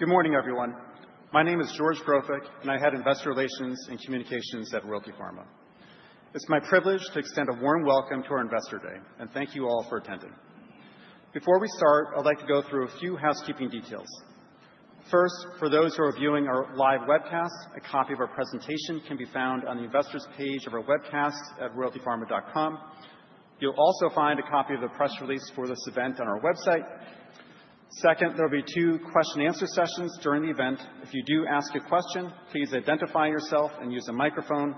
Good morning, everyone. My name is George Grofik, and I head Investor Relations and Communications at Royalty Pharma. It's my privilege to extend a warm welcome to our Investor Day, and thank you all for attending. Before we start, I'd like to go through a few housekeeping details. First, for those who are viewing our live webcast, a copy of our presentation can be found on the Investors page of our website at royaltypharma.com. You'll also find a copy of the press release for this event on our website. Second, there will be two question-and-answer sessions during the event. If you do ask a question, please identify yourself and use a microphone.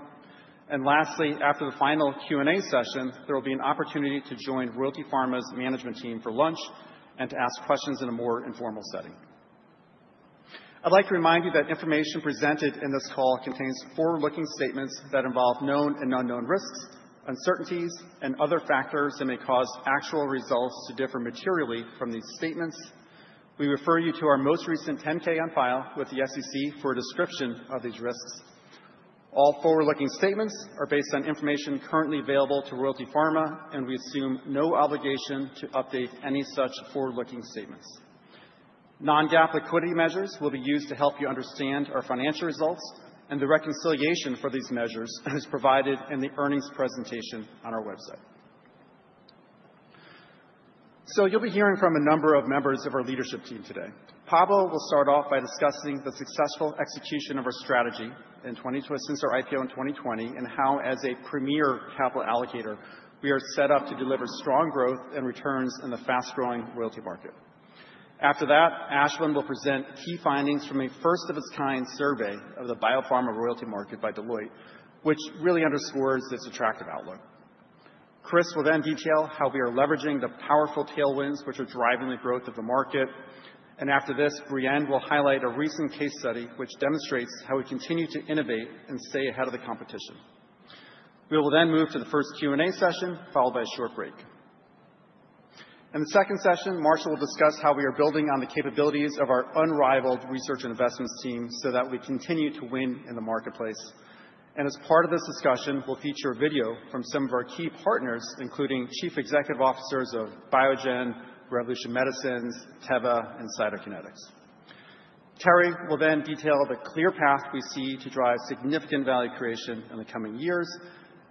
And lastly, after the final Q&A session, there will be an opportunity to join Royalty Pharma's management team for lunch and to ask questions in a more informal setting. I'd like to remind you that information presented in this call contains forward-looking statements that involve known and unknown risks, uncertainties, and other factors that may cause actual results to differ materially from these statements. We refer you to our most recent 10-K on file with the SEC for a description of these risks. All forward-looking statements are based on information currently available to Royalty Pharma, and we assume no obligation to update any such forward-looking statements. Non-GAAP liquidity measures will be used to help you understand our financial results, and the reconciliation for these measures is provided in the earnings presentation on our website. So you'll be hearing from a number of members of our leadership team today. Pablo will start off by discussing the successful execution of our strategy since our IPO in 2020 and how, as a premier capital allocator, we are set up to deliver strong growth and returns in the fast-growing royalty market. After that, Ashwin will present key findings from a first-of-its-kind survey of the biopharma royalty market by Deloitte, which really underscores its attractive outlook. Chris will then detail how we are leveraging the powerful tailwinds which are driving the growth of the market. And after this, Brienne will highlight a recent case study which demonstrates how we continue to innovate and stay ahead of the competition. We will then move to the first Q&A session, followed by a short break. In the second session, Marshall will discuss how we are building on the capabilities of our unrivaled research and investments team so that we continue to win in the marketplace. As part of this discussion, we'll feature a video from some of our key partners, including Chief Executive Officers of Biogen, Revolution Medicines, Teva, and Cytokinetics. Terry will then detail the clear path we see to drive significant value creation in the coming years.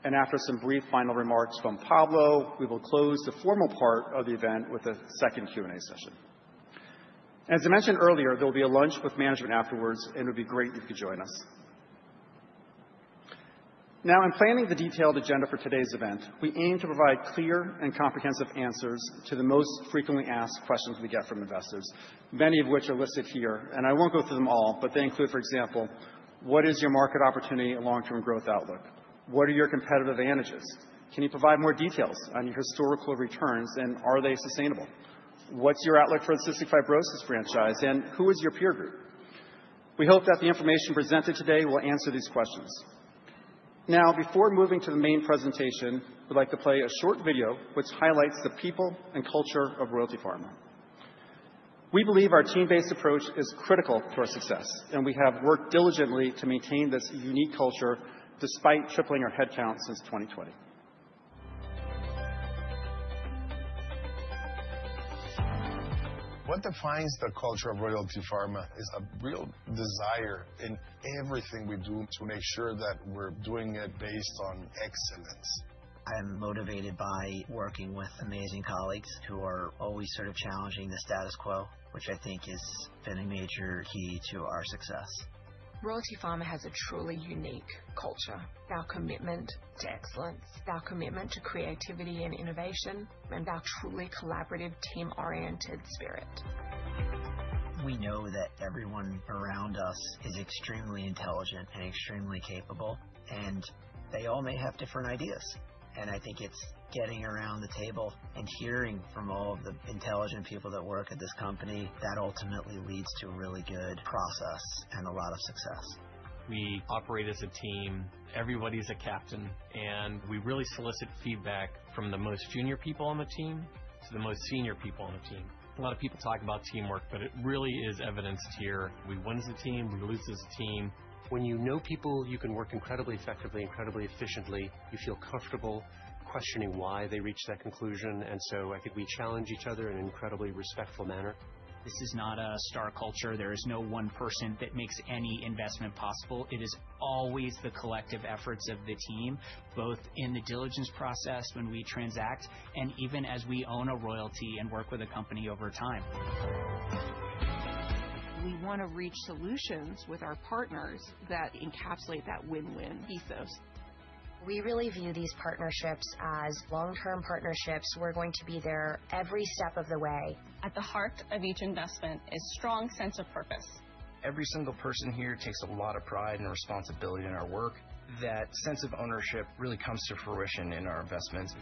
After some brief final remarks from Pablo, we will close the formal part of the event with a second Q&A session. As I mentioned earlier, there will be a lunch with management afterwards, and it would be great if you could join us. Now, in planning the detailed agenda for today's event, we aim to provide clear and comprehensive answers to the most frequently asked questions we get from investors, many of which are listed here. I won't go through them all, but they include, for example, what is your market opportunity and long-term growth outlook? What are your competitive advantages? Can you provide more details on your historical returns, and are they sustainable? What's your outlook for the cystic fibrosis franchise, and who is your peer group? We hope that the information presented today will answer these questions. Now, before moving to the main presentation, we'd like to play a short video which highlights the people and culture of Royalty Pharma. We believe our team-based approach is critical to our success, and we have worked diligently to maintain this unique culture despite tripling our headcount since 2020. What defines the culture of Royalty Pharma is a real desire in everything we do to make sure that we're doing it based on excellence. I'm motivated by working with amazing colleagues who are always sort of challenging the status quo, which I think has been a major key to our success. Royalty Pharma has a truly unique culture, our commitment to excellence, our commitment to creativity and innovation, and our truly collaborative, team-oriented spirit. We know that everyone around us is extremely intelligent and extremely capable, and they all may have different ideas, and I think it's getting around the table and hearing from all of the intelligent people that work at this company that ultimately leads to a really good process and a lot of success. We operate as a team. Everybody's a captain, and we really solicit feedback from the most junior people on the team to the most senior people on the team. A lot of people talk about teamwork, but it really is evidenced here. We win as a team, we lose as a team. When you know people, you can work incredibly effectively, incredibly efficiently. You feel comfortable questioning why they reached that conclusion, and so I think we challenge each other in an incredibly respectful manner. This is not a star culture. There is no one person that makes any investment possible. It is always the collective efforts of the team, both in the diligence process when we transact and even as we own a royalty and work with a company over time. We want to reach solutions with our partners that encapsulate that win-win ethos. We really view these partnerships as long-term partnerships. We're going to be there every step of the way. At the heart of each investment is a strong sense of purpose. Every single person here takes a lot of pride and responsibility in our work. That sense of ownership really comes to fruition in our investments.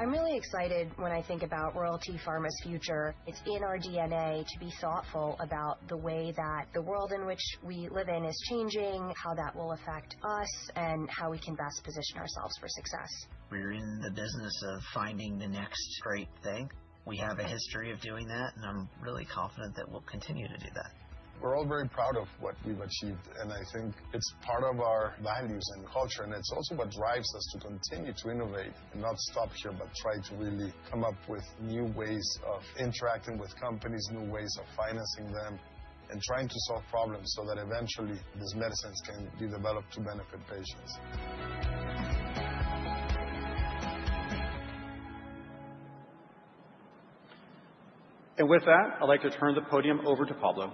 I'm really excited when I think about Royalty Pharma's future. It's in our DNA to be thoughtful about the way that the world in which we live in is changing, how that will affect us, and how we can best position ourselves for success. We're in the business of finding the next great thing. We have a history of doing that, and I'm really confident that we'll continue to do that. We're all very proud of what we've achieved, and I think it's part of our values and culture, and it's also what drives us to continue to innovate and not stop here, but try to really come up with new ways of interacting with companies, new ways of financing them, and trying to solve problems so that eventually these medicines can be developed to benefit patients. With that, I'd like to turn the podium over to Pablo.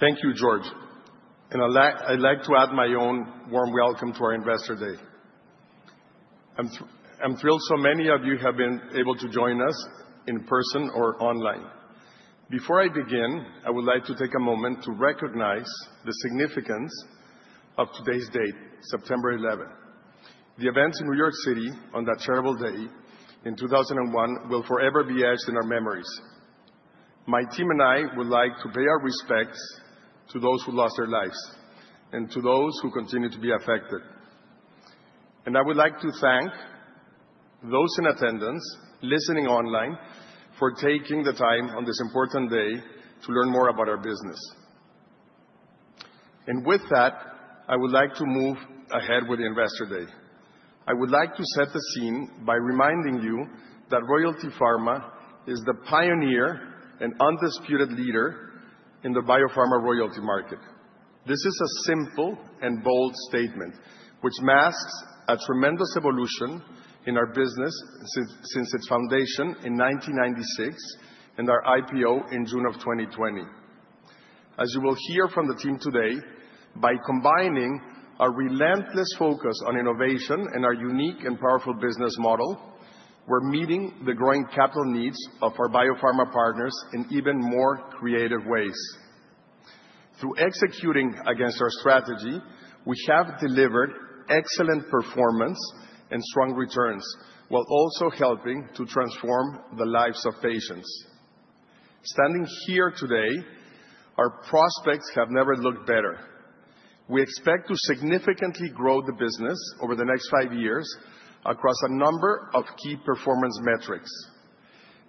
Thank you, George. And I'd like to add my own warm welcome to our Investor Day. I'm thrilled so many of you have been able to join us in person or online. Before I begin, I would like to take a moment to recognize the significance of today's date, September 11. The events in New York City on that terrible day in 2001 will forever be etched in our memories. My team and I would like to pay our respects to those who lost their lives and to those who continue to be affected. And I would like to thank those in attendance, listening online, for taking the time on this important day to learn more about our business. And with that, I would like to move ahead with Investor Day. I would like to set the scene by reminding you that Royalty Pharma is the pioneer and undisputed leader in the biopharma royalty market. This is a simple and bold statement which masks a tremendous evolution in our business since its foundation in 1996 and our IPO in June of 2020. As you will hear from the team today, by combining our relentless focus on innovation and our unique and powerful business model, we're meeting the growing capital needs of our biopharma partners in even more creative ways. Through executing against our strategy, we have delivered excellent performance and strong returns while also helping to transform the lives of patients. Standing here today, our prospects have never looked better. We expect to significantly grow the business over the next five years across a number of key performance metrics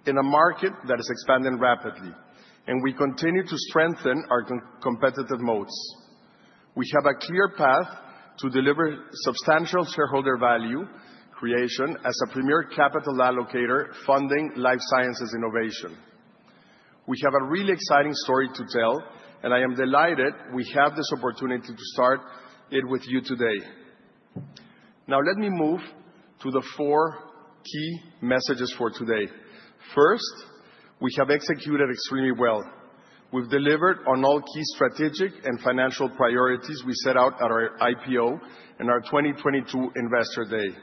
in a market that is expanding rapidly, and we continue to strengthen our competitive moats. We have a clear path to deliver substantial shareholder value creation as a premier capital allocator funding life sciences innovation. We have a really exciting story to tell, and I am delighted we have this opportunity to start it with you today. Now, let me move to the four key messages for today. First, we have executed extremely well. We've delivered on all key strategic and financial priorities we set out at our IPO and our 2022 Investor Day.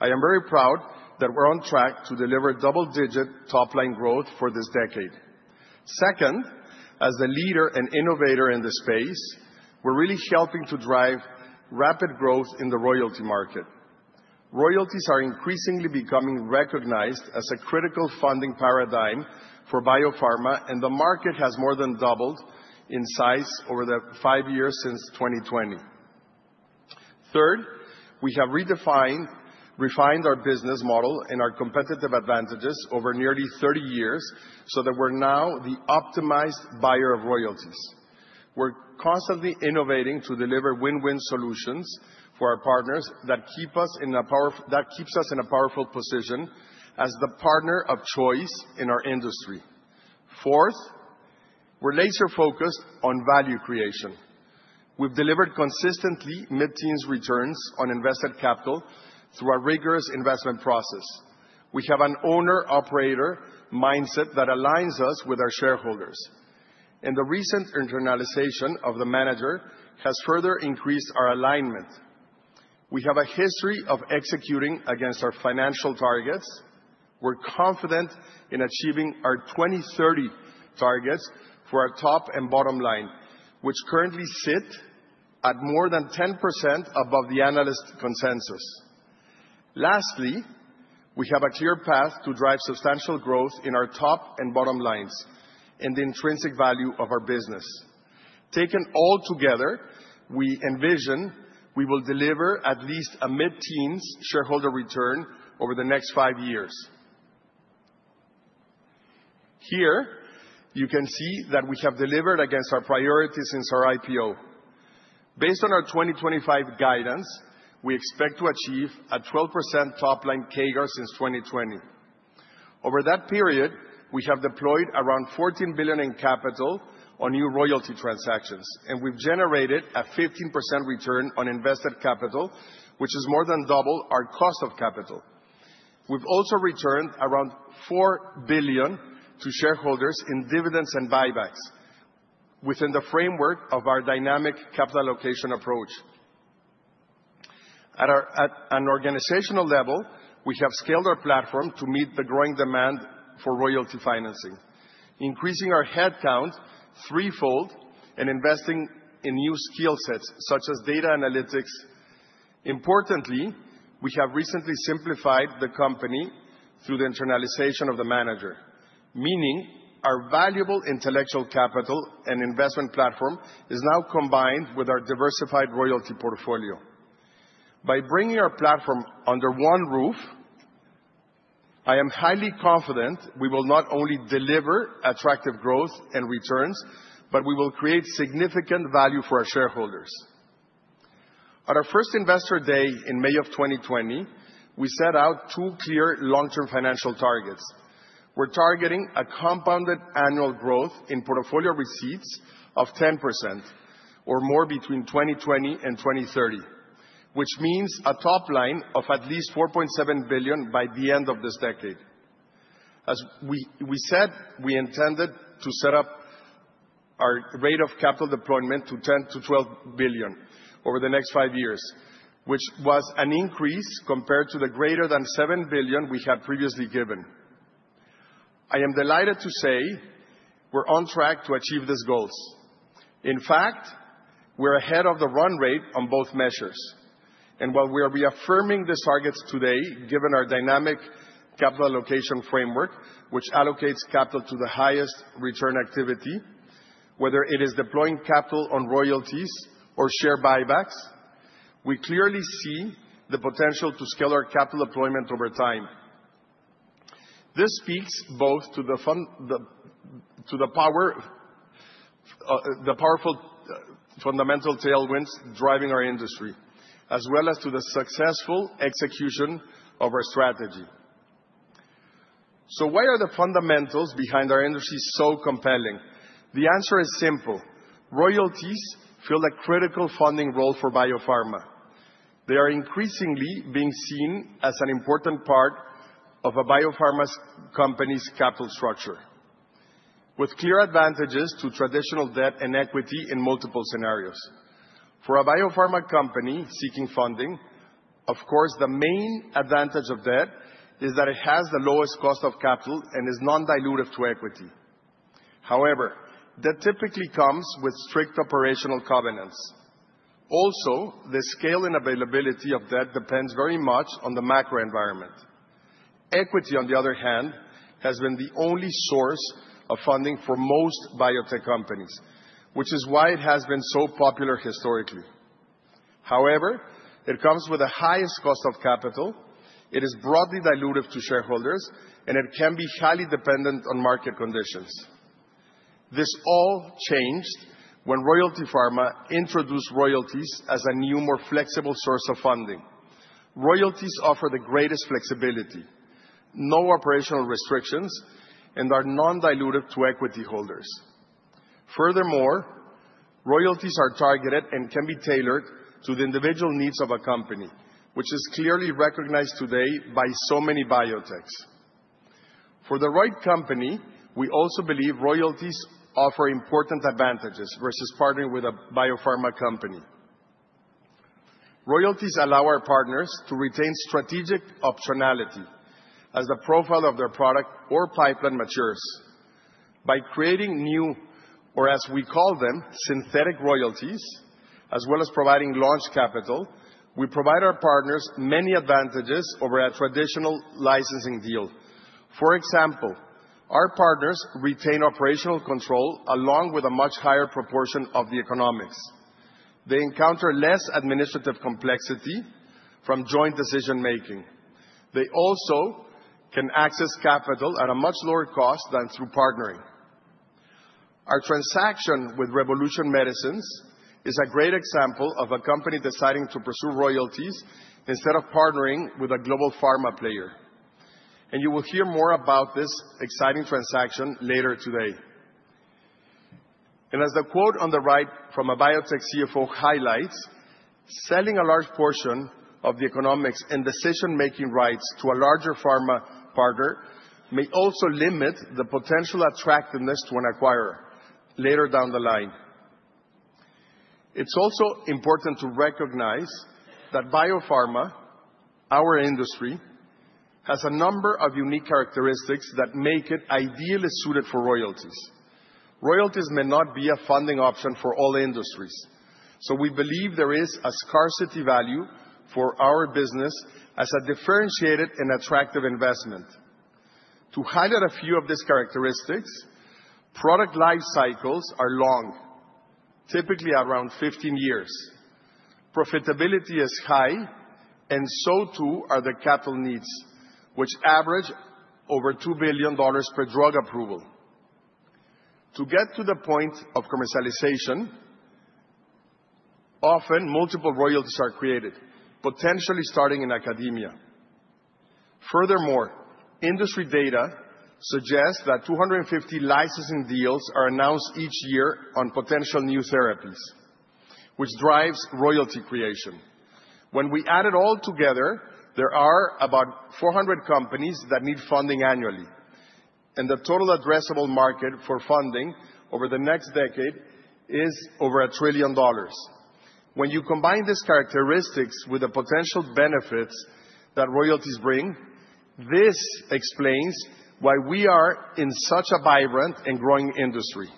I am very proud that we're on track to deliver double-digit top-line growth for this decade. Second, as a leader and innovator in the space, we're really helping to drive rapid growth in the royalty market. Royalties are increasingly becoming recognized as a critical funding paradigm for biopharma, and the market has more than doubled in size over the five years since 2020. Third, we have redefined, refined our business model and our competitive advantages over nearly 30 years so that we're now the optimized buyer of royalties. We're constantly innovating to deliver win-win solutions for our partners that keep us in a powerful position as the partner of choice in our industry. Fourth, we're laser-focused on value creation. We've delivered consistently mid-teens returns on invested capital through a rigorous investment process. We have an owner-operator mindset that aligns us with our shareholders. And the recent internalization of the manager has further increased our alignment. We have a history of executing against our financial targets. We're confident in achieving our 2030 targets for our top and bottom line, which currently sit at more than 10% above the analyst consensus. Lastly, we have a clear path to drive substantial growth in our top and bottom lines and the intrinsic value of our business. Taken all together, we envision we will deliver at least a mid-teens shareholder return over the next five years. Here, you can see that we have delivered against our priorities since our IPO. Based on our 2025 guidance, we expect to achieve a 12% top-line CAGR since 2020. Over that period, we have deployed around $14 billion in capital on new royalty transactions, and we've generated a 15% return on invested capital, which is more than double our cost of capital. We've also returned around $4 billion to shareholders in dividends and buybacks within the framework of our dynamic capital allocation approach. At an organizational level, we have scaled our platform to meet the growing demand for royalty financing, increasing our headcount threefold and investing in new skill sets such as data analytics. Importantly, we have recently simplified the company through the internalization of the manager, meaning our valuable intellectual capital and investment platform is now combined with our diversified royalty portfolio. By bringing our platform under one roof, I am highly confident we will not only deliver attractive growth and returns, but we will create significant value for our shareholders. At our first Investor Day in May of 2020, we set out two clear long-term financial targets. We're targeting a compounded annual growth in portfolio receipts of 10% or more between 2020 and 2030, which means a top line of at least $4.7 billion by the end of this decade. As we said, we intended to set up our rate of capital deployment to $10 billion-$12 billion over the next five years, which was an increase compared to the greater than $7 billion we had previously given. I am delighted to say we're on track to achieve these goals. In fact, we're ahead of the run rate on both measures. And while we are reaffirming these targets today, given our dynamic capital allocation framework, which allocates capital to the highest return activity, whether it is deploying capital on royalties or share buybacks, we clearly see the potential to scale our capital deployment over time. This speaks both to the power, the powerful fundamental tailwinds driving our industry, as well as to the successful execution of our strategy. So why are the fundamentals behind our industry so compelling? The answer is simple. Royalties fill a critical funding role for biopharma. They are increasingly being seen as an important part of a biopharma company's capital structure, with clear advantages to traditional debt and equity in multiple scenarios. For a biopharma company seeking funding, of course, the main advantage of debt is that it has the lowest cost of capital and is non-dilutive to equity. However, debt typically comes with strict operational covenants. Also, the scale and availability of debt depends very much on the macro environment. Equity, on the other hand, has been the only source of funding for most biotech companies, which is why it has been so popular historically. However, it comes with the highest cost of capital, it is broadly dilutive to shareholders, and it can be highly dependent on market conditions. This all changed when Royalty Pharma introduced royalties as a new, more flexible source of funding. Royalties offer the greatest flexibility, no operational restrictions, and are non-dilutive to equity holders. Furthermore, royalties are targeted and can be tailored to the individual needs of a company, which is clearly recognized today by so many biotechs. For the right company, we also believe royalties offer important advantages versus partnering with a biopharma company. Royalties allow our partners to retain strategic optionality as the profile of their product or pipeline matures. By creating new, or as we call them, synthetic royalties, as well as providing launch capital, we provide our partners many advantages over a traditional licensing deal. For example, our partners retain operational control along with a much higher proportion of the economics. They encounter less administrative complexity from joint decision-making. They also can access capital at a much lower cost than through partnering. Our transaction with Revolution Medicines is a great example of a company deciding to pursue royalties instead of partnering with a global pharma player. And you will hear more about this exciting transaction later today. And as the quote on the right from a biotech CFO highlights, selling a large portion of the economics and decision-making rights to a larger pharma partner may also limit the potential attractiveness to an acquirer later down the line. It's also important to recognize that biopharma, our industry, has a number of unique characteristics that make it ideally suited for royalties. Royalties may not be a funding option for all industries, so we believe there is a scarcity value for our business as a differentiated and attractive investment. To highlight a few of these characteristics, product life cycles are long, typically around 15 years. Profitability is high, and so too are the capital needs, which average over $2 billion per drug approval. To get to the point of commercialization, often multiple royalties are created, potentially starting in academia. Furthermore, industry data suggests that 250 licensing deals are announced each year on potential new therapies, which drives royalty creation. When we add it all together, there are about 400 companies that need funding annually, and the total addressable market for funding over the next decade is over $1 trillion. When you combine these characteristics with the potential benefits that royalties bring, this explains why we are in such a vibrant and growing industry.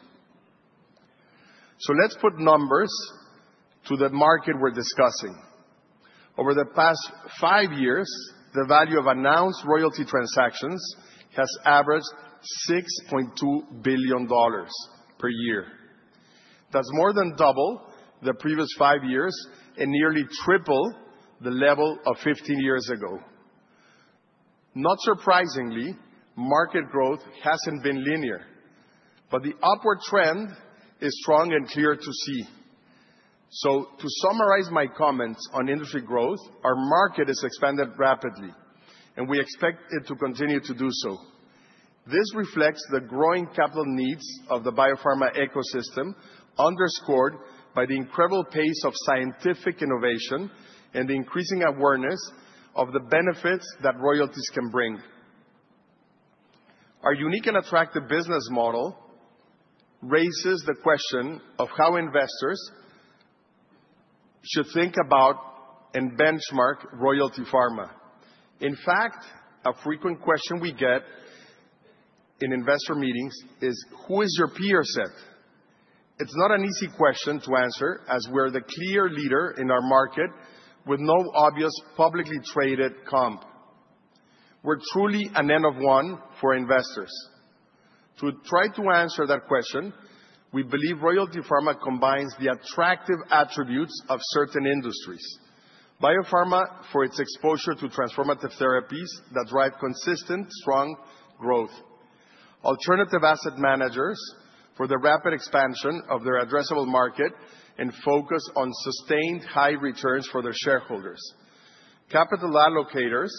So let's put numbers to the market we're discussing. Over the past five years, the value of announced royalty transactions has averaged $6.2 billion per year. That's more than double the previous five years and nearly triple the level of 15 years ago. Not surprisingly, market growth hasn't been linear, but the upward trend is strong and clear to see. So to summarize my comments on industry growth, our market has expanded rapidly, and we expect it to continue to do so. This reflects the growing capital needs of the biopharma ecosystem, underscored by the incredible pace of scientific innovation and the increasing awareness of the benefits that royalties can bring. Our unique and attractive business model raises the question of how investors should think about and benchmark Royalty Pharma. In fact, a frequent question we get in investor meetings is, "Who is your peer set?" It's not an easy question to answer, as we're the clear leader in our market with no obvious publicly traded comp. We're truly a one-of-one for investors. To try to answer that question, we believe Royalty Pharma combines the attractive attributes of certain industries: biopharma for its exposure to transformative therapies that drive consistent, strong growth; alternative asset managers for the rapid expansion of their addressable market and focus on sustained high returns for their shareholders; capital allocators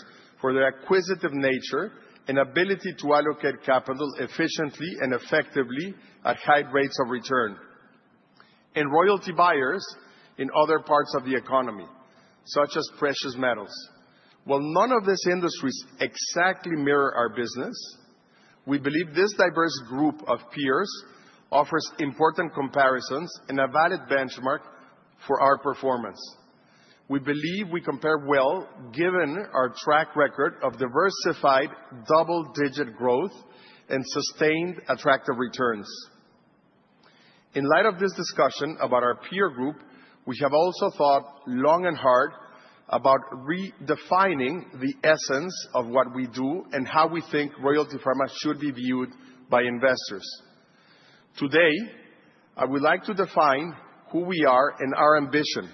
for their acquisitive nature and ability to allocate capital efficiently and effectively at high rates of return; and royalty buyers in other parts of the economy, such as precious metals. While none of these industries exactly mirror our business, we believe this diverse group of peers offers important comparisons and a valid benchmark for our performance. We believe we compare well, given our track record of diversified double-digit growth and sustained attractive returns. In light of this discussion about our peer group, we have also thought long and hard about redefining the essence of what we do and how we think Royalty Pharma should be viewed by investors. Today, I would like to define who we are and our ambition.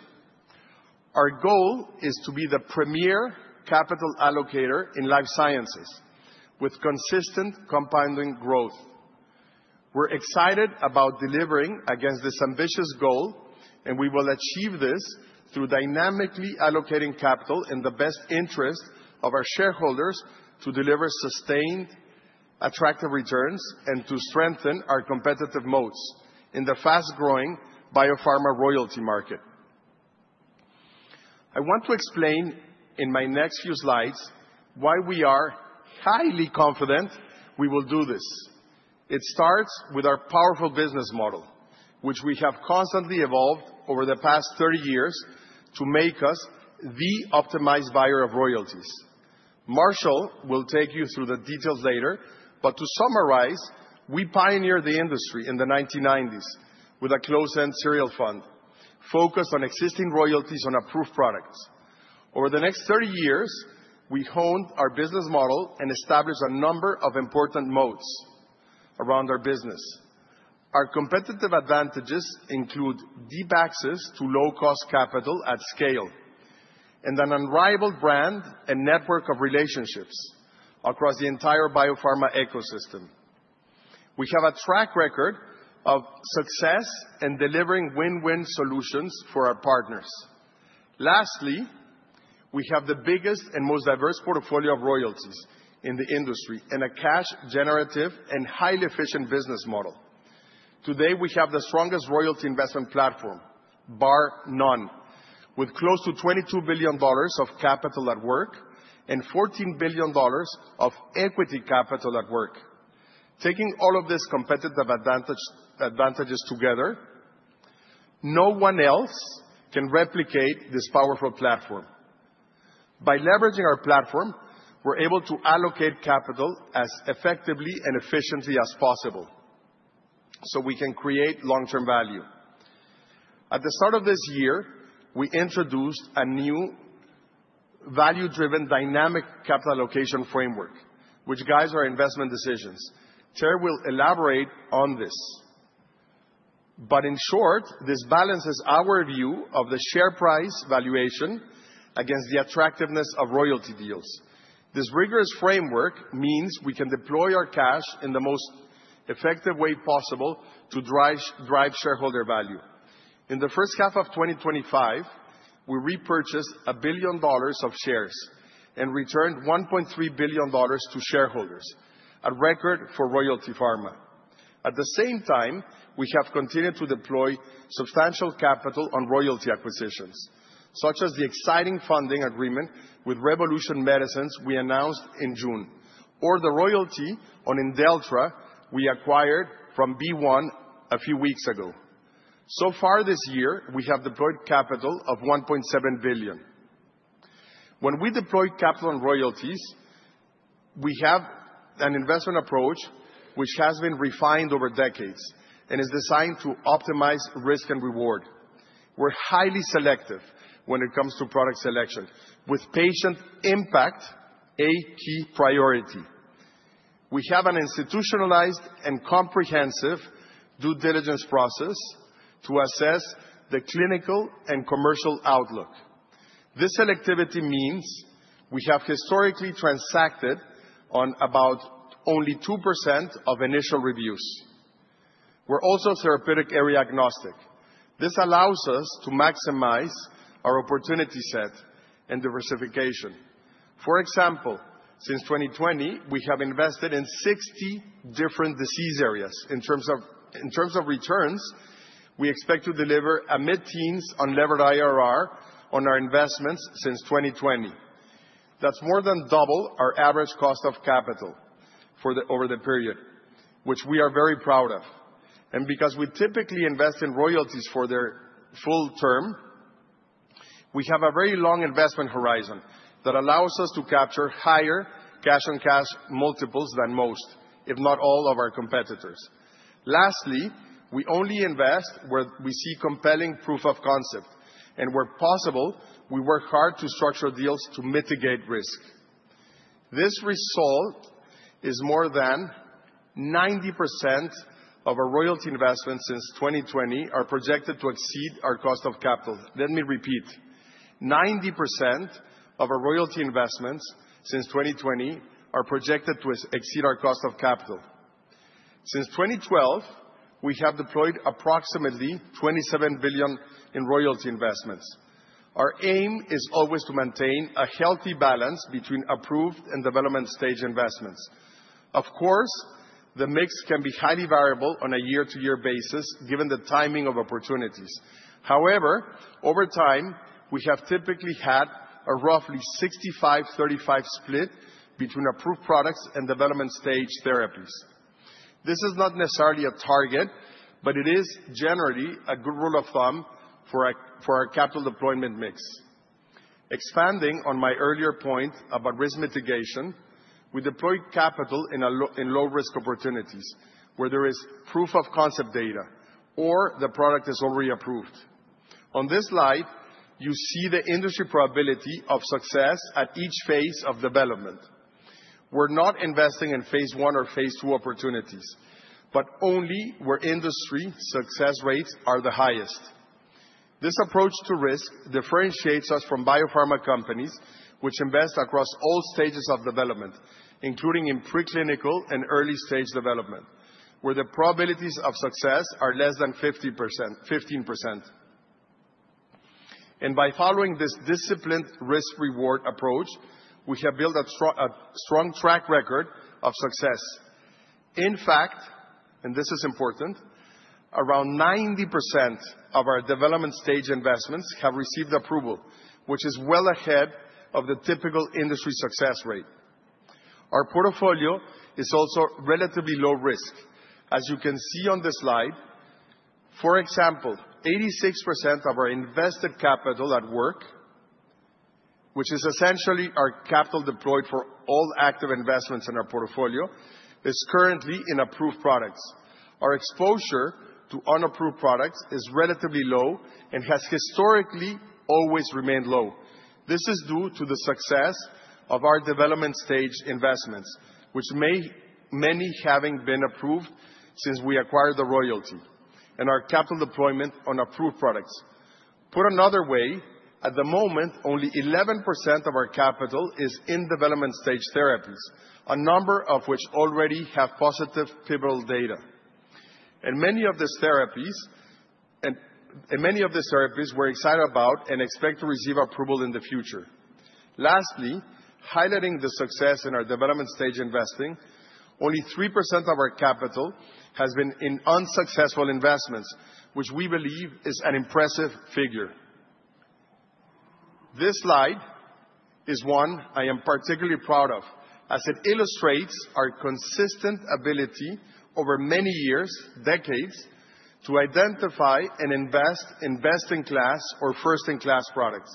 Our goal is to be the premier capital allocator in life sciences with consistent compounding growth. We're excited about delivering against this ambitious goal, and we will achieve this through dynamically allocating capital in the best interest of our shareholders to deliver sustained attractive returns and to strengthen our competitive moats in the fast-growing biopharma royalty market. I want to explain in my next few slides why we are highly confident we will do this. It starts with our powerful business model, which we have constantly evolved over the past 30 years to make us the optimized buyer of royalties. Marshall will take you through the details later, but to summarize, we pioneered the industry in the 1990s with a closed-end serial fund focused on existing royalties on approved products. Over the next 30 years, we honed our business model and established a number of important moats around our business. Our competitive advantages include deep access to low-cost capital at scale and an unrivaled brand and network of relationships across the entire biopharma ecosystem. We have a track record of success in delivering win-win solutions for our partners. Lastly, we have the biggest and most diverse portfolio of royalties in the industry and a cash-generative and highly efficient business model. Today, we have the strongest royalty investment platform, bar none, with close to $22 billion of capital at work and $14 billion of equity capital at work. Taking all of these competitive advantages together, no one else can replicate this powerful platform. By leveraging our platform, we're able to allocate capital as effectively and efficiently as possible so we can create long-term value. At the start of this year, we introduced a new value-driven dynamic capital allocation framework, which guides our investment decisions. Terry will elaborate on this. But in short, this balances our view of the share price valuation against the attractiveness of royalty deals. This rigorous framework means we can deploy our cash in the most effective way possible to drive shareholder value. In the first half of 2025, we repurchased $1 billion of shares and returned $1.3 billion to shareholders, a record for Royalty Pharma. At the same time, we have continued to deploy substantial capital on royalty acquisitions, such as the exciting funding agreement with Revolution Medicines we announced in June, or the royalty on Imdelltra we acquired from BeOne a few weeks ago. So far this year, we have deployed capital of $1.7 billion. When we deploy capital and royalties, we have an investment approach which has been refined over decades and is designed to optimize risk and reward. We're highly selective when it comes to product selection, with patient impact a key priority. We have an institutionalized and comprehensive due diligence process to assess the clinical and commercial outlook. This selectivity means we have historically transacted on about only 2% of initial reviews. We're also therapeutic area agnostic. This allows us to maximize our opportunity set and diversification. For example, since 2020, we have invested in 60 different disease areas. In terms of returns, we expect to deliver a mid-teens unlevered IRR on our investments since 2020. That's more than double our average cost of capital over the period, which we are very proud of. And because we typically invest in royalties for their full term, we have a very long investment horizon that allows us to capture higher cash-on-cash multiples than most, if not all, of our competitors. Lastly, we only invest where we see compelling proof of concept, and where possible, we work hard to structure deals to mitigate risk. This result is more than 90% of our royalty investments since 2020 are projected to exceed our cost of capital. Let me repeat: 90% of our royalty investments since 2020 are projected to exceed our cost of capital. Since 2012, we have deployed approximately $27 billion in royalty investments. Our aim is always to maintain a healthy balance between approved and development-stage investments. Of course, the mix can be highly variable on a year-to-year basis, given the timing of opportunities. However, over time, we have typically had a roughly 65-35 split between approved products and development-stage therapies. This is not necessarily a target, but it is generally a good rule of thumb for our capital deployment mix. Expanding on my earlier point about risk mitigation, we deploy capital in low-risk opportunities where there is proof of concept data or the product is already approved. On this slide, you see the industry probability of success at each phase of development. We're not investing phase I or phase II opportunities, but only where industry success rates are the highest. This approach to risk differentiates us from biopharma companies, which invest across all stages of development, including in preclinical and early-stage development, where the probabilities of success are less than 15%. And by following this disciplined risk-reward approach, we have built a strong track record of success. In fact, and this is important, around 90% of our development-stage investments have received approval, which is well ahead of the typical industry success rate. Our portfolio is also relatively low-risk, as you can see on this slide. For example, 86% of our invested capital at work, which is essentially our capital deployed for all active investments in our portfolio, is currently in approved products. Our exposure to unapproved products is relatively low and has historically always remained low. This is due to the success of our development-stage investments, which many have been approved since we acquired the royalty and our capital deployment on approved products. Put another way, at the moment, only 11% of our capital is in development-stage therapies, a number of which already have positive pivotal data. Many of these therapies we're excited about and expect to receive approval in the future. Lastly, highlighting the success in our development-stage investing, only 3% of our capital has been in unsuccessful investments, which we believe is an impressive figure. This slide is one I am particularly proud of, as it illustrates our consistent ability over many years, decades, to identify and invest in best-in-class or first-in-class products.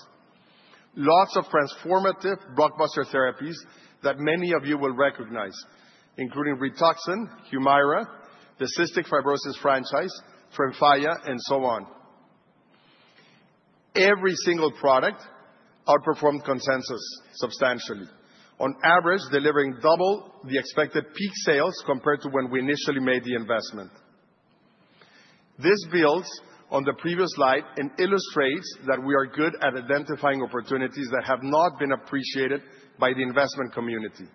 Lots of transformative blockbuster therapies that many of you will recognize, including Rituxan, Humira, the cystic fibrosis franchise, Tremfya, and so on. Every single product outperformed consensus substantially, on average delivering double the expected peak sales compared to when we initially made the investment. This builds on the previous slide and illustrates that we are good at identifying opportunities that have not been appreciated by the investment community.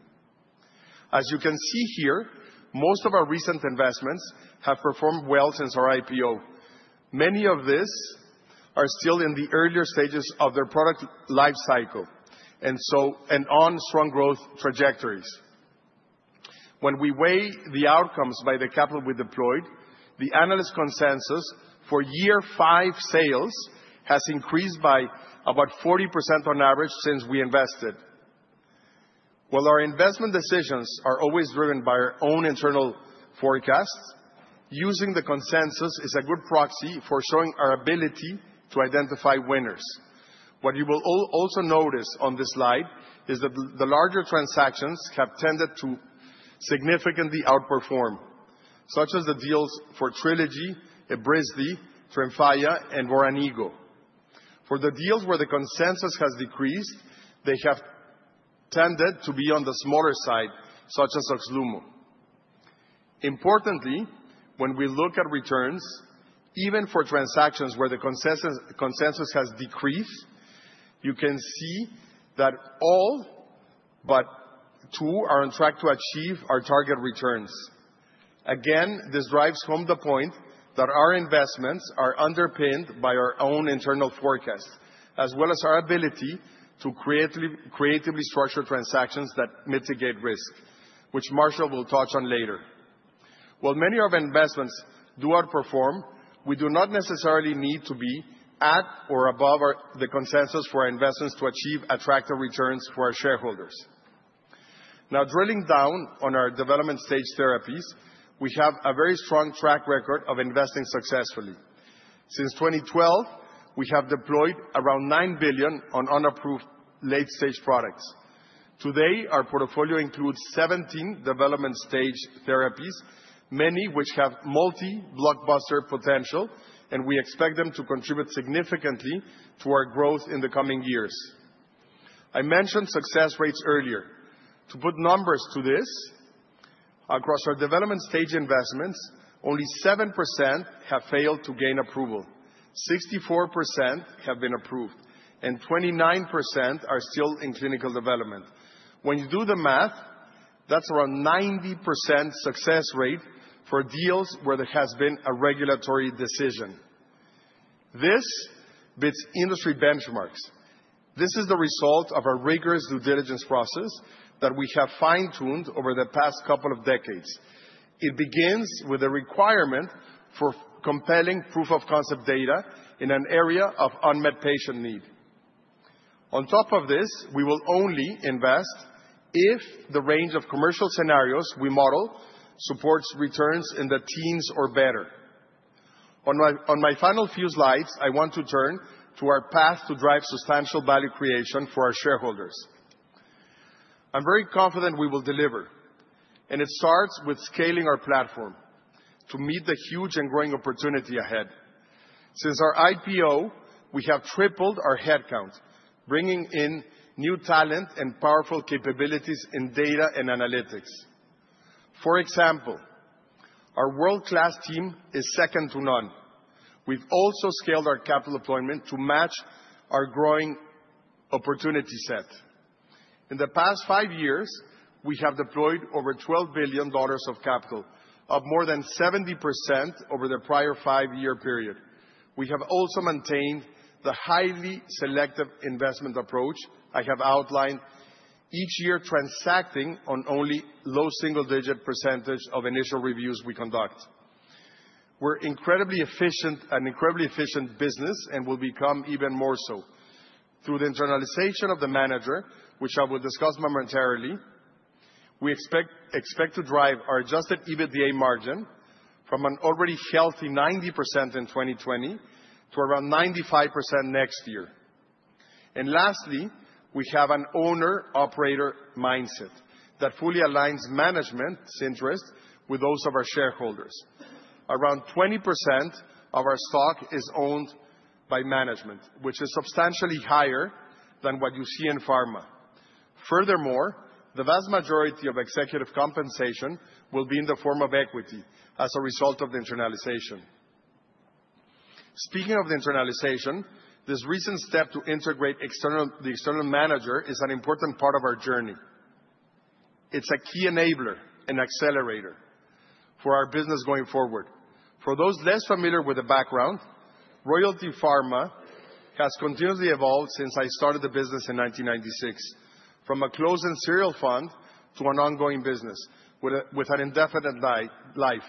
As you can see here, most of our recent investments have performed well since our IPO. Many of these are still in the earlier stages of their product life cycle and on strong growth trajectories. When we weigh the outcomes by the capital we deployed, the analyst consensus for year five sales has increased by about 40% on average since we invested. While our investment decisions are always driven by our own internal forecasts, using the consensus is a good proxy for showing our ability to identify winners. What you will also notice on this slide is that the larger transactions have tended to significantly outperform, such as the deals for Trelegy, Evrysdi, Tremfya, and Voranigo. For the deals where the consensus has decreased, they have tended to be on the smaller side, such as Oxlumo. Importantly, when we look at returns, even for transactions where the consensus has decreased, you can see that all but two are on track to achieve our target returns. Again, this drives home the point that our investments are underpinned by our own internal forecasts, as well as our ability to creatively structure transactions that mitigate risk, which Marshall will touch on later. While many of our investments do outperform, we do not necessarily need to be at or above the consensus for our investments to achieve attractive returns for our shareholders. Now, drilling down on our development-stage therapies, we have a very strong track record of investing successfully. Since 2012, we have deployed around $9 billion on unapproved late-stage products. Today, our portfolio includes 17 development-stage therapies, many of which have multi-blockbuster potential, and we expect them to contribute significantly to our growth in the coming years. I mentioned success rates earlier. To put numbers to this, across our development-stage investments, only 7% have failed to gain approval, 64% have been approved, and 29% are still in clinical development. When you do the math, that's around 90% success rate for deals where there has been a regulatory decision. This beats industry benchmarks. This is the result of a rigorous due diligence process that we have fine-tuned over the past couple of decades. It begins with a requirement for compelling proof of concept data in an area of unmet patient need. On top of this, we will only invest if the range of commercial scenarios we model supports returns in the teens or better. On my final few slides, I want to turn to our path to drive substantial value creation for our shareholders. I'm very confident we will deliver, and it starts with scaling our platform to meet the huge and growing opportunity ahead. Since our IPO, we have tripled our headcount, bringing in new talent and powerful capabilities in data and analytics. For example, our world-class team is second to none. We've also scaled our capital deployment to match our growing opportunity set. In the past five years, we have deployed over $12 billion of capital, up more than 70% over the prior five-year period. We have also maintained the highly selective investment approach I have outlined, each year transacting on only low single-digit percentage of initial reviews we conduct. We're an incredibly efficient business and will become even more so through the internalization of the manager, which I will discuss momentarily. We expect to drive our Adjusted EBITDA margin from an already healthy 90% in 2020 to around 95% next year. Lastly, we have an owner-operator mindset that fully aligns management's interests with those of our shareholders. Around 20% of our stock is owned by management, which is substantially higher than what you see in pharma. Furthermore, the vast majority of executive compensation will be in the form of equity as a result of the internalization. Speaking of the internalization, this recent step to integrate the external manager is an important part of our journey. It's a key enabler and accelerator for our business going forward. For those less familiar with the background, Royalty Pharma has continuously evolved since I started the business in 1996, from a closed-end serial fund to an ongoing business with an indefinite life,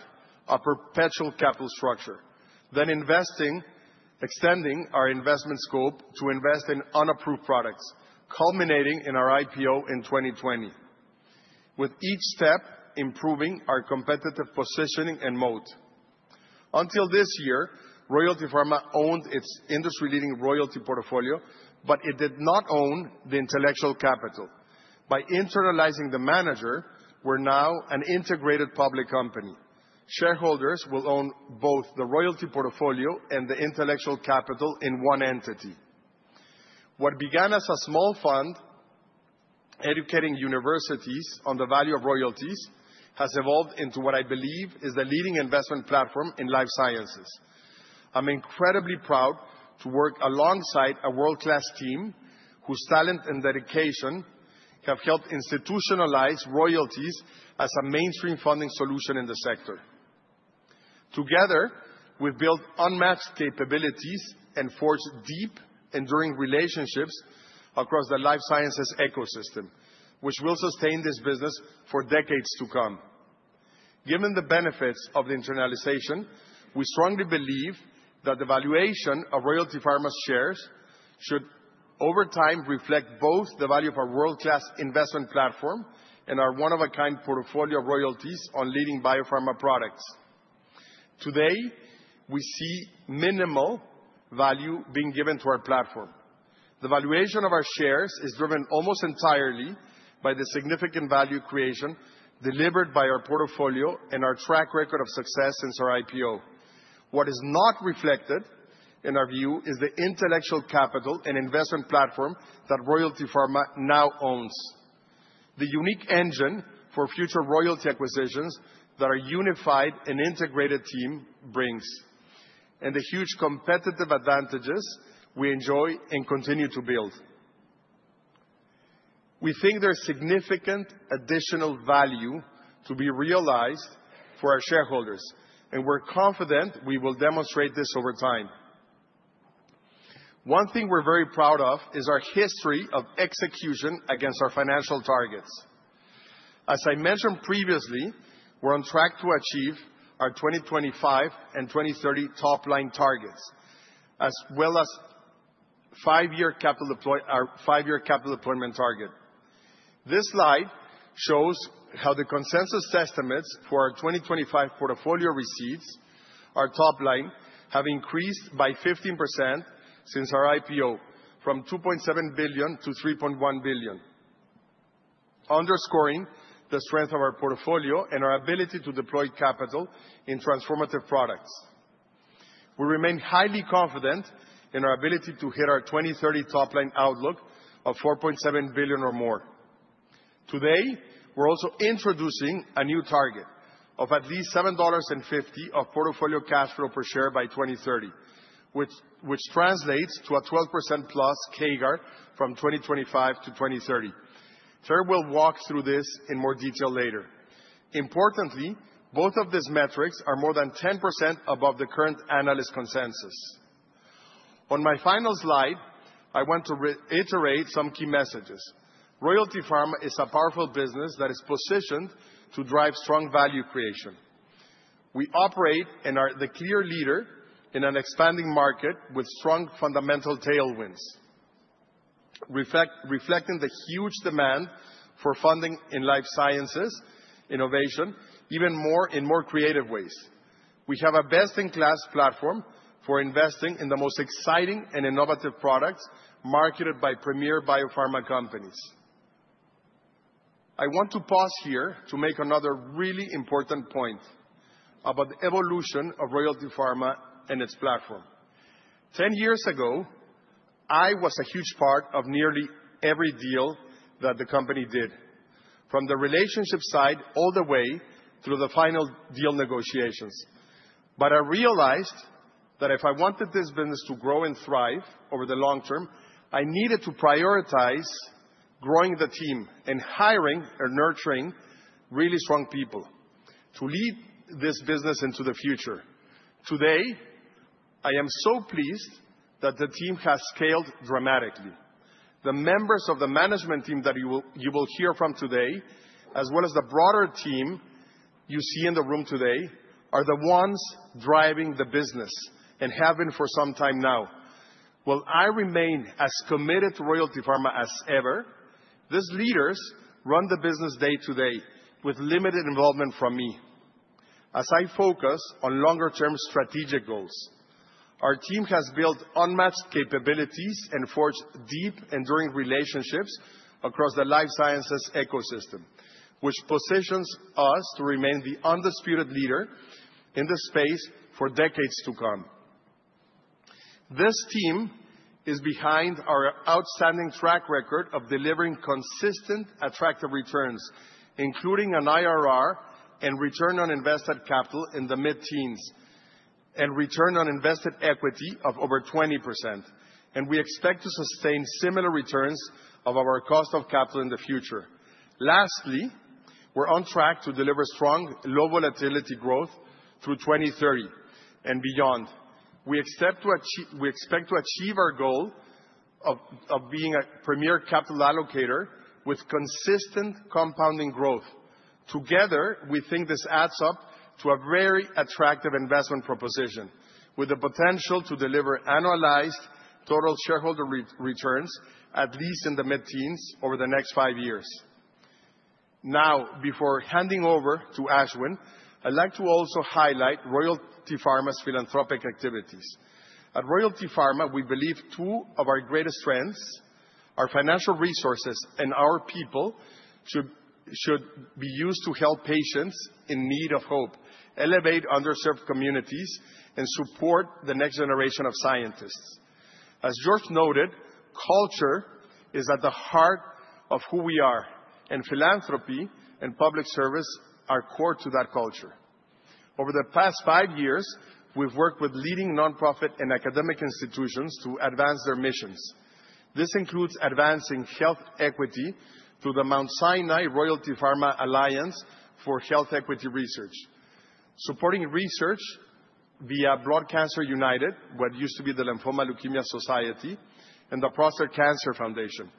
a perpetual capital structure, then extending our investment scope to invest in unapproved products, culminating in our IPO in 2020, with each step improving our competitive positioning and moat. Until this year, Royalty Pharma owned its industry-leading royalty portfolio, but it did not own the intellectual capital. By internalizing the manager, we're now an integrated public company. Shareholders will own both the royalty portfolio and the intellectual capital in one entity. What began as a small fund educating universities on the value of royalties has evolved into what I believe is the leading investment platform in life sciences. I'm incredibly proud to work alongside a world-class team whose talent and dedication have helped institutionalize royalties as a mainstream funding solution in the sector. Together, we've built unmatched capabilities and forged deep, enduring relationships across the life sciences ecosystem, which will sustain this business for decades to come. Given the benefits of the internalization, we strongly believe that the valuation of Royalty Pharma's shares should, over time, reflect both the value of our world-class investment platform and our one-of-a-kind portfolio of royalties on leading biopharma products. Today, we see minimal value being given to our platform. The valuation of our shares is driven almost entirely by the significant value creation delivered by our portfolio and our track record of success since our IPO. What is not reflected, in our view, is the intellectual capital and investment platform that Royalty Pharma now owns, the unique engine for future royalty acquisitions that our unified and integrated team brings, and the huge competitive advantages we enjoy and continue to build. We think there's significant additional value to be realized for our shareholders, and we're confident we will demonstrate this over time. One thing we're very proud of is our history of execution against our financial targets. As I mentioned previously, we're on track to achieve our 2025 and 2030 top-line targets, as well as a five-year capital deployment target. This slide shows how the consensus estimates for our 2025 portfolio receipts, our top line, have increased by 15% since our IPO, from $2.7 billion-$3.1 billion, underscoring the strength of our portfolio and our ability to deploy capital in transformative products. We remain highly confident in our ability to hit our 2030 top-line outlook of $4.7 billion or more. Today, we're also introducing a new target of at least $7.50 of portfolio cash flow per share by 2030, which translates to a 12% plus CAGR from 2025 to 2030. Terry will walk through this in more detail later. Importantly, both of these metrics are more than 10% above the current analyst consensus. On my final slide, I want to reiterate some key messages. Royalty Pharma is a powerful business that is positioned to drive strong value creation. We operate and are the clear leader in an expanding market with strong fundamental tailwinds, reflecting the huge demand for funding in life sciences innovation even more in more creative ways. We have a best-in-class platform for investing in the most exciting and innovative products marketed by premier biopharma companies. I want to pause here to make another really important point about the evolution of Royalty Pharma and its platform. Ten years ago, I was a huge part of nearly every deal that the company did, from the relationship side all the way through the final deal negotiations. But I realized that if I wanted this business to grow and thrive over the long term, I needed to prioritize growing the team and hiring or nurturing really strong people to lead this business into the future. Today, I am so pleased that the team has scaled dramatically. The members of the management team that you will hear from today, as well as the broader team you see in the room today, are the ones driving the business and have been for some time now. While I remain as committed to Royalty Pharma as ever, these leaders run the business day to day with limited involvement from me as I focus on longer-term strategic goals. Our team has built unmatched capabilities and forged deep, enduring relationships across the life sciences ecosystem, which positions us to remain the undisputed leader in the space for decades to come. This team is behind our outstanding track record of delivering consistent, attractive returns, including an IRR and return on invested capital in the mid-teens and return on invested equity of over 20%. And we expect to sustain similar returns of our cost of capital in the future. Lastly, we're on track to deliver strong low volatility growth through 2030 and beyond. We expect to achieve our goal of being a premier capital allocator with consistent compounding growth. Together, we think this adds up to a very attractive investment proposition with the potential to deliver annualized total shareholder returns, at least in the mid-teens, over the next five years. Now, before handing over to Ashwin, I'd like to also highlight Royalty Pharma's philanthropic activities. At Royalty Pharma, we believe two of our greatest strengths are financial resources and our people should be used to help patients in need of hope, elevate underserved communities, and support the next generation of scientists. As George noted, culture is at the heart of who we are, and philanthropy and public service are core to that culture. Over the past five years, we've worked with leading nonprofit and academic institutions to advance their missions. This includes advancing health equity through the Mount Sinai Royalty Pharma Alliance for Health Equity Research, supporting research via Blood Cancer United, what used to be the Leukemia and Lymphoma Society, and the Prostate Cancer Foundation,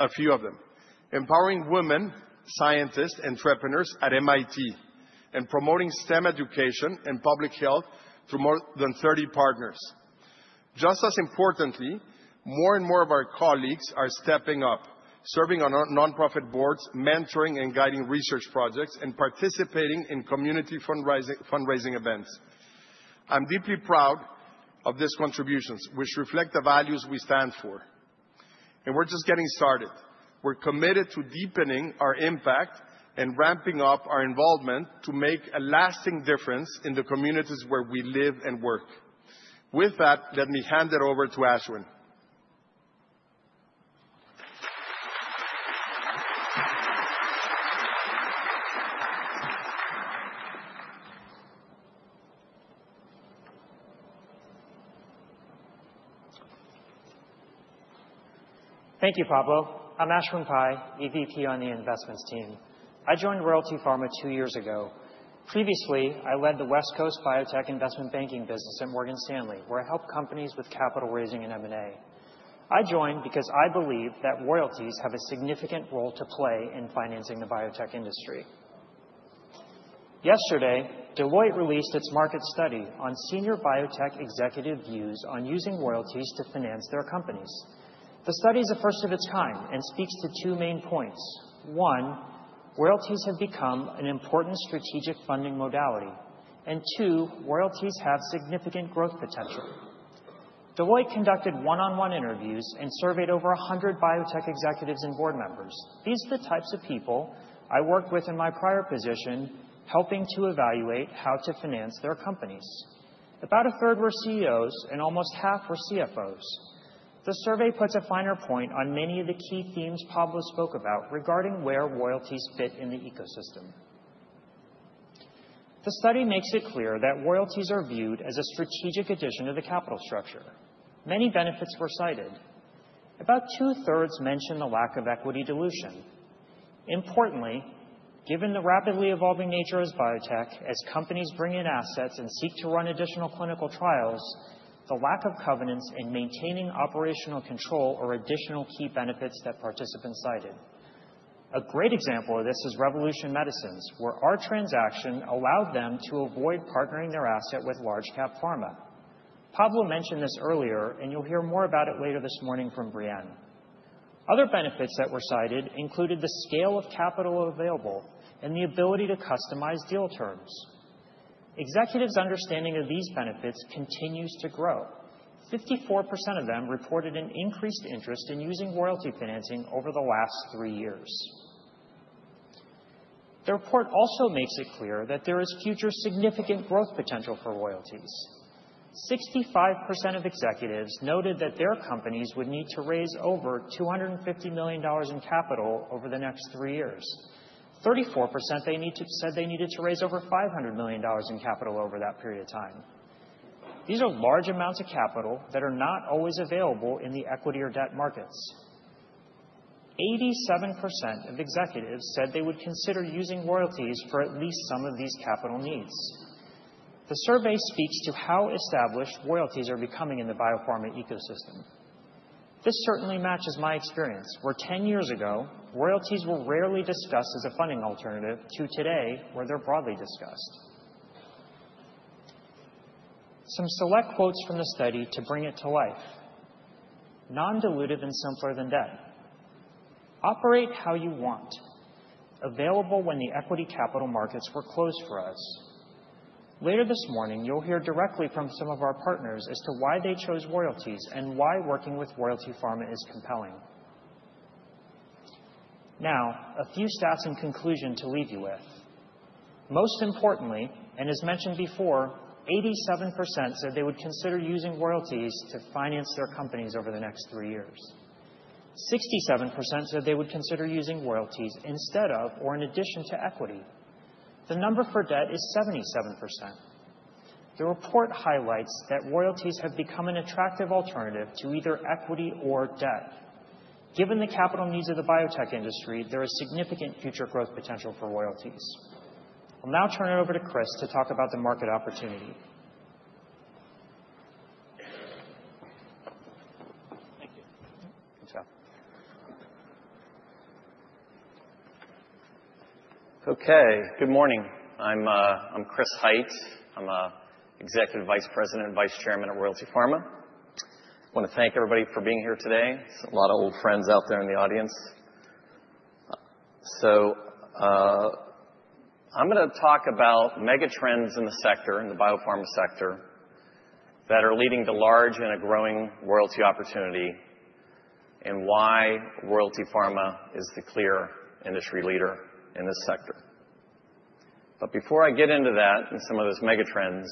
a few of them, empowering women, scientists, and entrepreneurs at MIT, and promoting STEM education and public health through more than 30 partners. Just as importantly, more and more of our colleagues are stepping up, serving on our nonprofit Boards, mentoring and guiding research projects, and participating in community fundraising events. I'm deeply proud of these contributions, which reflect the values we stand for. And we're just getting started. We're committed to deepening our impact and ramping up our involvement to make a lasting difference in the communities where we live and work. With that, let me hand it over to Ashwin. Thank you, Pablo. I'm Ashwin Pai, EVP on the investments team. I joined Royalty Pharma two years ago. Previously, I led the West Coast Biotech Investment Banking business at Morgan Stanley, where I helped companies with capital raising and M&A. I joined because I believe that royalties have a significant role to play in financing the biotech industry. Yesterday, Deloitte released its market study on senior biotech executive views on using royalties to finance their companies. The study is a first of its kind and speaks to two main points. One, royalties have become an important strategic funding modality. Two, royalties have significant growth potential. Deloitte conducted one-on-one interviews and surveyed over 100 biotech executives and Board members. These are the types of people I worked with in my prior position, helping to evaluate how to finance their companies. About a third were CEOs and almost half were CFOs. The survey puts a finer point on many of the key themes Pablo spoke about regarding where royalties fit in the ecosystem. The study makes it clear that royalties are viewed as a strategic addition to the capital structure. Many benefits were cited. About two-thirds mentioned the lack of equity dilution. Importantly, given the rapidly evolving nature of biotech, as companies bring in assets and seek to run additional clinical trials, the lack of covenants and maintaining operational control are additional key benefits that participants cited. A great example of this is Revolution Medicines, where our transaction allowed them to avoid partnering their asset with large-cap pharma. Pablo mentioned this earlier, and you'll hear more about it later this morning from Brienne. Other benefits that were cited included the scale of capital available and the ability to customize deal terms. Executives' understanding of these benefits continues to grow. 54% of them reported an increased interest in using royalty financing over the last three years. The report also makes it clear that there is future significant growth potential for royalties. 65% of executives noted that their companies would need to raise over $250 million in capital over the next three years. 34% said they needed to raise over $500 million in capital over that period of time. These are large amounts of capital that are not always available in the equity or debt markets. 87% of executives said they would consider using royalties for at least some of these capital needs. The survey speaks to how established royalties are becoming in the biopharma ecosystem. This certainly matches my experience, where ten years ago, royalties were rarely discussed as a funding alternative to today, where they're broadly discussed. Some select quotes from the study to bring it to life. Nondilutive and simpler than debt. Operate how you want. Available when the equity capital markets were closed for us." Later this morning, you'll hear directly from some of our partners as to why they chose royalties and why working with Royalty Pharma is compelling. Now, a few stats in conclusion to leave you with. Most importantly, and as mentioned before, 87% said they would consider using royalties to finance their companies over the next three years. 67% said they would consider using royalties instead of or in addition to equity. The number for debt is 77%. The report highlights that royalties have become an attractive alternative to either equity or debt. Given the capital needs of the biotech industry, there is significant future growth potential for royalties. I'll now turn it over to Chris to talk about the market opportunity. Thank you. Okay. Good morning. I'm Chris Hite. I'm an Executive Vice President and Vice Chairman at Royalty Pharma. I want to thank everybody for being here today. There's a lot of old friends out there in the audience. So I'm going to talk about megatrends in the sector, in the biopharma sector, that are leading to large and a growing royalty opportunity and why Royalty Pharma is the clear industry leader in this sector. But before I get into that and some of those megatrends,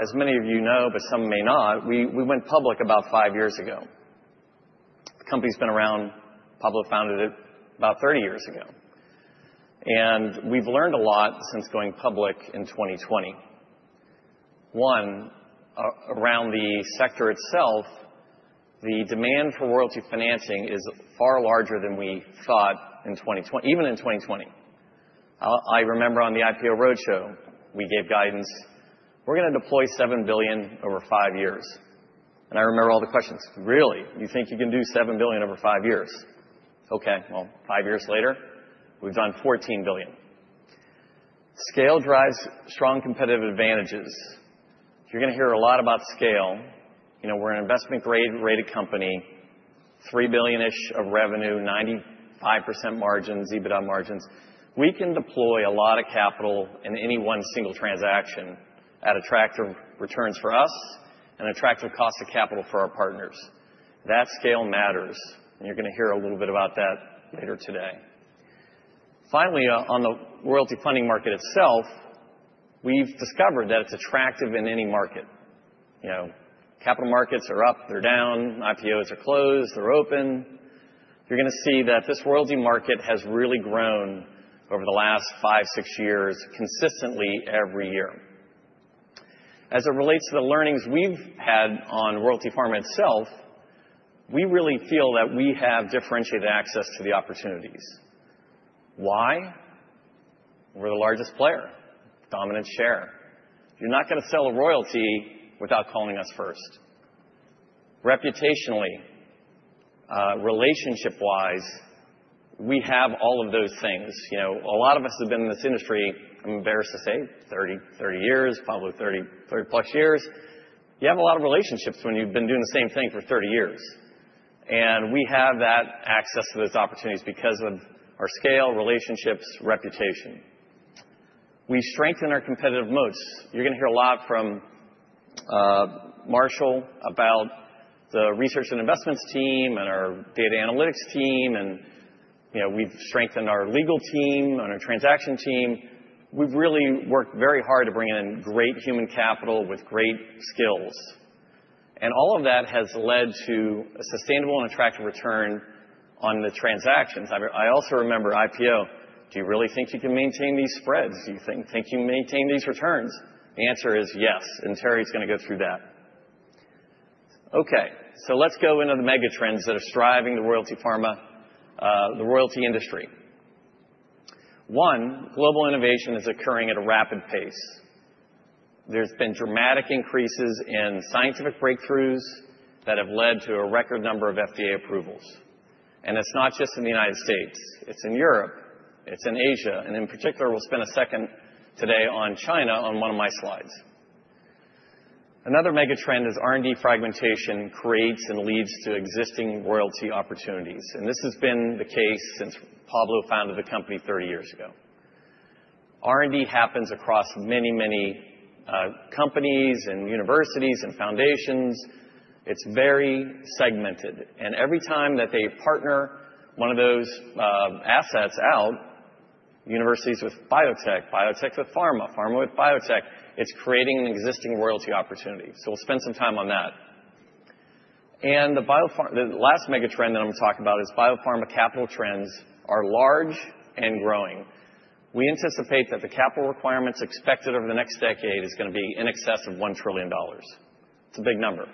as many of you know, but some may not, we went public about five years ago. The company's been around. Pablo founded it about 30 years ago. And we've learned a lot since going public in 2020. One, around the sector itself, the demand for royalty financing is far larger than we thought even in 2020. I remember on the IPO roadshow, we gave guidance, "We're going to deploy $7 billion over five years." And I remember all the questions, "Really? You think you can do $7 billion over five years?" Okay. Well, five years later, we've done $14 billion. Scale drives strong competitive advantages. You're going to hear a lot about scale. We're an investment-grade rated company, $3 billion-ish of revenue, 95% margins, EBITDA margins. We can deploy a lot of capital in any one single transaction at attractive returns for us and attractive cost of capital for our partners. That scale matters. And you're going to hear a little bit about that later today. Finally, on the royalty funding market itself, we've discovered that it's attractive in any market. Capital markets are up, they're down, IPOs are closed, they're open. You're going to see that this royalty market has really grown over the last five, six years, consistently every year. As it relates to the learnings we've had on Royalty Pharma itself, we really feel that we have differentiated access to the opportunities. Why? We're the largest player, dominant share. You're not going to sell a royalty without calling us first. Reputationally, relationship-wise, we have all of those things. A lot of us have been in this industry, I'm embarrassed to say, 30 years, probably 30-plus years. You have a lot of relationships when you've been doing the same thing for 30 years. And we have that access to those opportunities because of our scale, relationships, reputation. We strengthen our competitive moats. You're going to hear a lot from Marshall about the research and investments team and our data analytics team. We've strengthened our legal team and our transaction team. We've really worked very hard to bring in great human capital with great skills. All of that has led to a sustainable and attractive return on the transactions. I also remember IPO. Do you really think you can maintain these spreads? Do you think you can maintain these returns? The answer is yes. Terry's going to go through that. Okay. Let's go into the megatrends that are driving the royalty industry. One, global innovation is occurring at a rapid pace. There's been dramatic increases in scientific breakthroughs that have led to a record number of FDA approvals. It's not just in the United States. It's in Europe. It's in Asia. In particular, we'll spend a second today on China on one of my slides. Another megatrend is R&D fragmentation creates and leads to existing royalty opportunities. And this has been the case since Pablo founded the company 30 years ago. R&D happens across many, many companies and universities and foundations. It's very segmented. And every time that they partner one of those assets out, universities with biotech, biotech with pharma, pharma with biotech, it's creating an existing royalty opportunity. So we'll spend some time on that. And the last megatrend that I'm going to talk about is biopharma capital trends are large and growing. We anticipate that the capital requirements expected over the next decade is going to be in excess of $1 trillion. It's a big number.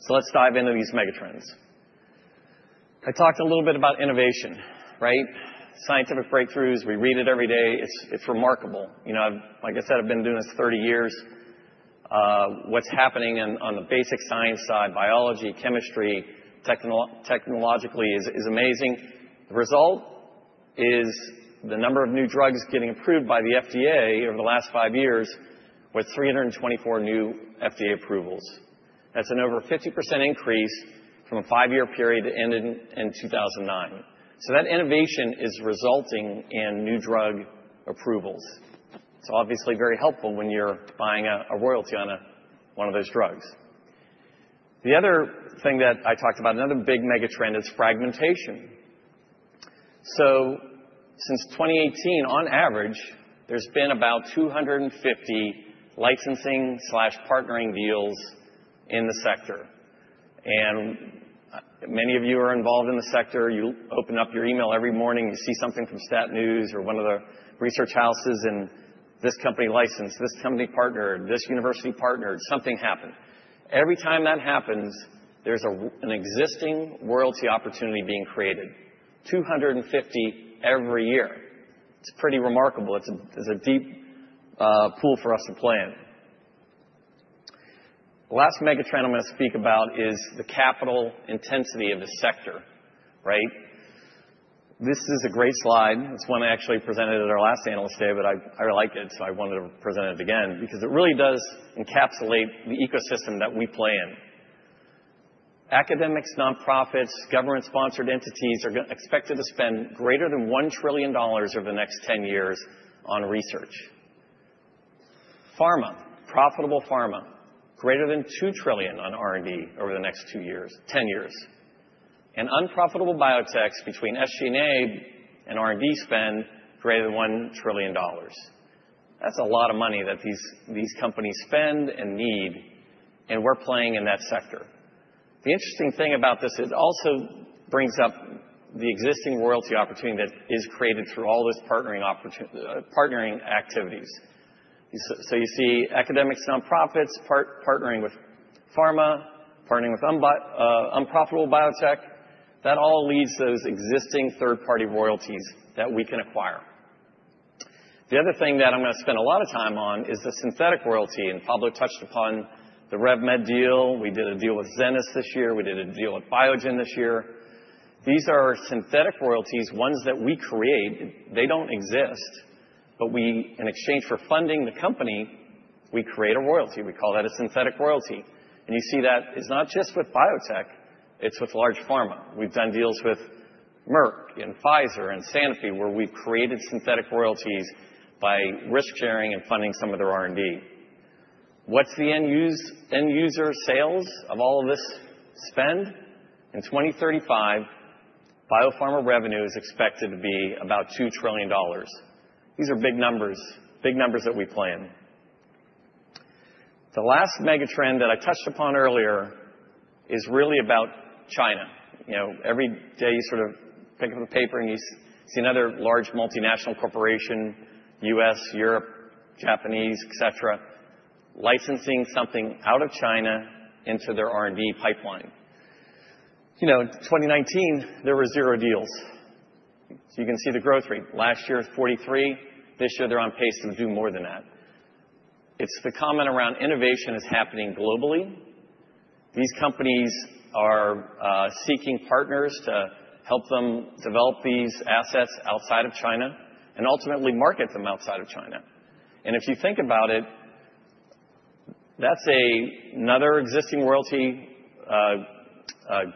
So let's dive into these megatrends. I talked a little bit about innovation, right? Scientific breakthroughs, we read it every day. It's remarkable. Like I said, I've been doing this 30 years. What's happening on the basic science side, biology, chemistry, technologically, is amazing. The result is the number of new drugs getting approved by the FDA over the last five years with 324 new FDA approvals. That's an over 50% increase from a five-year period that ended in 2009. So that innovation is resulting in new drug approvals. It's obviously very helpful when you're buying a royalty on one of those drugs. The other thing that I talked about, another big megatrend is fragmentation. So since 2018, on average, there's been about 250 licensing/partnering deals in the sector. And many of you are involved in the sector. You open up your email every morning. You see something from STAT News or one of the research houses, and this company licensed, this company partnered, this university partnered. Something happened. Every time that happens, there's an existing royalty opportunity being created, 250 every year. It's pretty remarkable. It's a deep pool for us to play in. The last megatrend I'm going to speak about is the capital intensity of the sector, right? This is a great slide. It's one I actually presented at our last Analyst Day, but I like it, so I wanted to present it again because it really does encapsulate the ecosystem that we play in. Academics, nonprofits, government-sponsored entities are expected to spend greater than $1 trillion over the next 10 years on research. Pharma, profitable pharma, greater than $2 trillion on R&D over the next 10 years, and unprofitable biotechs, between SG&A and R&D spend, greater than $1 trillion. That's a lot of money that these companies spend and need, and we're playing in that sector. The interesting thing about this also brings up the existing royalty opportunity that is created through all those partnering activities, so you see academics, nonprofits, partnering with pharma, partnering with unprofitable biotech. That all leads to those existing third-party royalties that we can acquire. The other thing that I'm going to spend a lot of time on is the synthetic royalty, and Pablo touched upon the Rev Med deal. We did a deal with Zenas this year. We did a deal with Biogen this year. These are synthetic royalties, ones that we create. They don't exist. But in exchange for funding the company, we create a royalty. We call that a synthetic royalty, and you see that it's not just with biotech. It's with large pharma. We've done deals with Merck and Pfizer and Sanofi, where we've created synthetic royalties by risk-sharing and funding some of their R&D. What's the end-user sales of all of this spend? In 2035, biopharma revenue is expected to be about $2 trillion. These are big numbers, big numbers that we play in. The last megatrend that I touched upon earlier is really about China. Every day you sort of pick up the paper and you see another large multinational corporation, U.S., Europe, Japanese, etc., licensing something out of China into their R&D pipeline. In 2019, there were zero deals. So you can see the growth rate. Last year, 43. This year, they're on pace to do more than that. It's the comment around innovation is happening globally. These companies are seeking partners to help them develop these assets outside of China and ultimately market them outside of China, and if you think about it, that's another existing royalty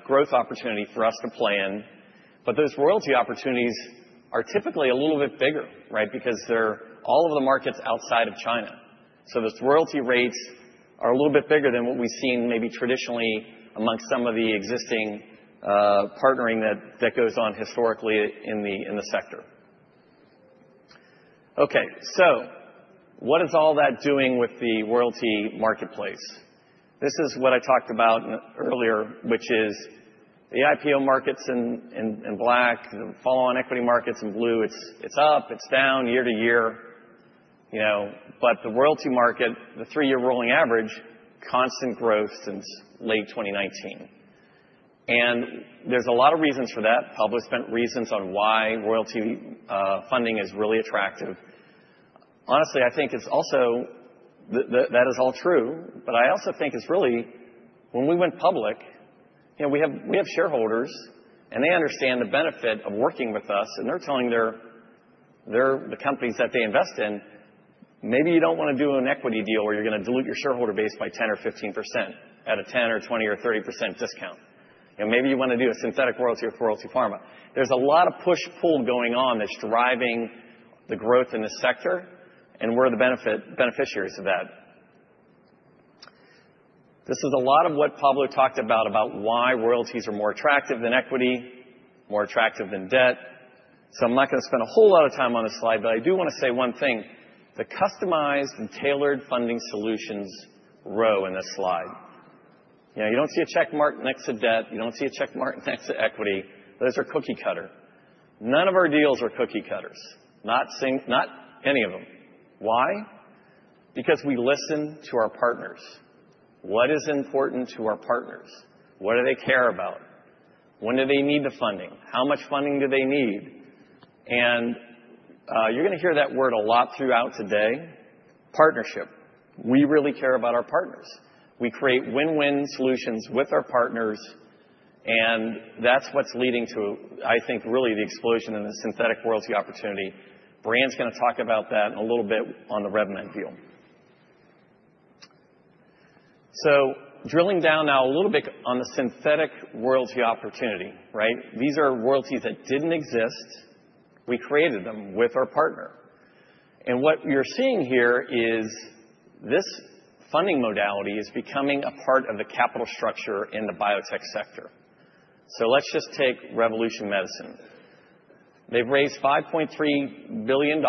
growth opportunity for us to play in. But those royalty opportunities are typically a little bit bigger, right, because they're all of the markets outside of China. So those royalty rates are a little bit bigger than what we've seen maybe traditionally amongst some of the existing partnering that goes on historically in the sector. Okay. So what is all that doing with the royalty marketplace? This is what I talked about earlier, which is the IPO markets in black, the follow-on equity markets in blue. It's up. It's down year to year. But the royalty market, the three-year rolling average, constant growth since late 2019. And there's a lot of reasons for that. Pablo spent reasons on why royalty funding is really attractive. Honestly, I think it's also that is all true. But I also think it's really when we went public, we have shareholders, and they understand the benefit of working with us. They're telling the companies that they invest in, "Maybe you don't want to do an equity deal where you're going to dilute your shareholder base by 10% or 15% at a 10% or 20% or 30% discount. Maybe you want to do a synthetic royalty with Royalty Pharma." There's a lot of push-pull going on that's driving the growth in the sector, and we're the beneficiaries of that. This is a lot of what Pablo talked about, about why royalties are more attractive than equity, more attractive than debt. So I'm not going to spend a whole lot of time on this slide, but I do want to say one thing. The customized and tailored funding solutions row in this slide. You don't see a check mark next to debt. You don't see a check mark next to equity. Those are cookie cutter. None of our deals are cookie cutters, not any of them. Why? Because we listen to our partners. What is important to our partners? What do they care about? When do they need the funding? How much funding do they need? And you're going to hear that word a lot throughout today, partnership. We really care about our partners. We create win-win solutions with our partners. And that's what's leading to, I think, really the explosion in the synthetic royalty opportunity. Brienne's going to talk about that a little bit on the Rev Med deal. So drilling down now a little bit on the synthetic royalty opportunity, right? These are royalties that didn't exist. We created them with our partner. And what you're seeing here is this funding modality is becoming a part of the capital structure in the biotech sector. So let's just take Revolution Medicines. They've raised $5.3 billion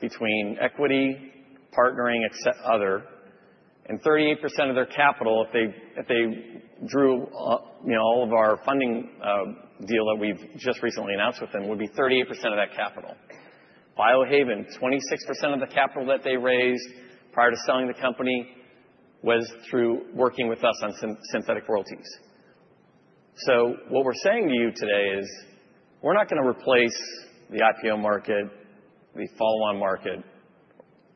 between equity, partnering, etc., and 38% of their capital, if they drew all of our funding deal that we've just recently announced with them, would be 38% of that capital. Biohaven, 26% of the capital that they raised prior to selling the company was through working with us on synthetic royalties. So what we're saying to you today is we're not going to replace the IPO market, the follow-on market,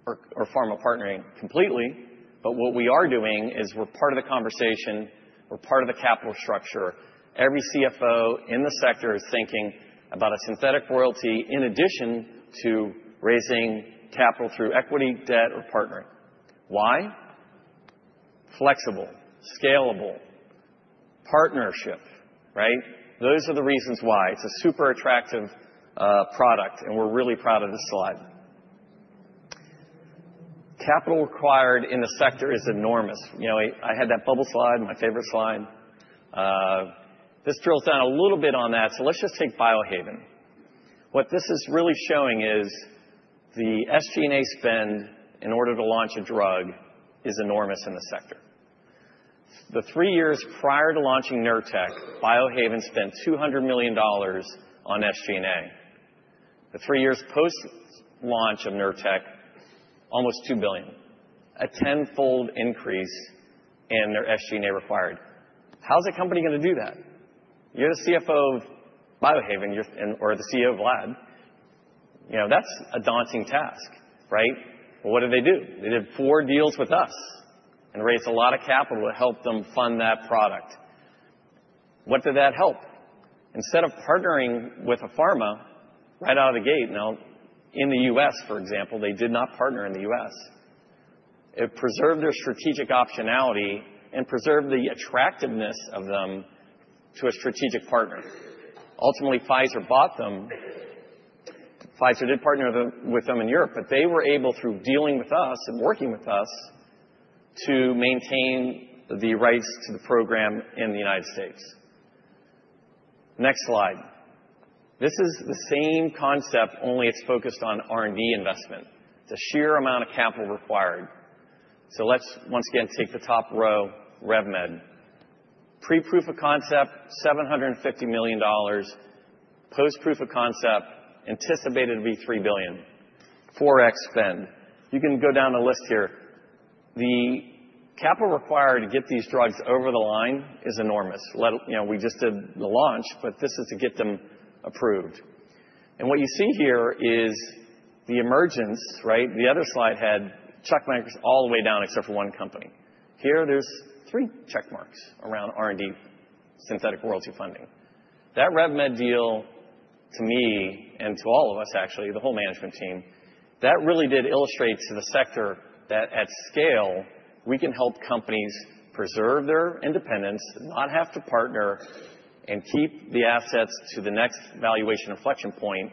or pharma partnering completely. But what we are doing is we're part of the conversation. We're part of the capital structure. Every CFO in the sector is thinking about a synthetic royalty in addition to raising capital through equity, debt, or partnering. Why? Flexible, scalable, partnership, right? Those are the reasons why. It's a super attractive product, and we're really proud of this slide. Capital required in the sector is enormous. I had that bubble slide, my favorite slide. This drills down a little bit on that. So let's just take Biohaven. What this is really showing is the SG&A spend in order to launch a drug is enormous in the sector. The three years prior to launching Nurtec, Biohaven spent $200 million on SG&A. The three years post-launch of Nurtec, almost $2 billion, a tenfold increase in their SG&A required. How's a company going to do that? You're the CFO of Biohaven or the CEO of Zai Lab. That's a daunting task, right? What did they do? They did four deals with us and raised a lot of capital to help them fund that product. What did that help? Instead of partnering with a pharma right out of the gate, now in the U.S., for example, they did not partner in the U.S. It preserved their strategic optionality and preserved the attractiveness of them to a strategic partner. Ultimately, Pfizer bought them. Pfizer did partner with them in Europe, but they were able, through dealing with us and working with us, to maintain the rights to the program in the United States. Next slide. This is the same concept, only it's focused on R&D investment. It's a sheer amount of capital required. So let's once again take the top row, Rev Med. Pre-proof of concept, $750 million. Post-proof of concept, anticipated to be $3 billion. 4x spend. You can go down the list here. The capital required to get these drugs over the line is enormous. We just did the launch, but this is to get them approved, and what you see here is the emergence, right? The other slide had check marks all the way down except for one company. Here, there's three check marks around R&D, synthetic royalty funding. That Rev Med deal, to me and to all of us, actually, the whole management team, that really did illustrate to the sector that at scale, we can help companies preserve their independence, not have to partner, and keep the assets to the next valuation inflection point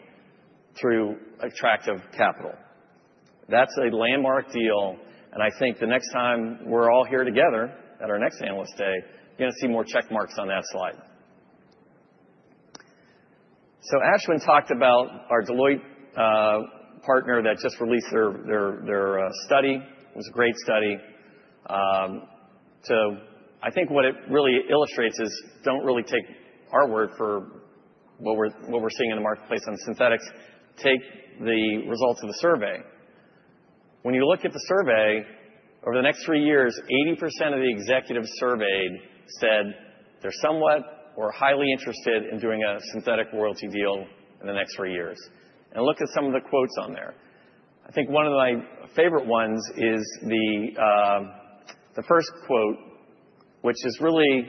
through attractive capital. That's a landmark deal, and I think the next time we're all here together at our next analyst day, you're going to see more check marks on that slide, so Ashwin talked about our Deloitte partner that just released their study. It was a great study. I think what it really illustrates is don't really take our word for what we're seeing in the marketplace on synthetics. Take the results of the survey. When you look at the survey, over the next three years, 80% of the executives surveyed said they're somewhat or highly interested in doing a synthetic royalty deal in the next three years. Look at some of the quotes on there. I think one of my favorite ones is the first quote, which is really,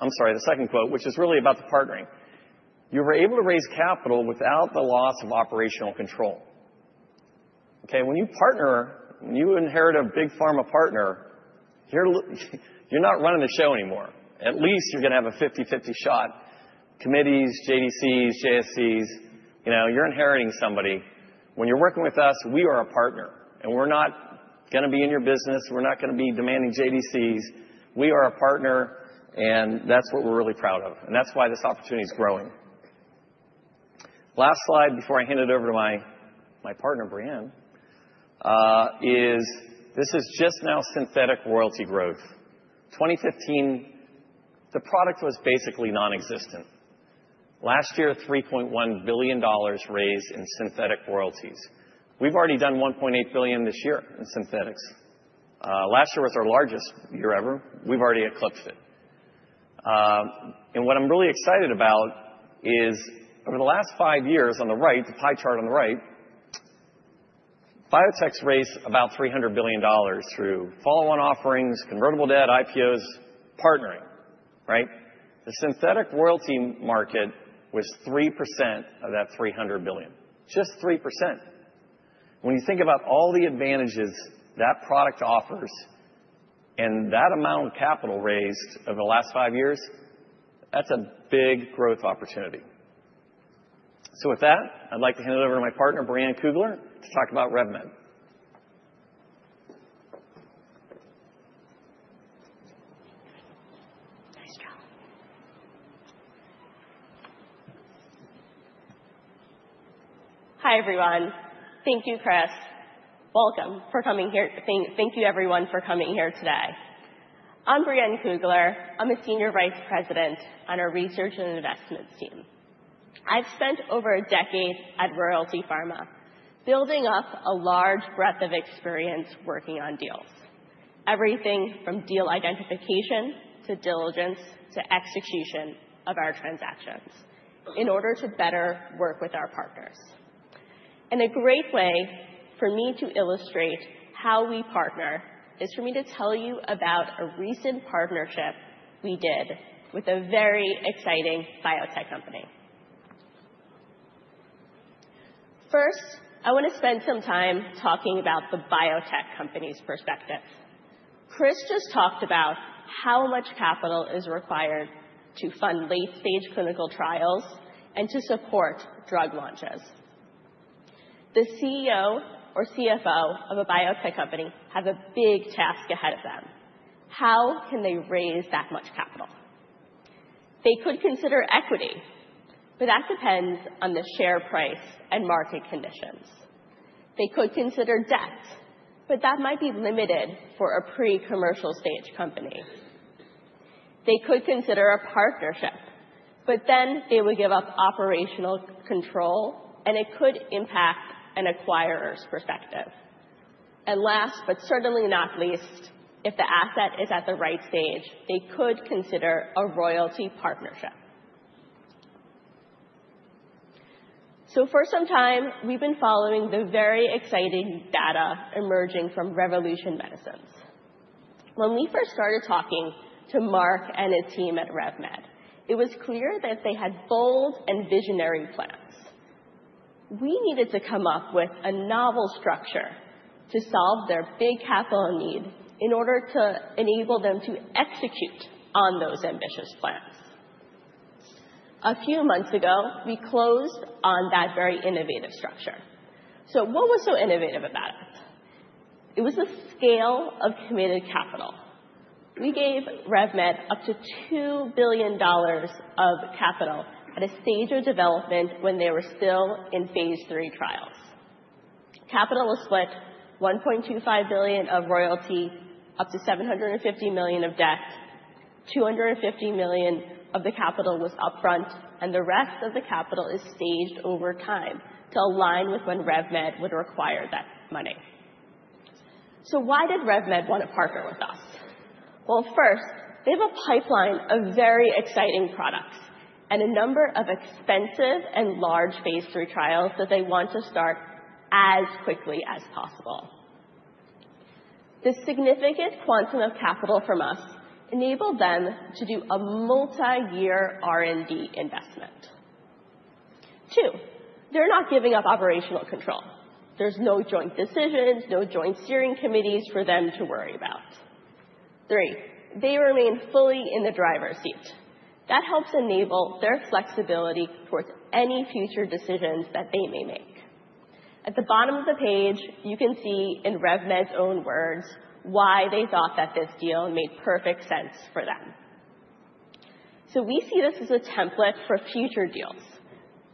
I'm sorry, the second quote, which is really about the partnering. You were able to raise capital without the loss of operational control. Okay? When you partner, when you inherit a big pharma partner, you're not running the show anymore. At least you're going to have a 50/50 shot. Committees, JDCs, JSCs, you're inheriting somebody. When you're working with us, we are a partner. We're not going to be in your business. We're not going to be demanding JDCs. We are a partner, and that's what we're really proud of. That's why this opportunity is growing. Last slide before I hand it over to my partner, Brienne, is this is just now synthetic royalty growth. 2015, the product was basically nonexistent. Last year, $3.1 billion raised in synthetic royalties. We've already done $1.8 billion this year in synthetics. Last year was our largest year ever. We've already eclipsed it. And what I'm really excited about is over the last five years on the right, the pie chart on the right, biotechs raised about $300 billion through follow-on offerings, convertible debt, IPOs, partnering, right? The synthetic royalty market was 3% of that $300 billion, just 3%. When you think about all the advantages that product offers and that amount of capital raised over the last five years, that's a big growth opportunity. So with that, I'd like to hand it over to my partner, Brienne Kugler, to talk about Rev Med. Hi everyone. Thank you, Chris. Welcome for coming here. Thank you, everyone, for coming here today. I'm Brienne Kugler. I'm a senior vice president on our research and investments team. I've spent over a decade at Royalty Pharma building up a large breadth of experience working on deals, everything from deal identification to diligence to execution of our transactions in order to better work with our partners, and a great way for me to illustrate how we partner is for me to tell you about a recent partnership we did with a very exciting biotech company. First, I want to spend some time talking about the biotech company's perspective. Chris just talked about how much capital is required to fund late-stage clinical trials and to support drug launches. The CEO or CFO of a biotech company has a big task ahead of them. How can they raise that much capital? They could consider equity, but that depends on the share price and market conditions. They could consider debt, but that might be limited for a pre-commercial stage company. They could consider a partnership, but then they would give up operational control, and it could impact an acquirer's perspective. And last, but certainly not least, if the asset is at the right stage, they could consider a royalty partnership. So for some time, we've been following the very exciting data emerging from Revolution Medicines. When we first started talking to Mark and his team at Rev Med, it was clear that they had bold and visionary plans. We needed to come up with a novel structure to solve their big capital need in order to enable them to execute on those ambitious plans. A few months ago, we closed on that very innovative structure. So what was so innovative about it? It was the scale of committed capital. We gave Rev Med up to $2 billion of capital at a stage of development when they were phase III trials. capital was split, $1.25 billion of royalty, up to $750 million of debt, $250 million of the capital was upfront, and the rest of the capital is staged over time to align with when Rev Med would require that money. So why did Rev Med want to partner with us? Well, first, they have a pipeline of very exciting products and a number of expensive phase III trials that they want to start as quickly as possible. The significant quantum of capital from us enabled them to do a multi-year R&D investment. Two, they're not giving up operational control. There's no joint decisions, no joint steering committees for them to worry about. Three, they remain fully in the driver's seat. That helps enable their flexibility towards any future decisions that they may make. At the bottom of the page, you can see in Rev Med's own words why they thought that this deal made perfect sense for them. So we see this as a template for future deals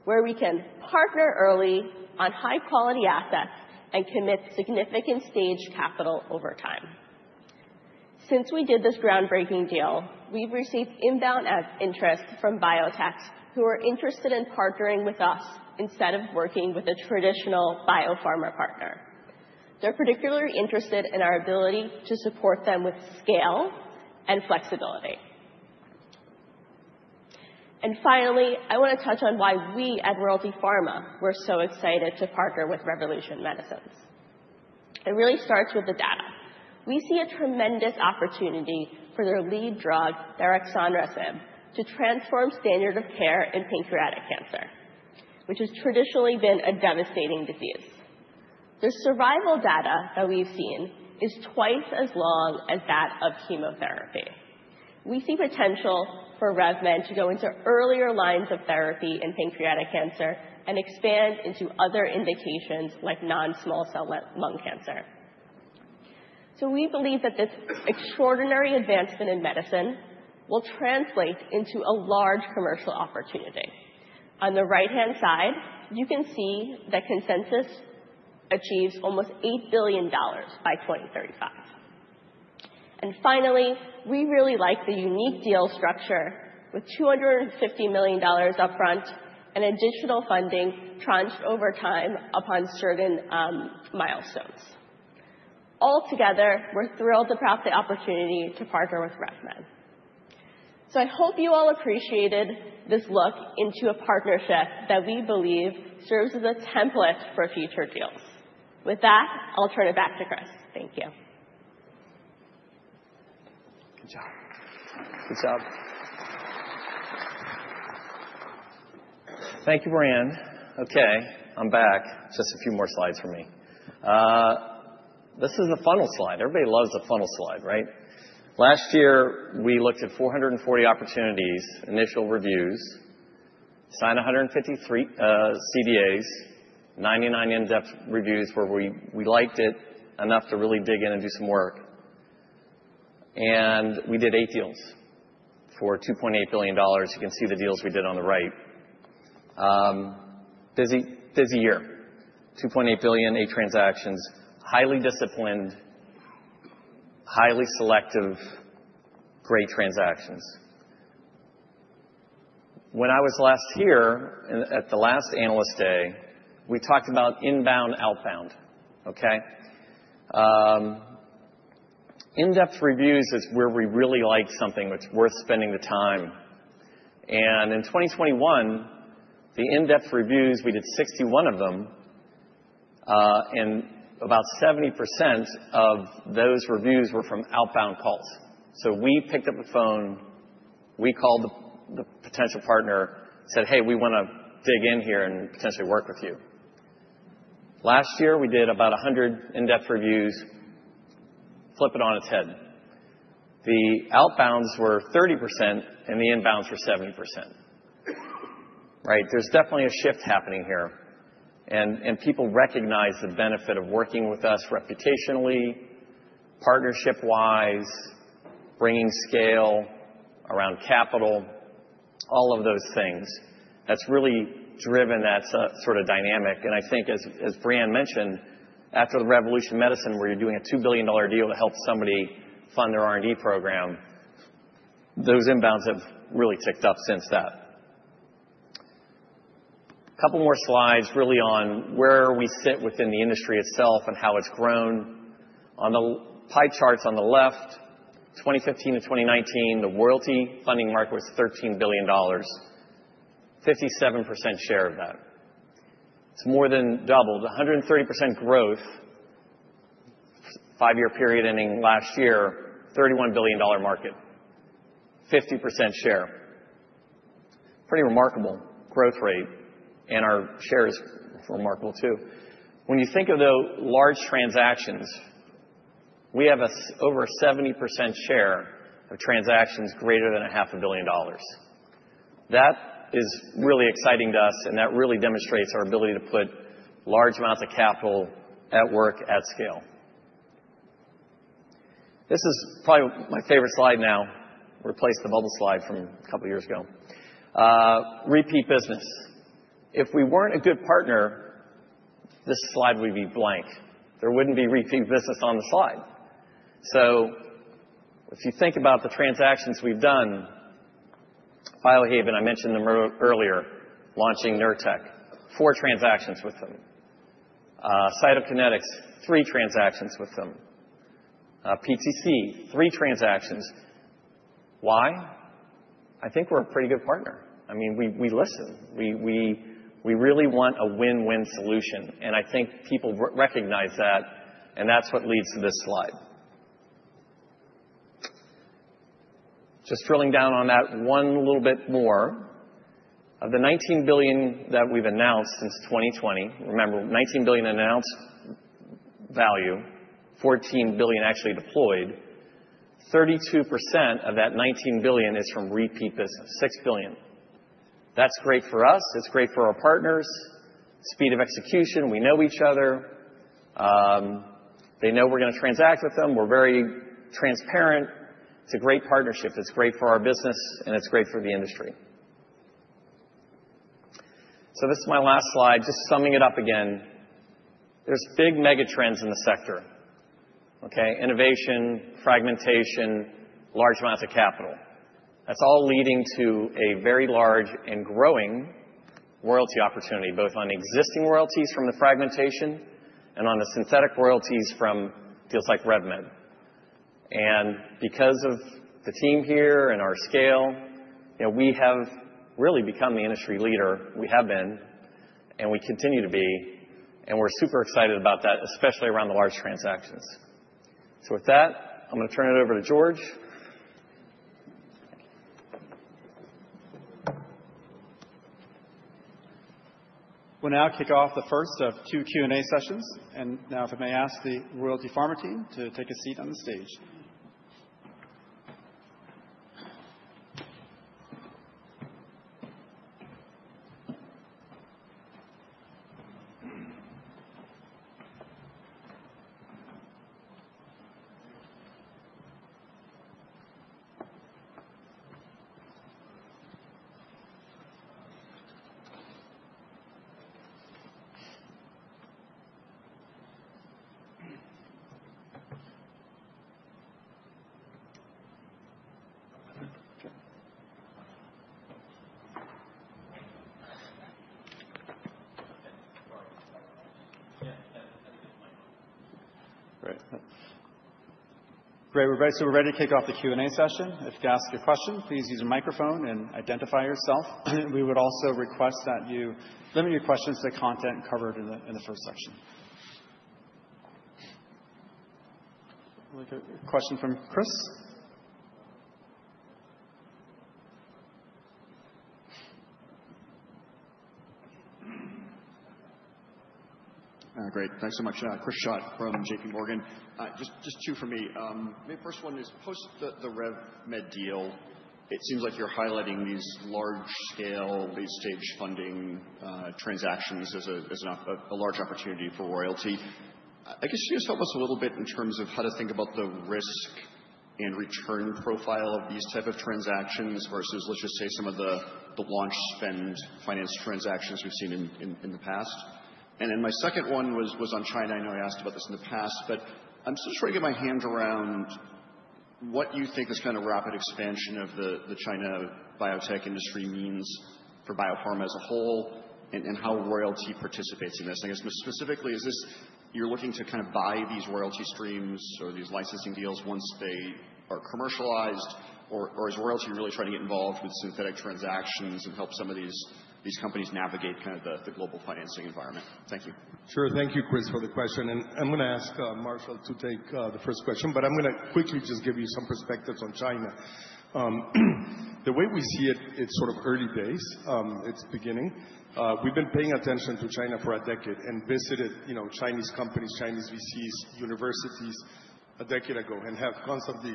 where we can partner early on high-quality assets and commit significant stage capital over time. Since we did this groundbreaking deal, we've received inbound interest from biotechs who are interested in partnering with us instead of working with a traditional biopharma partner. They're particularly interested in our ability to support them with scale and flexibility. And finally, I want to touch on why we at Royalty Pharma were so excited to partner with Revolution Medicines. It really starts with the data. We see a tremendous opportunity for their lead drug, their RMC-6236, to transform standard of care in pancreatic cancer, which has traditionally been a devastating disease. The survival data that we've seen is twice as long as that of chemotherapy. We see potential for Rev Med to go into earlier lines of therapy in pancreatic cancer and expand into other indications like non-small cell lung cancer. So we believe that this extraordinary advancement in medicine will translate into a large commercial opportunity. On the right-hand side, you can see that consensus achieves almost $8 billion by 2035. And finally, we really like the unique deal structure with $250 million upfront and additional funding tranched over time upon certain milestones. Altogether, we're thrilled to have the opportunity to partner with Rev Med. So I hope you all appreciated this look into a partnership that we believe serves as a template for future deals. With that, I'll turn it back to Chris. Thank you. Good job. Good job. Thank you, Brienne. Okay, I'm back. Just a few more slides for me. This is the funnel slide. Everybody loves a funnel slide, right? Last year, we looked at 440 opportunities, initial reviews, signed 153 CDAs, 99 in-depth reviews where we liked it enough to really dig in and do some work. And we did eight deals for $2.8 billion. You can see the deals we did on the right. Busy year. $2.8 billion, eight transactions. Highly disciplined, highly selective, great transactions. When I was last here at the last Analyst Day, we talked about inbound, outbound, okay? In-depth reviews is where we really like something that's worth spending the time. And in 2021, the in-depth reviews, we did 61 of them, and about 70% of those reviews were from outbound calls. We picked up the phone, we called the potential partner, said, "Hey, we want to dig in here and potentially work with you." Last year, we did about 100 in-depth reviews, flip it on its head. The outbounds were 30% and the inbounds were 70%, right? There's definitely a shift happening here. People recognize the benefit of working with us reputationally, partnership-wise, bringing scale around capital, all of those things. That's really driven that sort of dynamic. I think, as Brienne mentioned, after the Revolution Medicines, where you're doing a $2 billion deal to help somebody fund their R&D program, those inbounds have really ticked up since that. A couple more slides really on where we sit within the industry itself and how it's grown. On the pie charts on the left, 2015 to 2019, the royalty funding market was $13 billion, 57% share of that. It's more than doubled, 130% growth, five-year period ending last year, $31 billion market, 50% share. Pretty remarkable growth rate, and our share is remarkable too. When you think of the large transactions, we have over a 70% share of transactions greater than $500 million. That is really exciting to us, and that really demonstrates our ability to put large amounts of capital at work at scale. This is probably my favorite slide now. Replace the bubble slide from a couple of years ago. Repeat business. If we weren't a good partner, this slide would be blank. There wouldn't be repeat business on the slide, so if you think about the transactions we've done, Biohaven, I mentioned them earlier, launching Nurtec, four transactions with them. Cytokinetics, three transactions with them. PTC, three transactions. Why? I think we're a pretty good partner. I mean, we listen. We really want a win-win solution, and I think people recognize that, and that's what leads to this slide. Just drilling down on that one little bit more. Of the $19 billion that we've announced since 2020, remember, $19 billion announced value, $14 billion actually deployed, 32% of that $19 billion is from repeat business, $6 billion. That's great for us. It's great for our partners. Speed of execution. We know each other. They know we're going to transact with them. We're very transparent. It's a great partnership. It's great for our business, and it's great for the industry, so this is my last slide. Just summing it up again. There's big mega trends in the sector, okay? Innovation, fragmentation, large amounts of capital. That's all leading to a very large and growing royalty opportunity, both on existing royalties from the fragmentation and on the synthetic royalties from deals like Rev Med. And because of the team here and our scale, we have really become the industry leader. We have been, and we continue to be. And we're super excited about that, especially around the large transactions. So with that, I'm going to turn it over to George. We'll now kick off the first of two Q&A sessions. And now, if I may ask the Royalty Pharma team to take a seat on the stage. Great. Great. So we're ready to kick off the Q&A session. If you ask a question, please use a microphone and identify yourself. We would also request that you limit your questions to the content covered in the first section. A question from Chris? Great. Thanks so much. Chris Schott from J.P. Morgan. Just two for me. My first one is post the Rev Med deal, it seems like you're highlighting these large-scale, late-stage funding transactions as a large opportunity for royalty. I guess you just help us a little bit in terms of how to think about the risk and return profile of these types of transactions versus, let's just say, some of the launch spend finance transactions we've seen in the past. And then my second one was on China. I know I asked about this in the past, but I'm still trying to get my hands around what you think this kind of rapid expansion of the China biotech industry means for biopharma as a whole and how royalty participates in this. I guess specifically, is this you're looking to kind of buy these royalty streams or these licensing deals once they are commercialized, or is royalty really trying to get involved with synthetic transactions and help some of these companies navigate kind of the global financing environment? Thank you. Sure. Thank you, Chris, for the question, and I'm going to ask Marshall to take the first question, but I'm going to quickly just give you some perspectives on China. The way we see it, it's sort of early days. It's beginning. We've been paying attention to China for a decade and visited Chinese companies, Chinese VCs, universities a decade ago and have constantly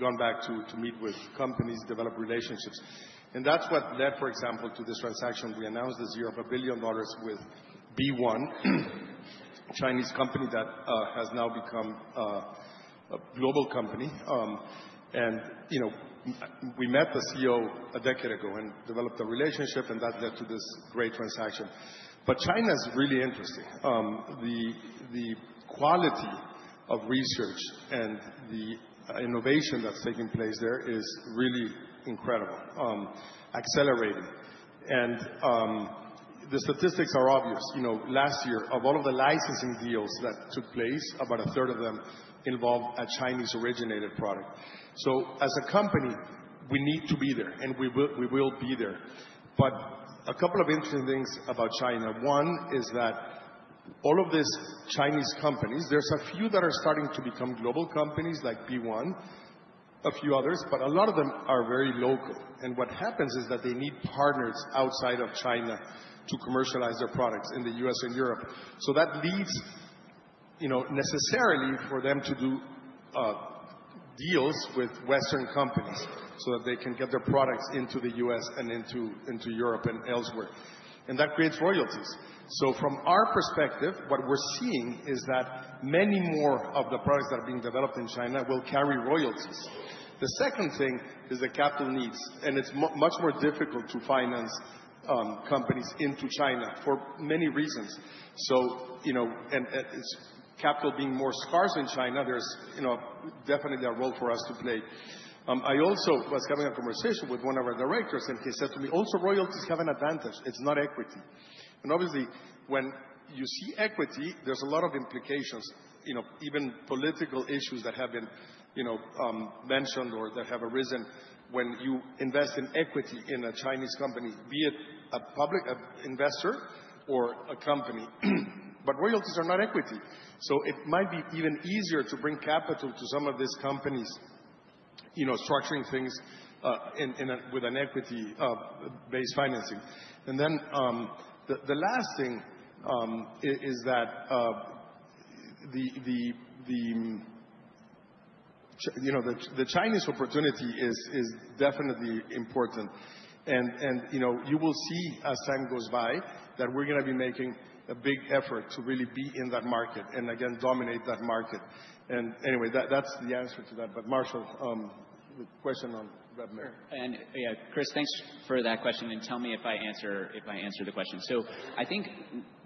gone back to meet with companies, develop relationships. And that's what led, for example, to this transaction. We announced a deal for $1 billion with BeOne, a Chinese company that has now become a global company. And we met the CEO a decade ago and developed a relationship, and that led to this great transaction. But China is really interesting. The quality of research and the innovation that's taking place there is really incredible, accelerating, and the statistics are obvious. Last year, of all of the licensing deals that took place, about a third of them involved a Chinese-originated product. So as a company, we need to be there, and we will be there. But a couple of interesting things about China. One is that all of these Chinese companies, there's a few that are starting to become global companies like BeOne, a few others, but a lot of them are very local. And what happens is that they need partners outside of China to commercialize their products in the U.S. and Europe. So that leads necessarily for them to do deals with Western companies so that they can get their products into the U.S. and into Europe and elsewhere. And that creates royalties. So from our perspective, what we're seeing is that many more of the products that are being developed in China will carry royalties. The second thing is the capital needs, and it's much more difficult to finance companies into China for many reasons. So capital being more scarce in China, there's definitely a role for us to play. I also was having a conversation with one of our directors, and he said to me, "Also royalties have an advantage. It's not equity." And obviously, when you see equity, there's a lot of implications, even political issues that have been mentioned or that have arisen when you invest in equity in a Chinese company, be it a public investor or a company. But royalties are not equity. So it might be even easier to bring capital to some of these companies, structuring things with an equity-based financing. And then the last thing is that the Chinese opportunity is definitely important. You will see as time goes by that we're going to be making a big effort to really be in that market and, again, dominate that market. Anyway, that's the answer to that, but Marshall, the question on Rev Med. Sure. Yeah, Chris, thanks for that question. And tell me if I answer the question. So I think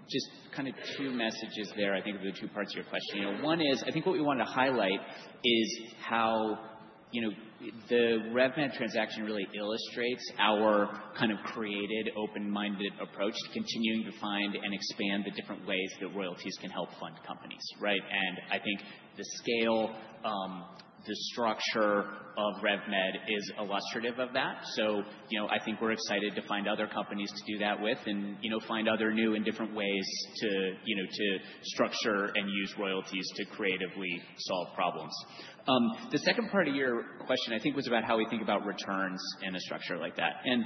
just kind of two messages there. I think of the two parts of your question. One is, I think what we wanted to highlight is how the Rev Med transaction really illustrates our kind of creative open-minded approach to continuing to find and expand the different ways that royalties can help fund companies, right? And I think the scale, the structure of Rev Med is illustrative of that. So I think we're excited to find other companies to do that with and find other new and different ways to structure and use royalties to creatively solve problems. The second part of your question, I think, was about how we think about returns in a structure like that. And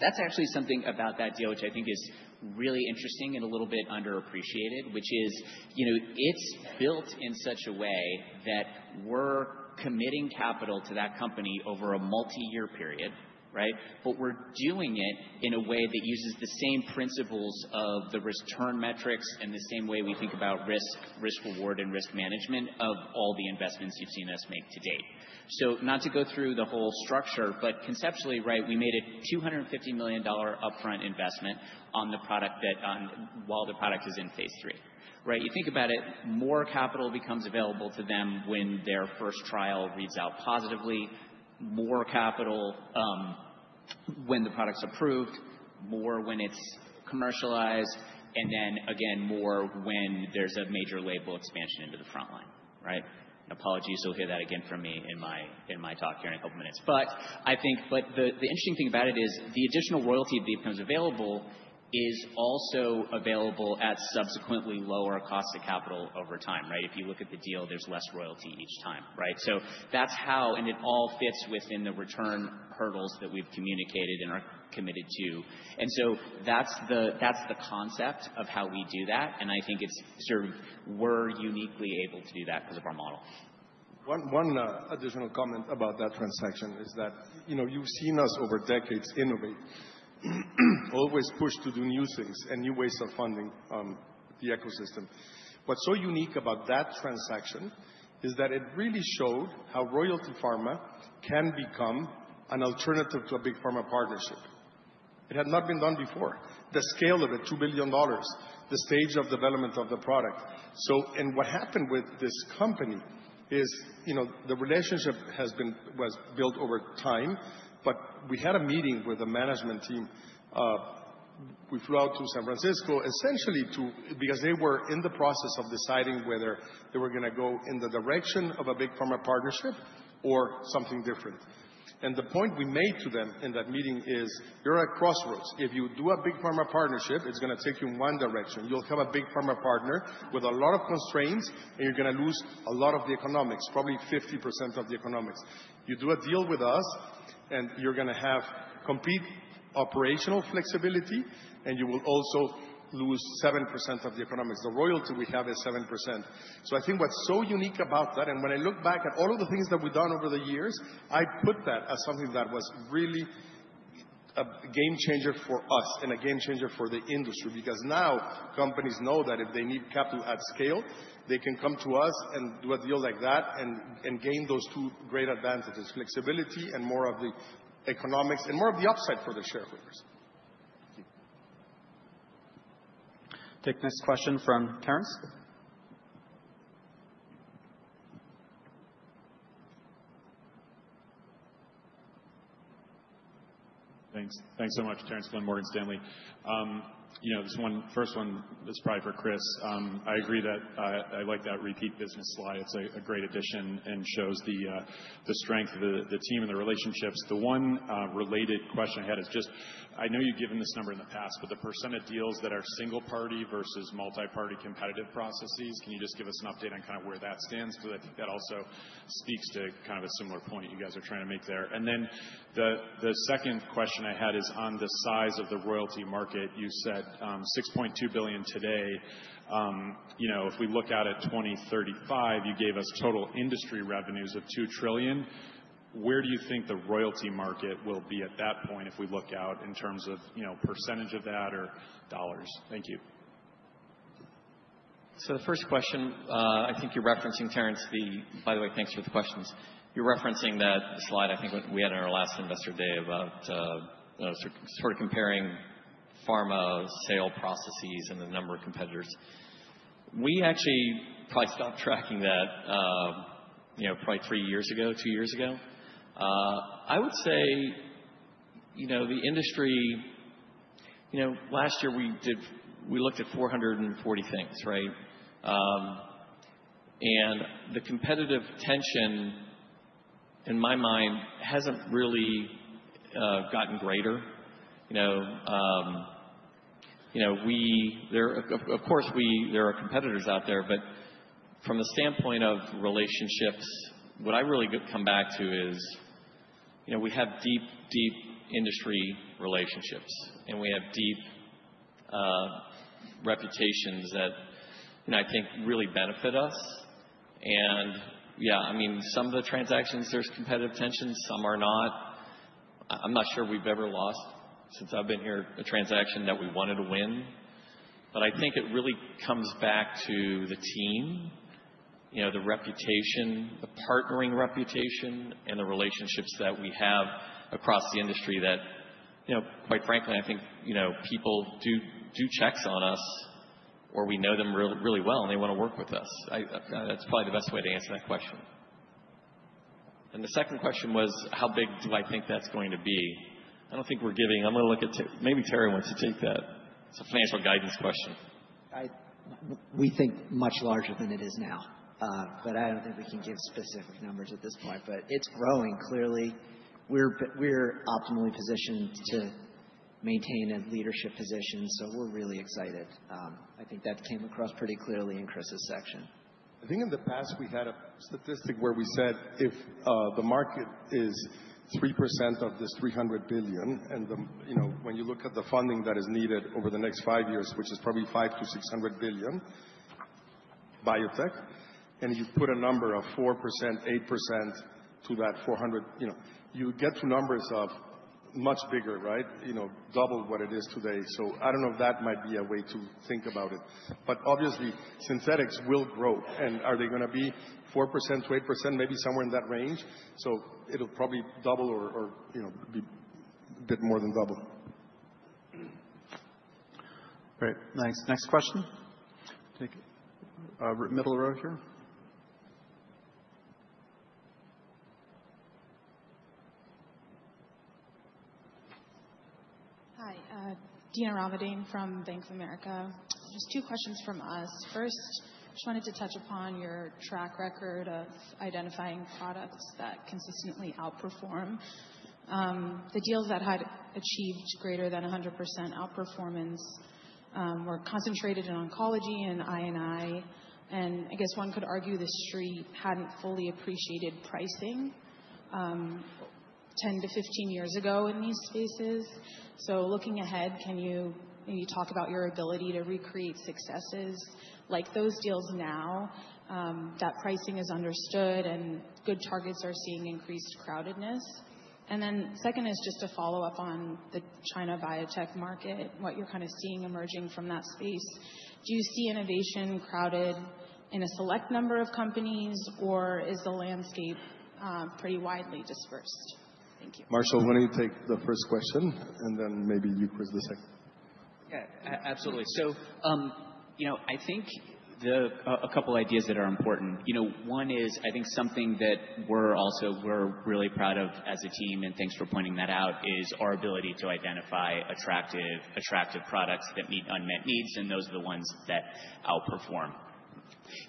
that's actually something about that deal, which I think is really interesting and a little bit underappreciated, which is it's built in such a way that we're committing capital to that company over a multi-year period, right? But we're doing it in a way that uses the same principles of the return metrics and the same way we think about risk, risk-reward, and risk management of all the investments you've seen us make to date. So not to go through the whole structure, but conceptually, right, we made a $250 million upfront investment on the product while the product phase III, right? you think about it, more capital becomes available to them when their first trial reads out positively, more capital when the product's approved, more when it's commercialized, and then, again, more when there's a major label expansion into the front line, right? Apologies, you'll hear that again from me in my talk here in a couple of minutes. But I think the interesting thing about it is the additional royalty that becomes available is also available at subsequently lower cost of capital over time, right? If you look at the deal, there's less royalty each time, right? So that's how, and it all fits within the return hurdles that we've communicated and are committed to. And so that's the concept of how we do that. And I think it's sort of we're uniquely able to do that because of our model. One additional comment about that transaction is that you've seen us over decades innovate, always push to do new things and new ways of funding the ecosystem. What's so unique about that transaction is that it really showed how Royalty Pharma can become an alternative to a big pharma partnership. It had not been done before. The scale of it, $2 billion, the stage of development of the product, and what happened with this company is the relationship has been built over time, but we had a meeting with the management team. We flew out to San Francisco essentially because they were in the process of deciding whether they were going to go in the direction of a big pharma partnership or something different, and the point we made to them in that meeting is you're at crossroads. If you do a big pharma partnership, it's going to take you in one direction. You'll have a big pharma partner with a lot of constraints, and you're going to lose a lot of the economics, probably 50% of the economics. You do a deal with us, and you're going to have complete operational flexibility, and you will also lose 7% of the economics. The royalty we have is 7%. So I think what's so unique about that, and when I look back at all of the things that we've done over the years, I put that as something that was really a game changer for us and a game changer for the industry because now companies know that if they need capital at scale, they can come to us and do a deal like that and gain those two great advantages: flexibility and more of the economics and more of the upside for the shareholders. Thank you. Take the next question from Terence. Thanks. Thanks so much, Terence Flynn, Morgan Stanley. This one is probably for Chris. I agree that I like that repeat business slide. It's a great addition and shows the strength of the team and the relationships. The one related question I had is just I know you've given this number in the past, but the % of deals that are single-party versus multi-party competitive processes. Can you just give us an update on kind of where that stands? Because I think that also speaks to kind of a similar point you guys are trying to make there. And then the second question I had is on the size of the royalty market. You said $6.2 billion today. If we look out at 2035, you gave us total industry revenues of $2 trillion. Where do you think the royalty market will be at that point if we look out in terms of percentage of that or dollars? Thank you. The first question, I think you're referencing, Terence. By the way, thanks for the questions. You're referencing that slide I think we had on our last investor day about sort of comparing pharma sale processes and the number of competitors. We actually probably stopped tracking that probably three years ago, two years ago. I would say the industry last year, we looked at 440 things, right? And the competitive tension, in my mind, hasn't really gotten greater. Of course, there are competitors out there, but from the standpoint of relationships, what I really come back to is we have deep, deep industry relationships, and we have deep reputations that I think really benefit us. And yeah, I mean, some of the transactions, there's competitive tension. Some are not. I'm not sure we've ever lost, since I've been here, a transaction that we wanted to win. But I think it really comes back to the team, the reputation, the partnering reputation, and the relationships that we have across the industry that, quite frankly, I think people do checks on us or we know them really well, and they want to work with us. That's probably the best way to answer that question. And the second question was, how big do I think that's going to be? I don't think we're giving. I'm going to look at maybe Terry wants to take that. It's a financial guidance question. We think much larger than it is now, but I don't think we can give specific numbers at this point. But it's growing clearly. We're optimally positioned to maintain a leadership position, so we're really excited. I think that came across pretty clearly in Chris's section. I think in the past, we had a statistic where we said if the market is 3% of this $300 billion, and when you look at the funding that is needed over the next five years, which is probably $500 billion-$600 billion, biotech, and you put a number of 4%, 8% to that $400, you get to numbers of much bigger, right? Double what it is today. So I don't know if that might be a way to think about it. But obviously, synthetics will grow. And are they going to be 4%-8%, maybe somewhere in that range? So it'll probably double or be a bit more than double. Great. Thanks. Next question. Middle row here. Hi. Dina Ramadane from Bank of America. Just two questions from us. First, just wanted to touch upon your track record of identifying products that consistently outperform. The deals that had achieved greater than 100% outperformance were concentrated in oncology and I&I. And I guess one could argue the street hadn't fully appreciated pricing 10-15 years ago in these spaces. So looking ahead, can you maybe talk about your ability to recreate successes like those deals now that pricing is understood and good targets are seeing increased crowdedness? And then second is just to follow up on the China biotech market, what you're kind of seeing emerging from that space. Do you see innovation crowded in a select number of companies, or is the landscape pretty widely dispersed? Thank you. Marshall, why don't you take the first question, and then maybe you, Chris, the second. Yeah, absolutely. So I think a couple of ideas that are important. One is, I think something that we're also really proud of as a team, and thanks for pointing that out, is our ability to identify attractive products that meet unmet needs, and those are the ones that outperform.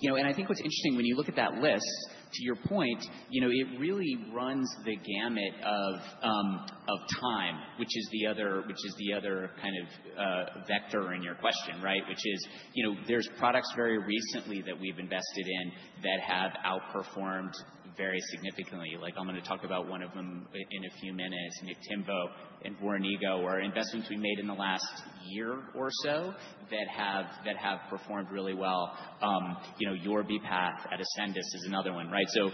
And I think what's interesting, when you look at that list, to your point, it really runs the gamut of time, which is the other kind of vector in your question, right? Which is there's products very recently that we've invested in that have outperformed very significantly. Like I'm going to talk about one of them in a few minutes, Niktimvo and Voranigo, or investments we made in the last year or so that have performed really well. Yorvipath at Ascendis is another one, right? So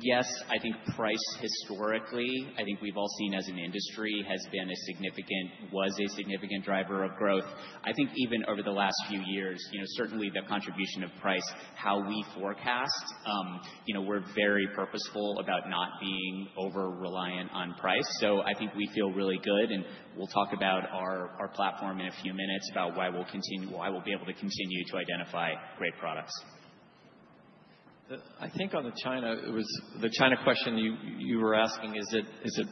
yes, I think price historically, I think we've all seen as an industry, has been a significant, was a significant driver of growth. I think even over the last few years, certainly the contribution of price, how we forecast, we're very purposeful about not being over-reliant on price. So I think we feel really good, and we'll talk about our platform in a few minutes about why we'll be able to continue to identify great products. I think on the China, the China question you were asking, is it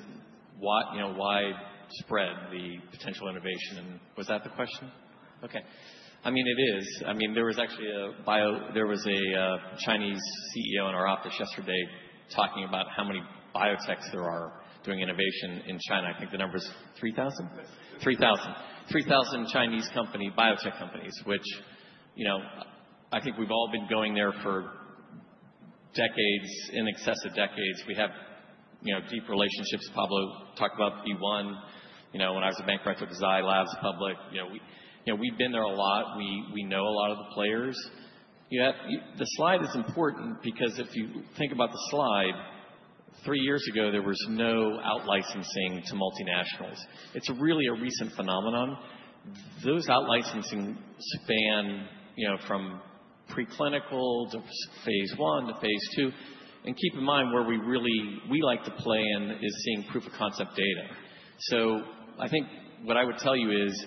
widespread, the potential innovation? Was that the question? Okay. I mean, it is. I mean, there was actually a Chinese CEO in our office yesterday talking about how many biotechs there are doing innovation in China. I think the number is 3,000? 3,000. 3,000 Chinese biotech companies, which I think we've all been going there for decades, in excess of decades. We have deep relationships. Pablo talked about BeOne. When I was a bank director, I took Zai Labs public. We've been there a lot. We know a lot of the players. The slide is important because if you think about the slide, three years ago, there was no out-licensing to multinationals. It's really a recent phenomenon. Those out-licensing span from preclinical phase I to phase II. Keep in mind where we really like to play in is seeing proof of concept data. So I think what I would tell you is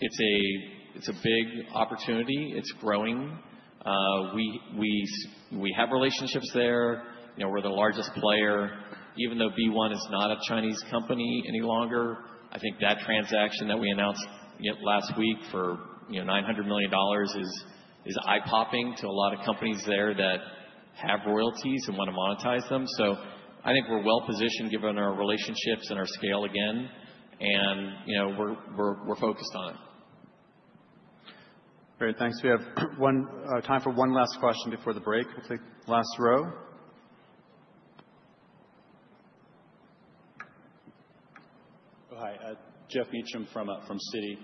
it's a big opportunity. It's growing. We have relationships there. We're the largest player. Even though BeOne is not a Chinese company any longer, I think that transaction that we announced last week for $900 million is eye-popping to a lot of companies there that have royalties and want to monetize them. So I think we're well-positioned given our relationships and our scale again, and we're focused on it. Great. Thanks. We have time for one last question before the break. We'll take the last row. Oh, hi. Geoff Meacham from Citi.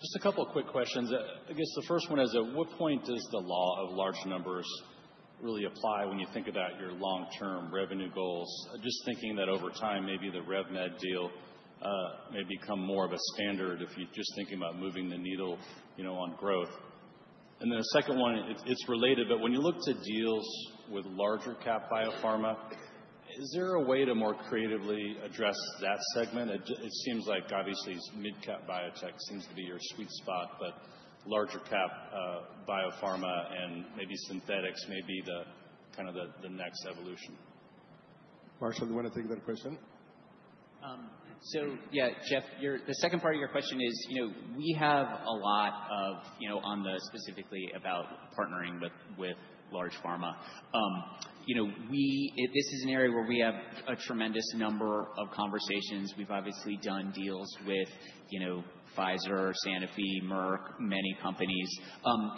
Just a couple of quick questions. I guess the first one is, at what point does the law of large numbers really apply when you think about your long-term revenue goals? Just thinking that over time, maybe the Rev Med deal may become more of a standard if you're just thinking about moving the needle on growth. And then the second one, it's related, but when you look to deals with larger-cap biopharma, is there a way to more creatively address that segment? It seems like obviously mid-cap biotech seems to be your sweet spot, but larger-cap biopharma and maybe synthetics may be kind of the next evolution. Marshall, do you want to take that question? So yeah, Geoff, the second part of your question is we have a lot of on the specifically about partnering with large pharma. This is an area where we have a tremendous number of conversations. We've obviously done deals with Pfizer, Sanofi, Merck, many companies.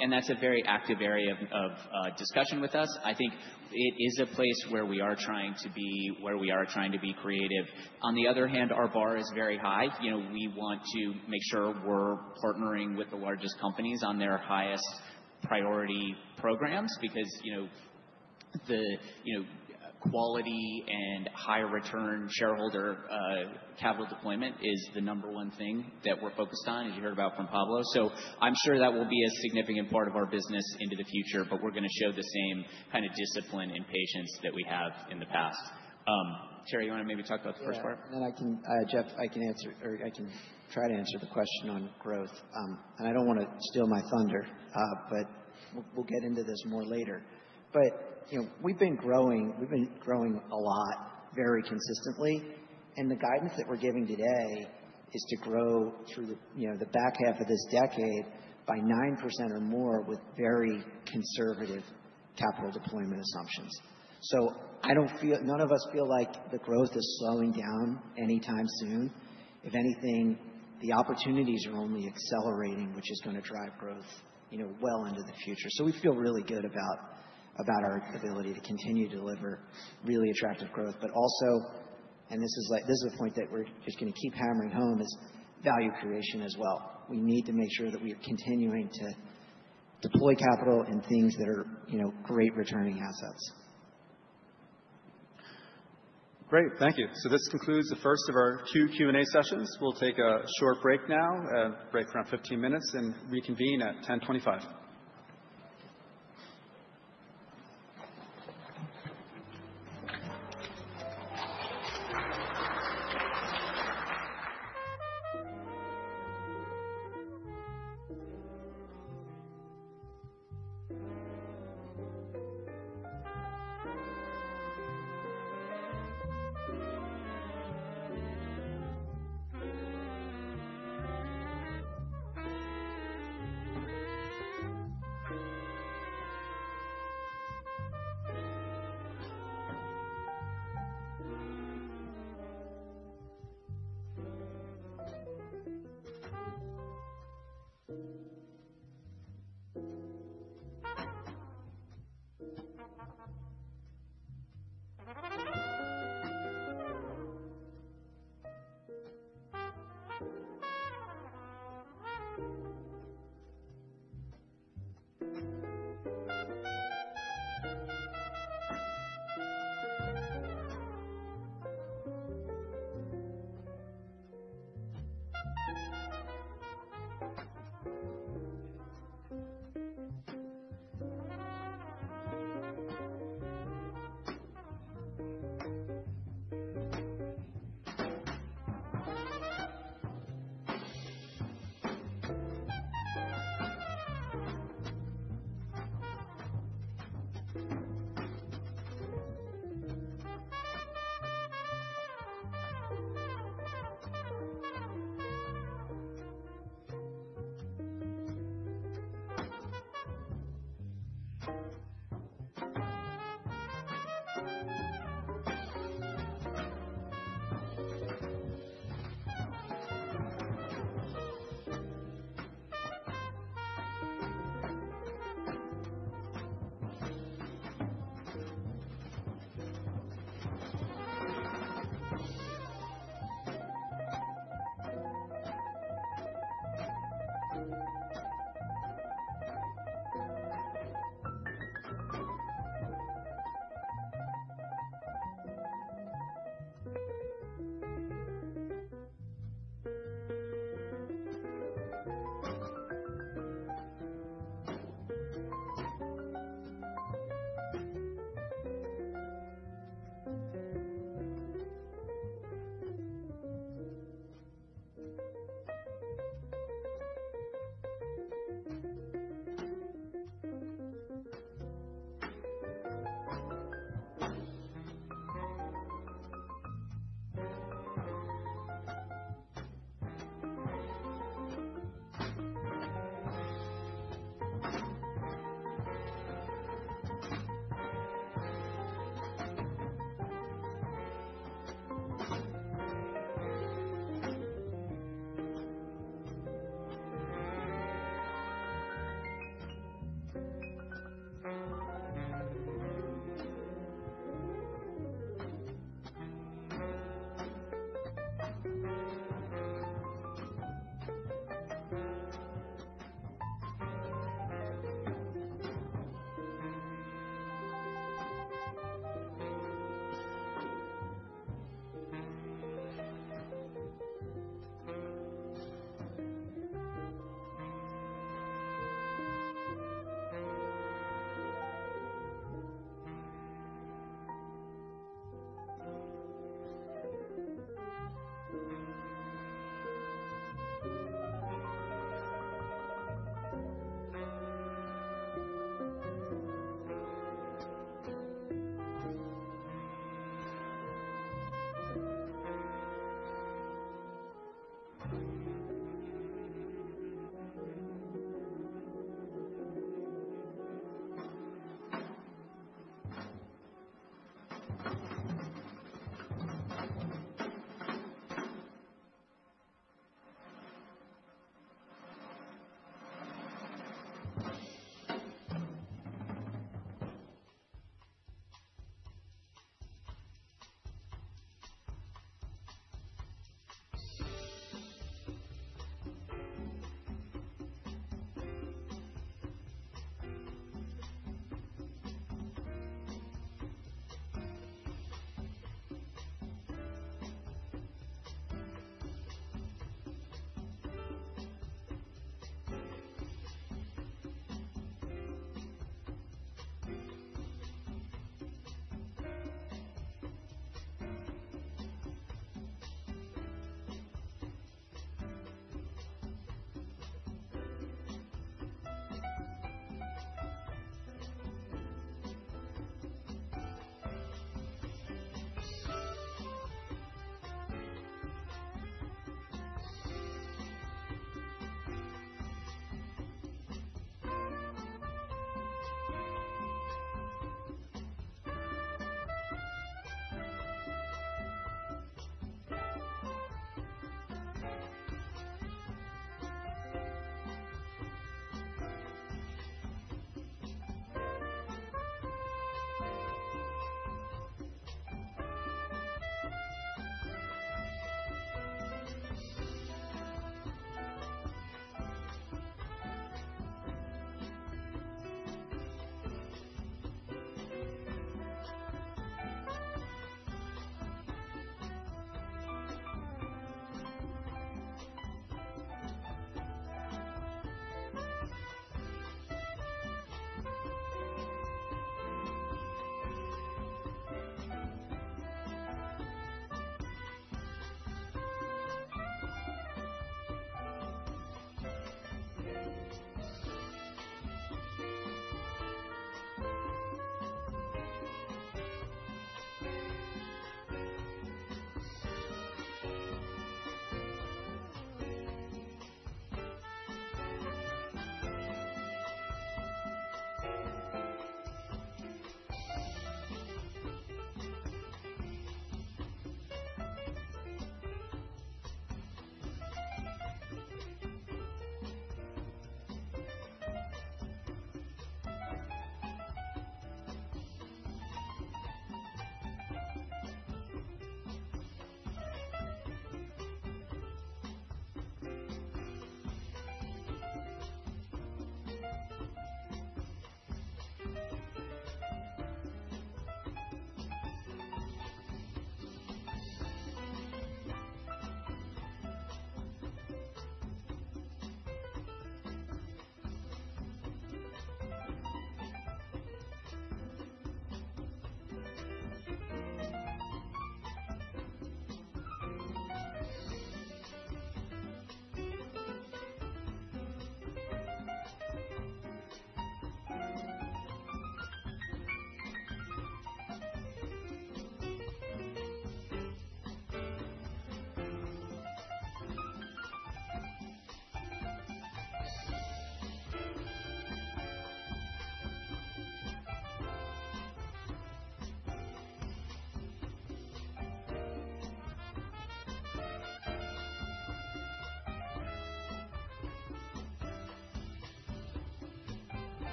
And that's a very active area of discussion with us. I think it is a place where we are trying to be creative. On the other hand, our bar is very high. We want to make sure we're partnering with the largest companies on their highest priority programs because the quality and high return shareholder capital deployment is the number one thing that we're focused on, as you heard about from Pablo. So I'm sure that will be a significant part of our business into the future, but we're going to show the same kind of discipline and patience that we have in the past. Terry, you want to maybe talk about the first part? And then I can, Geoff. I can answer or I can try to answer the question on growth. I don't want to steal my thunder, but we'll get into this more later. But we've been growing a lot very consistently. And the guidance that we're giving today is to grow through the back half of this decade by 9% or more with very conservative capital deployment assumptions. So I don't feel none of us feel like the growth is slowing down anytime soon. If anything, the opportunities are only accelerating, which is going to drive growth well into the future. So we feel really good about our ability to continue to deliver really attractive growth. But also, and this is a point that we're just going to keep hammering home, is value creation as well. We need to make sure that we are continuing to deploy capital in things that are great returning assets. Great. Thank you. So this concludes the first of our two Q&A sessions. We'll take a short break now, a break for around 15 minutes, and reconvene at 10:25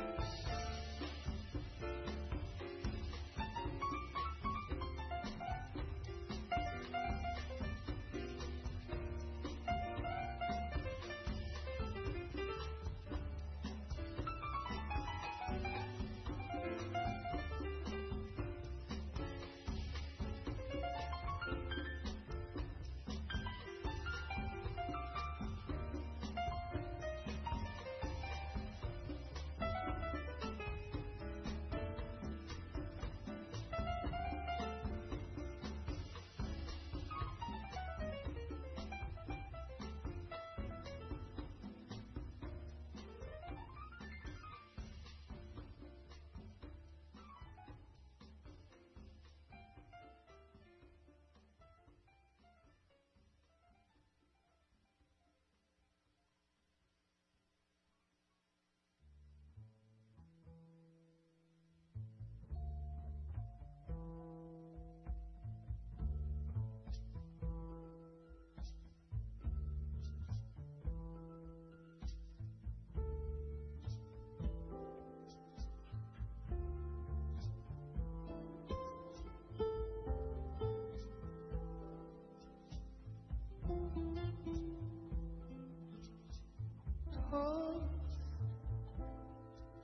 A.M. Thoughts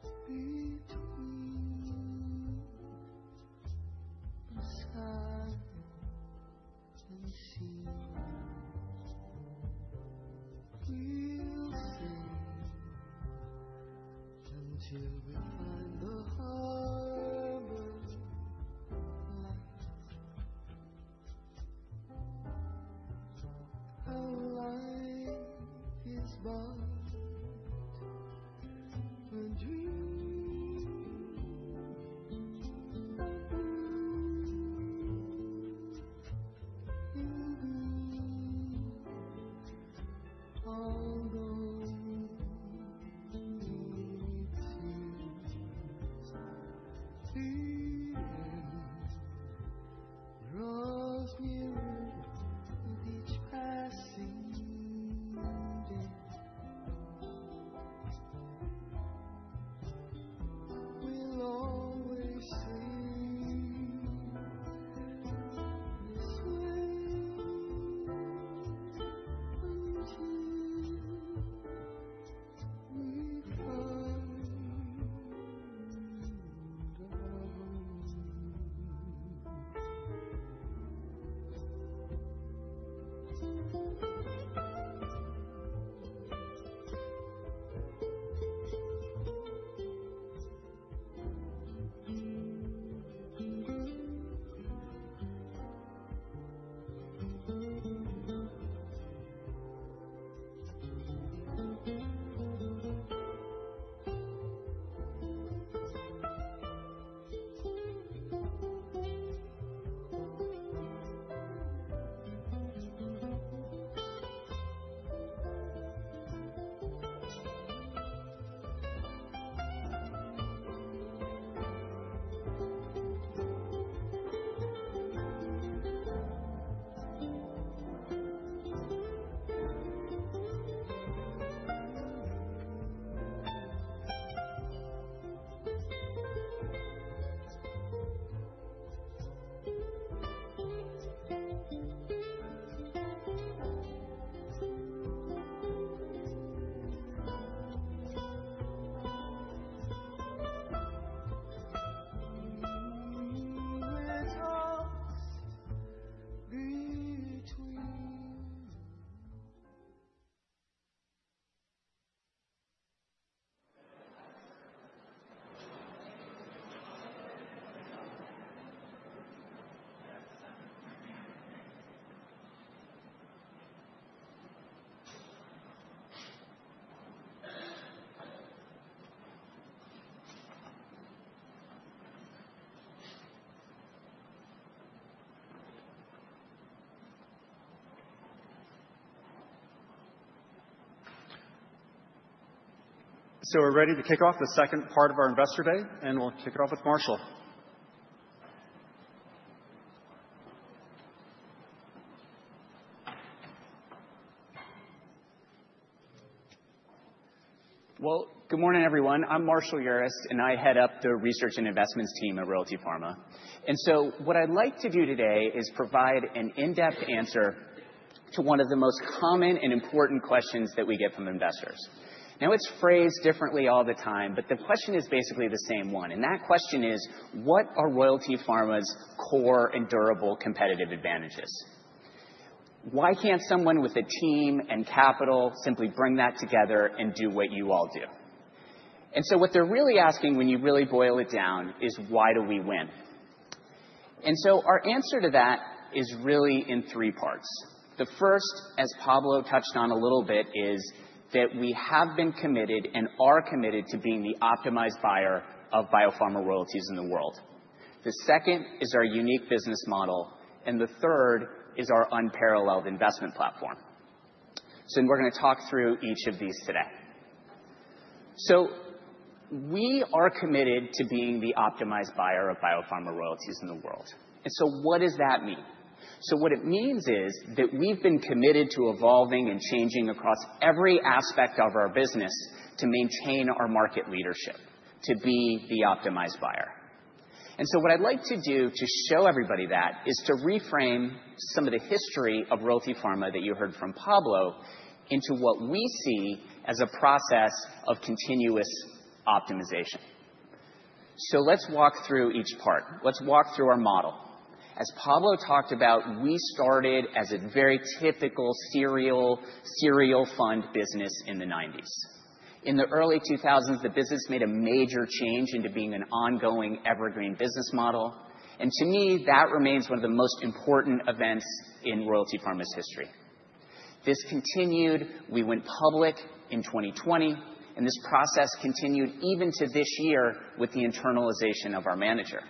between the sky and sea. We'll sail until we find the harbor light. Our life is bought by dreams. You'll be all gold with tears. The end draws nearer with each passing day. We'll always sail this way until we find the harbor light. The moment talks between. So we're ready to kick off the second part of our investor day, and we'll kick it off with Marshall. Well, good morning, everyone. I'm Marshall Urist, and I head up the research and investments team at Royalty Pharma. And so what I'd like to do today is provide an in-depth answer to one of the most common and important questions that we get from investors. Now, it's phrased differently all the time, but the question is basically the same one. And that question is, what are Royalty Pharma's core and durable competitive advantages? Why can't someone with a team and capital simply bring that together and do what you all do? And so what they're really asking when you really boil it down is, why do we win? And so our answer to that is really in three parts. The first, as Pablo touched on a little bit, is that we have been committed and are committed to being the optimized buyer of biopharma royalties in the world. The second is our unique business model, and the third is our unparalleled investment platform. So we're going to talk through each of these today. So we are committed to being the optimized buyer of biopharma royalties in the world. And so what does that mean? What it means is that we've been committed to evolving and changing across every aspect of our business to maintain our market leadership, to be the optimized buyer. And so what I'd like to do to show everybody that is to reframe some of the history of Royalty Pharma that you heard from Pablo into what we see as a process of continuous optimization. So let's walk through each part. Let's walk through our model. As Pablo talked about, we started as a very typical serial fund business in the 1990s. In the early 2000s, the business made a major change into being an ongoing evergreen business model. And to me, that remains one of the most important events in Royalty Pharma's history. This continued. We went public in 2020, and this process continued even to this year with the internalization of our manager.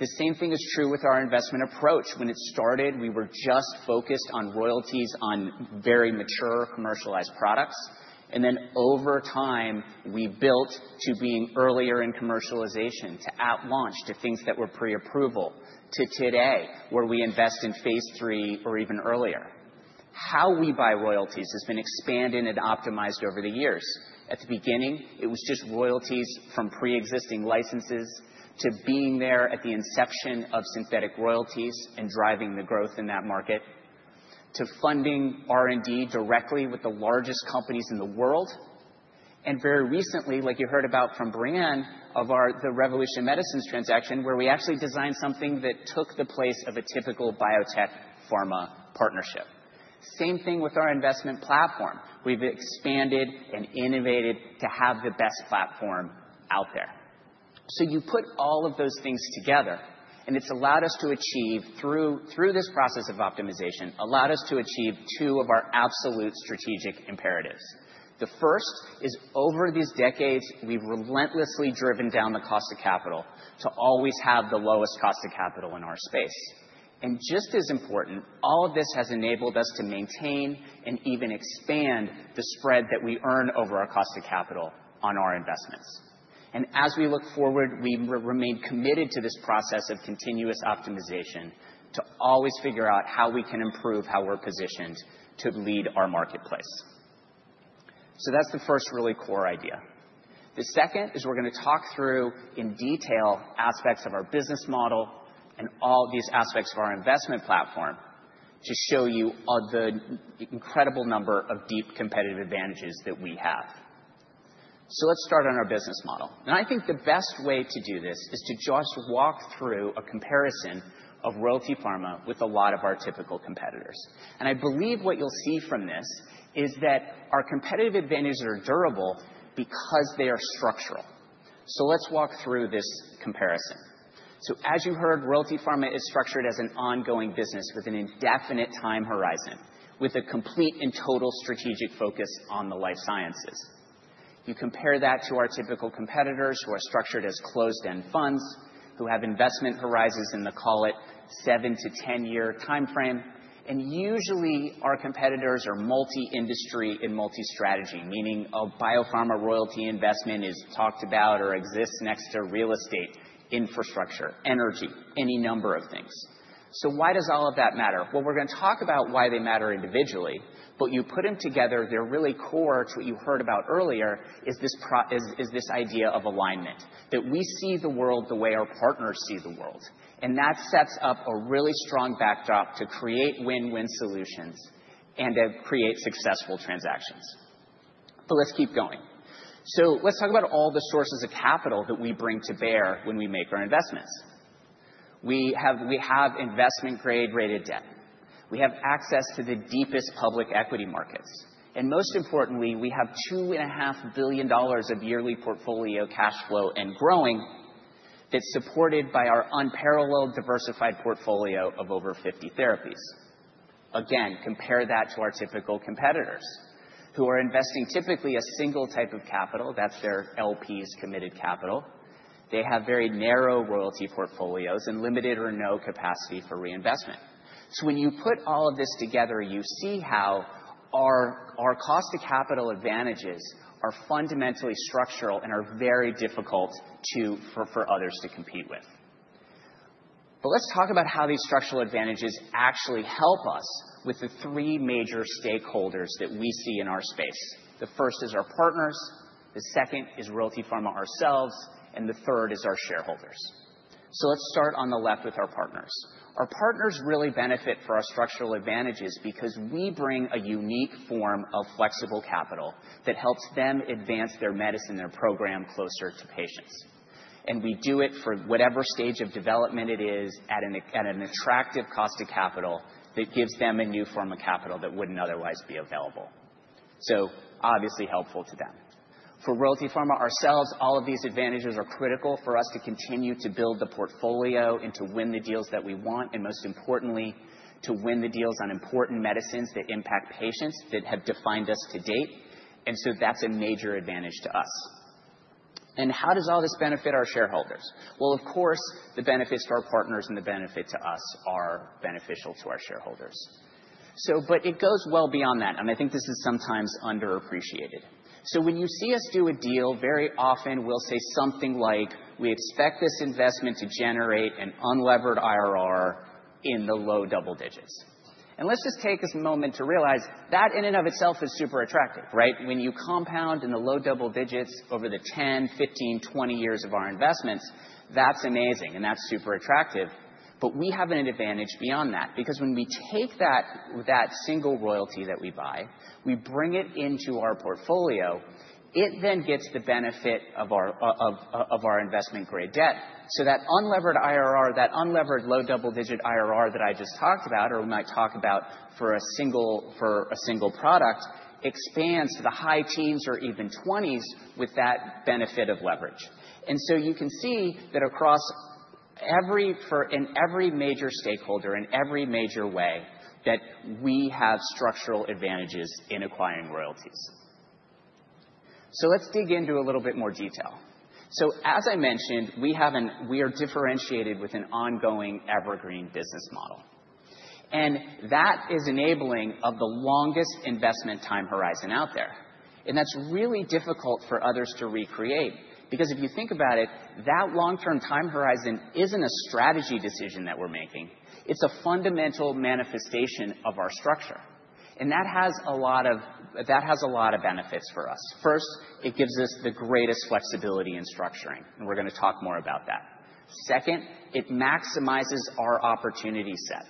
The same thing is true with our investment approach. When it started, we were just focused on royalties on very mature commercialized products, and then over time, we built to being earlier in commercialization, to at launch, to things that were pre-approval, to today where we phase III or even earlier. How we buy royalties has been expanded and optimized over the years. At the beginning, it was just royalties from pre-existing licenses to being there at the inception of synthetic royalties and driving the growth in that market, to funding R&D directly with the largest companies in the world, and very recently, like you heard about from Brienne of the Revolution Medicines transaction, where we actually designed something that took the place of a typical biotech pharma partnership. Same thing with our investment platform. We've expanded and innovated to have the best platform out there. So you put all of those things together, and it's allowed us to achieve, through this process of optimization, two of our absolute strategic imperatives. The first is, over these decades, we've relentlessly driven down the cost of capital to always have the lowest cost of capital in our space. And just as important, all of this has enabled us to maintain and even expand the spread that we earn over our cost of capital on our investments. And as we look forward, we remain committed to this process of continuous optimization to always figure out how we can improve how we're positioned to lead our marketplace. So that's the first really core idea. The second is we're going to talk through in detail aspects of our business model and all these aspects of our investment platform to show you the incredible number of deep competitive advantages that we have. So let's start on our business model, and I think the best way to do this is to just walk through a comparison of Royalty Pharma with a lot of our typical competitors, and I believe what you'll see from this is that our competitive advantages are durable because they are structural. So let's walk through this comparison, so as you heard, Royalty Pharma is structured as an ongoing business with an indefinite time horizon, with a complete and total strategic focus on the life sciences. You compare that to our typical competitors who are structured as closed-end funds who have investment horizons in the, call it, 7- to 10-year time frame. Usually, our competitors are multi-industry and multi-strategy, meaning a biopharma royalty investment is talked about or exists next to real estate, infrastructure, energy, any number of things. Why does all of that matter? We're going to talk about why they matter individually, but you put them together, they're really core to what you heard about earlier, is this idea of alignment, that we see the world the way our partners see the world. That sets up a really strong backdrop to create win-win solutions and to create successful transactions. Let's keep going. Let's talk about all the sources of capital that we bring to bear when we make our investments. We have investment-grade rated debt. We have access to the deepest public equity markets. Most importantly, we have $2.5 billion of yearly portfolio cash flow and growing that's supported by our unparalleled diversified portfolio of over 50 therapies. Again, compare that to our typical competitors who are investing typically a single type of capital. That's their LPs, committed capital. They have very narrow royalty portfolios and limited or no capacity for reinvestment. So when you put all of this together, you see how our cost of capital advantages are fundamentally structural and are very difficult for others to compete with. But let's talk about how these structural advantages actually help us with the three major stakeholders that we see in our space. The first is our partners. The second is Royalty Pharma ourselves. And the third is our shareholders. So let's start on the left with our partners. Our partners really benefit from our structural advantages because we bring a unique form of flexible capital that helps them advance their medicine, their program closer to patients, and we do it for whatever stage of development it is at an attractive cost of capital that gives them a new form of capital that wouldn't otherwise be available, so obviously helpful to them. For Royalty Pharma ourselves, all of these advantages are critical for us to continue to build the portfolio and to win the deals that we want, and most importantly, to win the deals on important medicines that impact patients that have defined us to date, and so that's a major advantage to us, and how does all this benefit our shareholders? Well, of course, the benefits to our partners and the benefit to us are beneficial to our shareholders, but it goes well beyond that. I think this is sometimes underappreciated. So when you see us do a deal, very often we'll say something like, "We expect this investment to generate an unlevered IRR in the low double digits." And let's just take this moment to realize that in and of itself is super attractive, right? When you compound in the low double digits over the 10, 15, 20 years of our investments, that's amazing and that's super attractive. But we have an advantage beyond that because when we take that single royalty that we buy, we bring it into our portfolio, it then gets the benefit of our investment-grade debt. So that unlevered IRR, that unlevered low double digit IRR that I just talked about, or we might talk about for a single product, expands to the high teens or even 20s with that benefit of leverage. And so you can see that across every major stakeholder in every major way that we have structural advantages in acquiring royalties. So let's dig into a little bit more detail. So as I mentioned, we are differentiated with an ongoing evergreen business model. And that is enabling of the longest investment time horizon out there. And that's really difficult for others to recreate because if you think about it, that long-term time horizon isn't a strategy decision that we're making. It's a fundamental manifestation of our structure. And that has a lot of benefits for us. First, it gives us the greatest flexibility in structuring, and we're going to talk more about that. Second, it maximizes our opportunity set.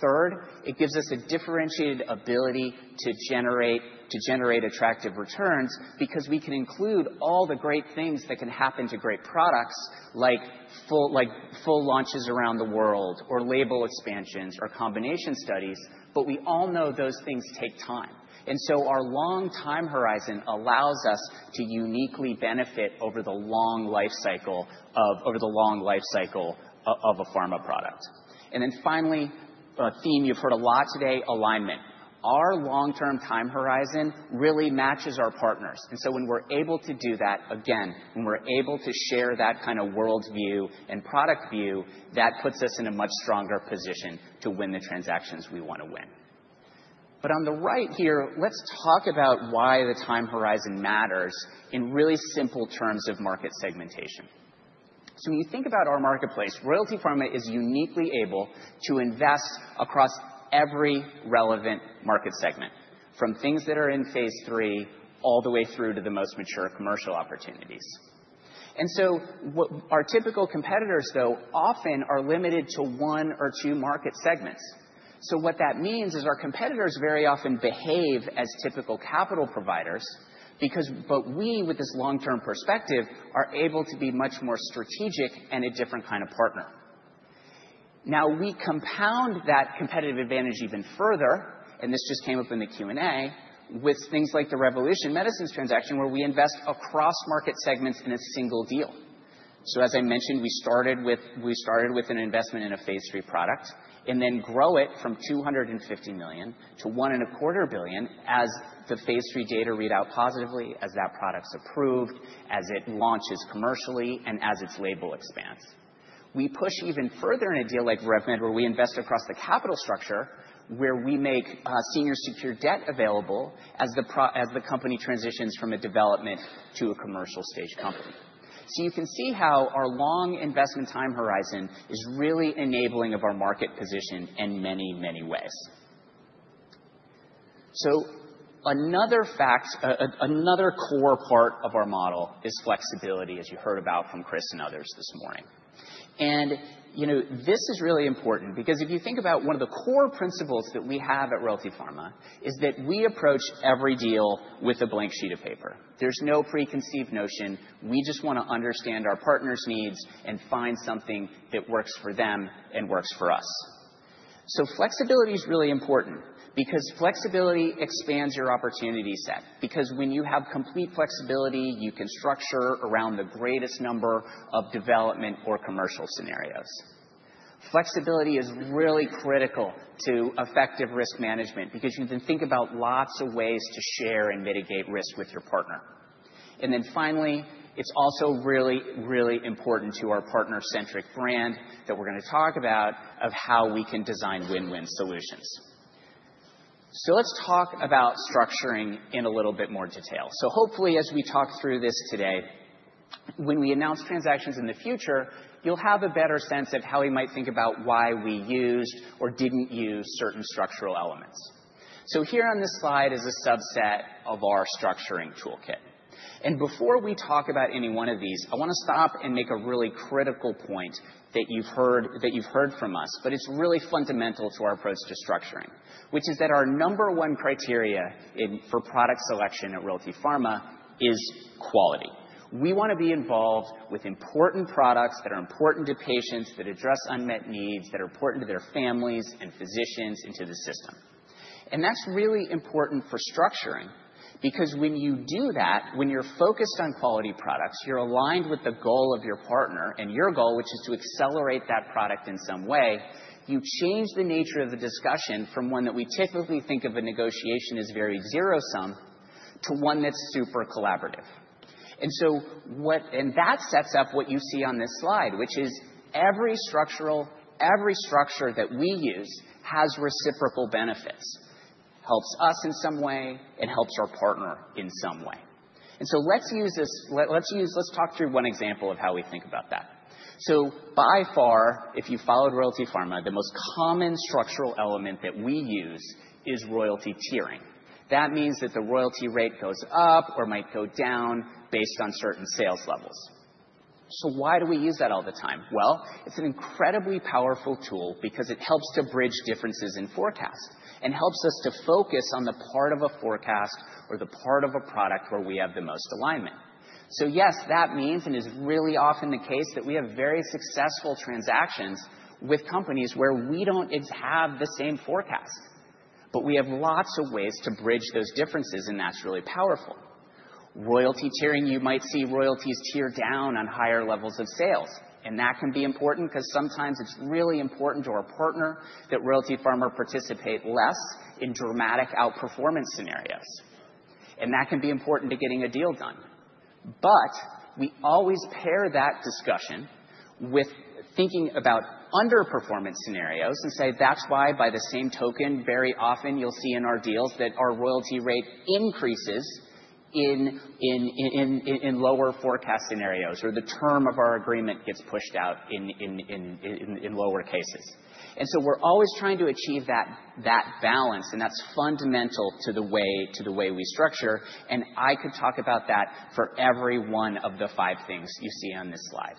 Third, it gives us a differentiated ability to generate attractive returns because we can include all the great things that can happen to great products like full launches around the world or label expansions or combination studies. But we all know those things take time, and so our long time horizon allows us to uniquely benefit over the long life cycle of a pharma product, and then finally, a theme you've heard a lot today, alignment. Our long-term time horizon really matches our partners, and so when we're able to do that, again, when we're able to share that kind of worldview and product view, that puts us in a much stronger position to win the transactions we want to win, but on the right here, let's talk about why the time horizon matters in really simple terms of market segmentation. When you think about our marketplace, Royalty Pharma is uniquely able to invest across every relevant market segment, from things that phase III all the way through to the most mature commercial opportunities. Our typical competitors, though, often are limited to one or two market segments. What that means is our competitors very often behave as typical capital providers, but we, with this long-term perspective, are able to be much more strategic and a different kind of partner. We compound that competitive advantage even further, and this just came up in the Q&A, with things like the Revolution Medicines transaction where we invest across market segments in a single deal. So as I mentioned, we started with an investment phase III product and then grow it from $250 million to $1.25 phase III data read out positively, as that product's approved, as it launches commercially, and as its label expands. We push even further in a deal like where we invest across the capital structure where we make senior secure debt available as the company transitions from a development to a commercial stage company. So you can see how our long investment time horizon is really enabling of our market position in many, many ways. So another core part of our model is flexibility, as you heard about from Chris and others this morning. This is really important because if you think about one of the core principles that we have at Royalty Pharma is that we approach every deal with a blank sheet of paper. There's no preconceived notion. We just want to understand our partner's needs and find something that works for them and works for us. So flexibility is really important because flexibility expands your opportunity set. Because when you have complete flexibility, you can structure around the greatest number of development or commercial scenarios. Flexibility is really critical to effective risk management because you can think about lots of ways to share and mitigate risk with your partner. And then finally, it's also really, really important to our partner-centric brand that we're going to talk about of how we can design win-win solutions. So let's talk about structuring in a little bit more detail. Hopefully, as we talk through this today, when we announce transactions in the future, you'll have a better sense of how we might think about why we used or didn't use certain structural elements. Here on this slide is a subset of our structuring toolkit. Before we talk about any one of these, I want to stop and make a really critical point that you've heard from us, but it's really fundamental to our approach to structuring, which is that our number one criteria for product selection at Royalty Pharma is quality. We want to be involved with important products that are important to patients, that address unmet needs, that are important to their families and physicians into the system. And that's really important for structuring because when you do that, when you're focused on quality products, you're aligned with the goal of your partner and your goal, which is to accelerate that product in some way. You change the nature of the discussion from one that we typically think of a negotiation as very zero-sum to one that's super collaborative. And that sets up what you see on this slide, which is every structure that we use has reciprocal benefits. It helps us in some way. It helps our partner in some way. And so let's talk through one example of how we think about that. So by far, if you followed Royalty Pharma, the most common structural element that we use is royalty tiering. That means that the royalty rate goes up or might go down based on certain sales levels. So why do we use that all the time? Well, it's an incredibly powerful tool because it helps to bridge differences in forecast and helps us to focus on the part of a forecast or the part of a product where we have the most alignment. So yes, that means and is really often the case that we have very successful transactions with companies where we don't have the same forecast. But we have lots of ways to bridge those differences, and that's really powerful. Royalty tiering, you might see royalties tier down on higher levels of sales. And that can be important because sometimes it's really important to our partner that Royalty Pharma participate less in dramatic outperformance scenarios. And that can be important to getting a deal done. But we always pair that discussion with thinking about underperformance scenarios and say, "That's why by the same token, very often you'll see in our deals that our royalty rate increases in lower forecast scenarios or the term of our agreement gets pushed out in lower cases." And so we're always trying to achieve that balance, and that's fundamental to the way we structure. And I could talk about that for every one of the five things you see on this slide.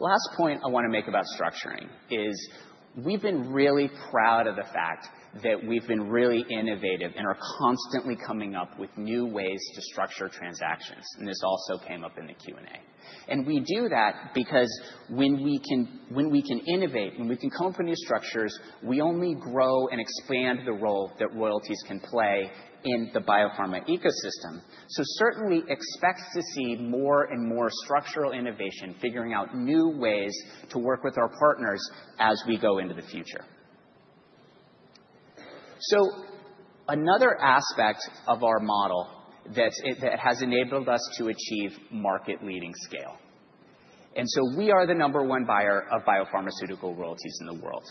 Last point I want to make about structuring is we've been really proud of the fact that we've been really innovative and are constantly coming up with new ways to structure transactions. And this also came up in the Q&A. We do that because when we can innovate, when we can come up with new structures, we only grow and expand the role that royalties can play in the biopharma ecosystem. Certainly expect to see more and more structural innovation, figuring out new ways to work with our partners as we go into the future. Another aspect of our model that has enabled us to achieve market-leading scale. We are the number one buyer of biopharmaceutical royalties in the world.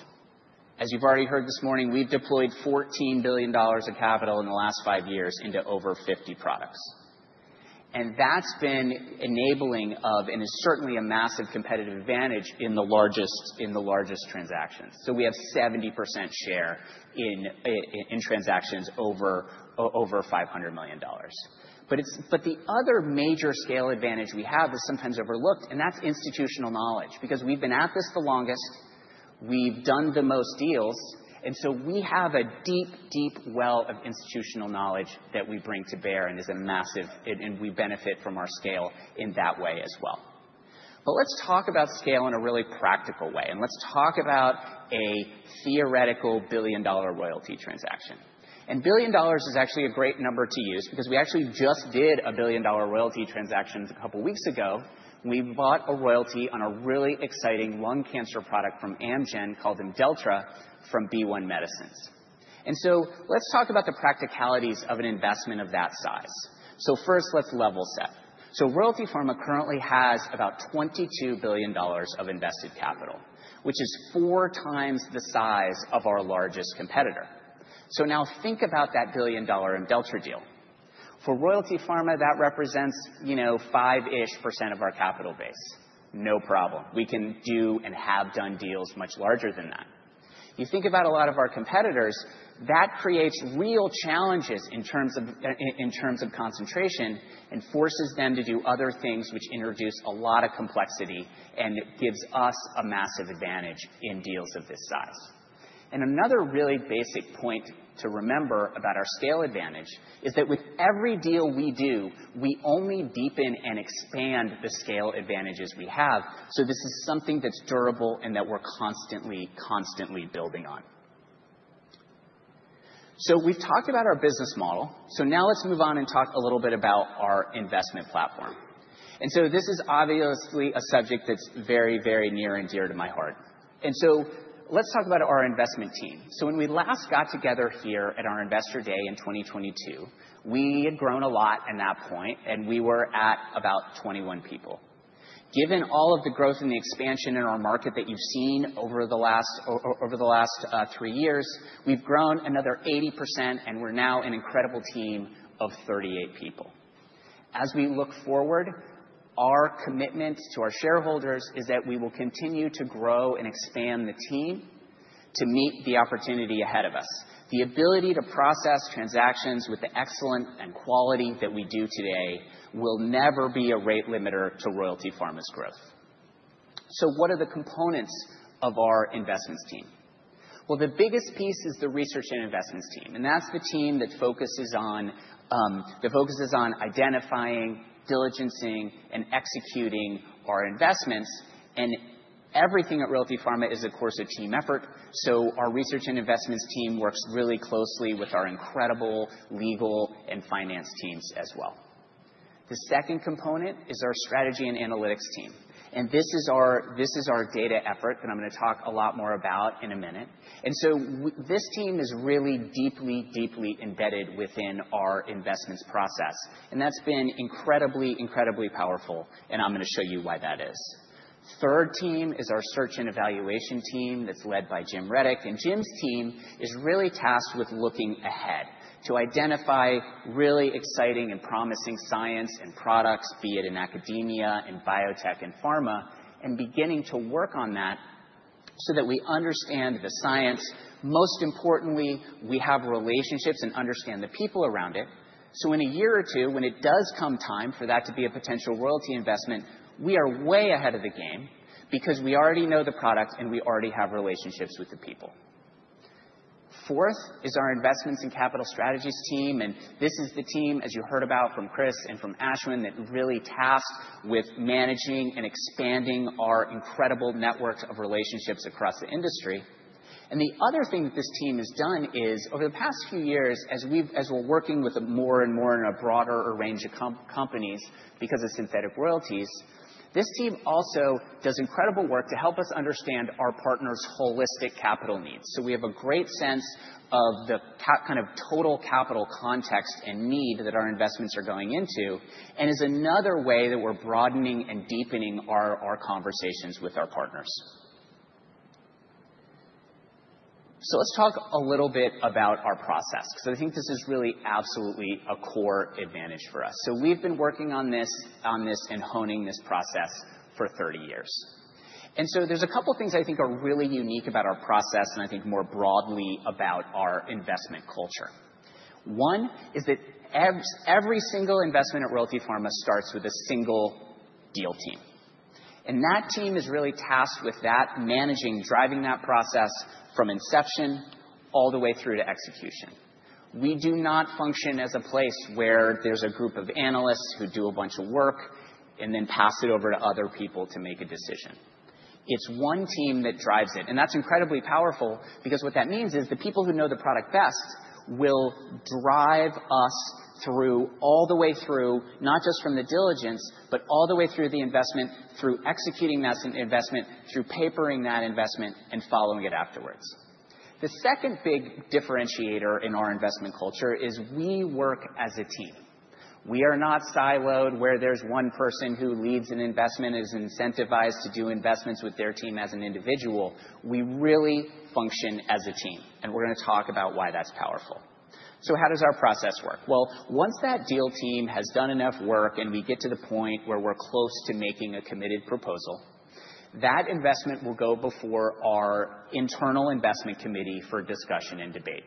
As you've already heard this morning, we've deployed $14 billion of capital in the last five years into over 50 products. And that's been enabling of and is certainly a massive competitive advantage in the largest transactions. We have 70% share in transactions over $500 million. But the other major scale advantage we have is sometimes overlooked, and that's institutional knowledge because we've been at this the longest. We've done the most deals. And so we have a deep, deep well of institutional knowledge that we bring to bear and is a massive and we benefit from our scale in that way as well. But let's talk about scale in a really practical way. And let's talk about a theoretical $1 billion royalty transaction. And $1 billion is actually a great number to use because we actually just did a $1 billion royalty transaction a couple of weeks ago. We bought a royalty on a really exciting lung cancer product from Amgen called Imdelltra from BeiGene. And so let's talk about the practicalities of an investment of that size. So first, let's level set. So Royalty Pharma currently has about $22 billion of invested capital, which is four times the size of our largest competitor. So now think about that billion-dollar Imdelltra deal. For Royalty Pharma, that represents 5%-ish of our capital base. No problem. We can do and have done deals much larger than that. You think about a lot of our competitors, that creates real challenges in terms of concentration and forces them to do other things, which introduce a lot of complexity and gives us a massive advantage in deals of this size. And another really basic point to remember about our scale advantage is that with every deal we do, we only deepen and expand the scale advantages we have. So this is something that's durable and that we're constantly, constantly building on. So we've talked about our business model. So now let's move on and talk a little bit about our investment platform. And so this is obviously a subject that's very, very near and dear to my heart. And so let's talk about our investment team. So when we last got together here at our Investor Day in 2022, we had grown a lot at that point, and we were at about 21 people. Given all of the growth and the expansion in our market that you've seen over the last three years, we've grown another 80%, and we're now an incredible team of 38 people. As we look forward, our commitment to our shareholders is that we will continue to grow and expand the team to meet the opportunity ahead of us. The ability to process transactions with the excellent and quality that we do today will never be a rate limiter to Royalty Pharma's growth. What are the components of our investments team? Well, the biggest piece is the research and investments team. And that's the team that focuses on identifying, diligencing, and executing our investments. And everything at Royalty Pharma is, of course, a team effort. So our research and investments team works really closely with our incredible legal and finance teams as well. The second component is our strategy and analytics team. And this is our data effort that I'm going to talk a lot more about in a minute. And so this team is really deeply, deeply embedded within our investments process. And that's been incredibly, incredibly powerful. And I'm going to show you why that is. The third team is our search and evaluation team that's led by Jim Reddoch. Jim's team is really tasked with looking ahead to identify really exciting and promising science and products, be it in academia, in biotech, in pharma, and beginning to work on that so that we understand the science. Most importantly, we have relationships and understand the people around it. So in a year or two, when it does come time for that to be a potential royalty investment, we are way ahead of the game because we already know the product and we already have relationships with the people. Fourth is our investments and capital strategies team. This is the team, as you heard about from Chris and from Ashwin, that really tasked with managing and expanding our incredible networks of relationships across the industry. And the other thing that this team has done is, over the past few years, as we're working with more and more in a broader range of companies because of synthetic royalties, this team also does incredible work to help us understand our partner's holistic capital needs. So we have a great sense of the kind of total capital context and need that our investments are going into and is another way that we're broadening and deepening our conversations with our partners. So let's talk a little bit about our process because I think this is really absolutely a core advantage for us. So we've been working on this and honing this process for 30 years. And so there's a couple of things I think are really unique about our process and I think more broadly about our investment culture. One is that every single investment at Royalty Pharma starts with a single deal team. And that team is really tasked with that, managing, driving that process from inception all the way through to execution. We do not function as a place where there's a group of analysts who do a bunch of work and then pass it over to other people to make a decision. It's one team that drives it. And that's incredibly powerful because what that means is the people who know the product best will drive us all the way through, not just from the diligence, but all the way through the investment, through executing that investment, through papering that investment, and following it afterwards. The second big differentiator in our investment culture is we work as a team. We are not siloed where there's one person who leads an investment and is incentivized to do investments with their team as an individual. We really function as a team. And we're going to talk about why that's powerful. So how does our process work? Well, once that deal team has done enough work and we get to the point where we're close to making a committed proposal, that investment will go before our internal investment committee for discussion and debate.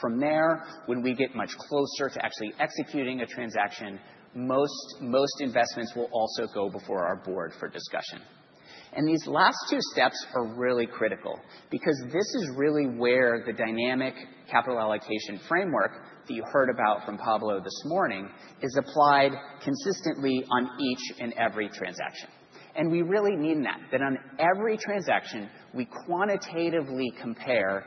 From there, when we get much closer to actually executing a transaction, most investments will also go before our Board for discussion. And these last two steps are really critical because this is really where the dynamic capital allocation framework that you heard about from Pablo this morning is applied consistently on each and every transaction. We really mean that, that on every transaction, we quantitatively compare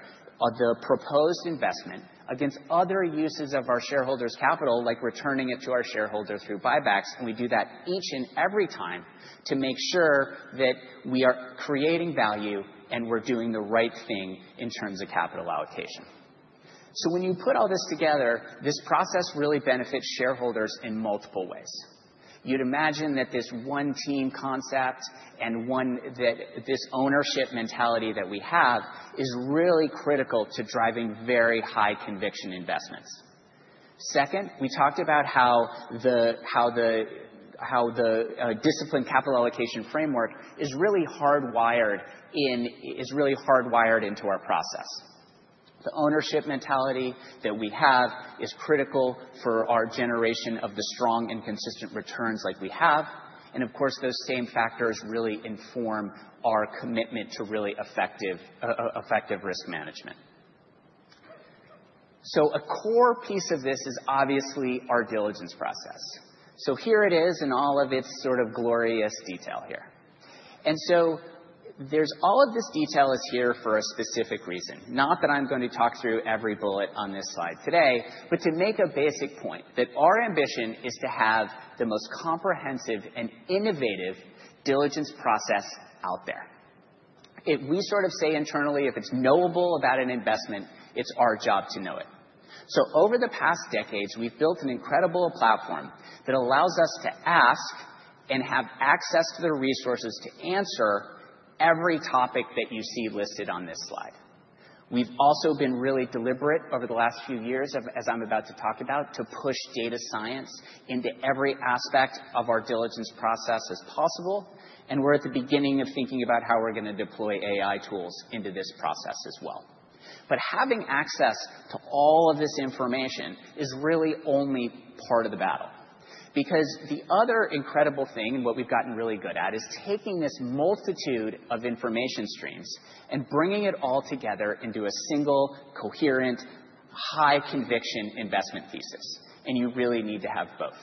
the proposed investment against other uses of our shareholders' capital, like returning it to our shareholder through buybacks. We do that each and every time to make sure that we are creating value and we're doing the right thing in terms of capital allocation. When you put all this together, this process really benefits shareholders in multiple ways. You'd imagine that this one team concept and this ownership mentality that we have is really critical to driving very high-conviction investments. Second, we talked about how the disciplined capital allocation framework is really hardwired into our process. The ownership mentality that we have is critical for our generation of the strong and consistent returns like we have. Of course, those same factors really inform our commitment to really effective risk management. So a core piece of this is obviously our diligence process. So here it is in all of its sort of glorious detail here. And so all of this detail is here for a specific reason. Not that I'm going to talk through every bullet on this slide today, but to make a basic point that our ambition is to have the most comprehensive and innovative diligence process out there. We sort of say internally, if it's knowable about an investment, it's our job to know it. So over the past decades, we've built an incredible platform that allows us to ask and have access to the resources to answer every topic that you see listed on this slide. We've also been really deliberate over the last few years, as I'm about to talk about, to push data science into every aspect of our diligence process as possible. And we're at the beginning of thinking about how we're going to deploy AI tools into this process as well. But having access to all of this information is really only part of the battle because the other incredible thing and what we've gotten really good at is taking this multitude of information streams and bringing it all together into a single coherent, high-conviction investment thesis. And you really need to have both.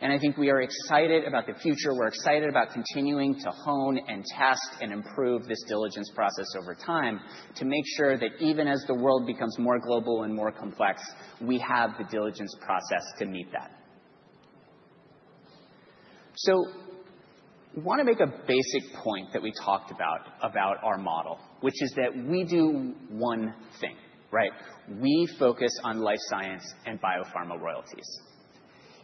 And I think we are excited about the future. We're excited about continuing to hone and test and improve this diligence process over time to make sure that even as the world becomes more global and more complex, we have the diligence process to meet that. So I want to make a basic point that we talked about our model, which is that we do one thing, right? We focus on life science and biopharma royalties.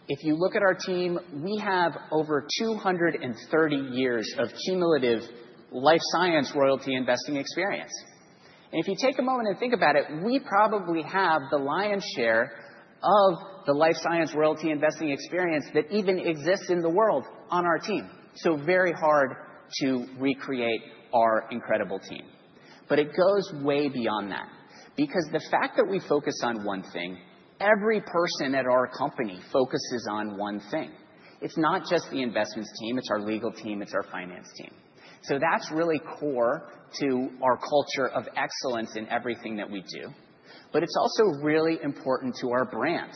If you look at our team, we have over 230 years of cumulative life science royalty investing experience. And if you take a moment and think about it, we probably have the lion's share of the life science royalty investing experience that even exists in the world on our team. So very hard to recreate our incredible team. But it goes way beyond that because the fact that we focus on one thing, every person at our company focuses on one thing. It's not just the investments team. It's our legal team. It's our finance team. So that's really core to our culture of excellence in everything that we do. But it's also really important to our brand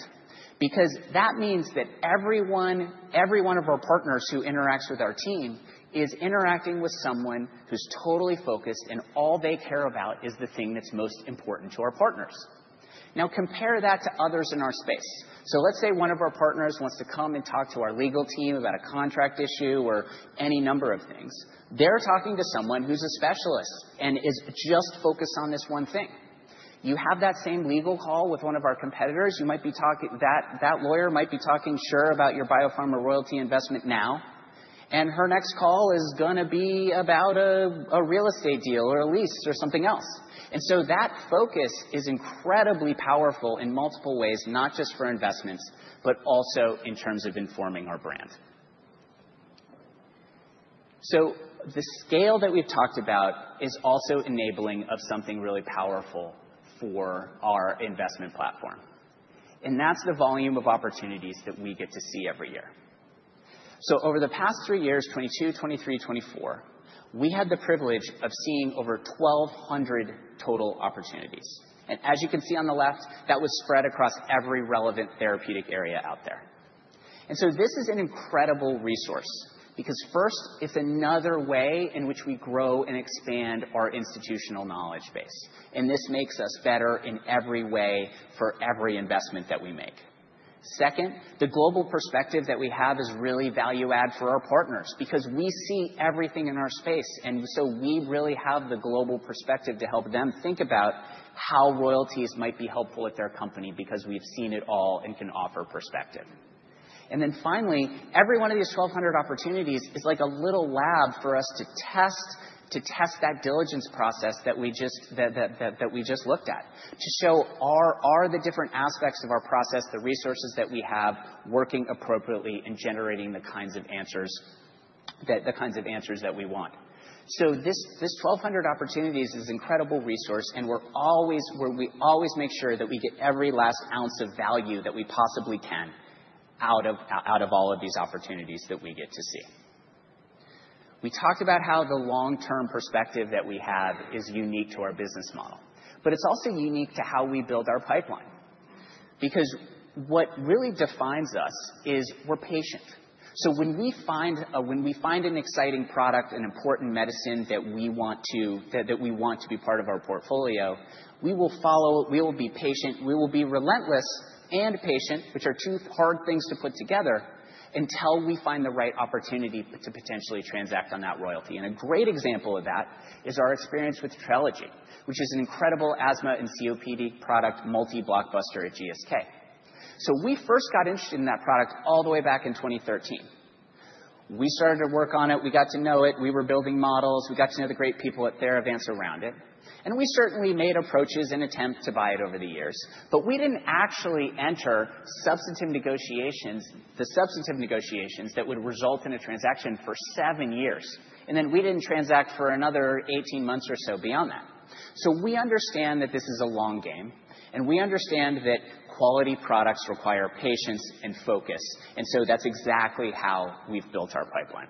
because that means that every one of our partners who interacts with our team is interacting with someone who's totally focused and all they care about is the thing that's most important to our partners. Now compare that to others in our space. So let's say one of our partners wants to come and talk to our legal team about a contract issue or any number of things. They're talking to someone who's a specialist and is just focused on this one thing. You have that same legal call with one of our competitors. That lawyer might be talking, "Sure, about your biopharma royalty investment now." And her next call is going to be about a real estate deal or a lease or something else. That focus is incredibly powerful in multiple ways, not just for investments, but also in terms of informing our brand. So the scale that we've talked about is also enabling of something really powerful for our investment platform. And that's the volume of opportunities that we get to see every year. So over the past three years, 2022, 2023, 2024, we had the privilege of seeing over 1,200 total opportunities. And as you can see on the left, that was spread across every relevant therapeutic area out there. And so this is an incredible resource because first, it's another way in which we grow and expand our institutional knowledge base. And this makes us better in every way for every investment that we make. Second, the global perspective that we have is really value-add for our partners because we see everything in our space. And so we really have the global perspective to help them think about how royalties might be helpful at their company because we've seen it all and can offer perspective. And then finally, every one of these 1,200 opportunities is like a little lab for us to test that diligence process that we just looked at to show are the different aspects of our process, the resources that we have working appropriately and generating the kinds of answers that we want. So this 1,200 opportunities is an incredible resource. And we always make sure that we get every last ounce of value that we possibly can out of all of these opportunities that we get to see. We talked about how the long-term perspective that we have is unique to our business model. But it's also unique to how we build our pipeline because what really defines us is we're patient. So when we find an exciting product, an important medicine that we want to be part of our portfolio, we will follow it. We will be patient. We will be relentless and patient, which are two hard things to put together until we find the right opportunity to potentially transact on that royalty. And a great example of that is our experience with Trelegy, which is an incredible asthma and COPD product, multi-blockbuster at GSK. So we first got interested in that product all the way back in 2013. We started to work on it. We got to know it. We were building models. We got to know the great people at Theravance around it. And we certainly made approaches and attempts to buy it over the years. But we didn't actually enter substantive negotiations that would result in a transaction for seven years. And then we didn't transact for another 18 months or so beyond that. So we understand that this is a long game. And we understand that quality products require patience and focus. And so that's exactly how we've built our pipeline.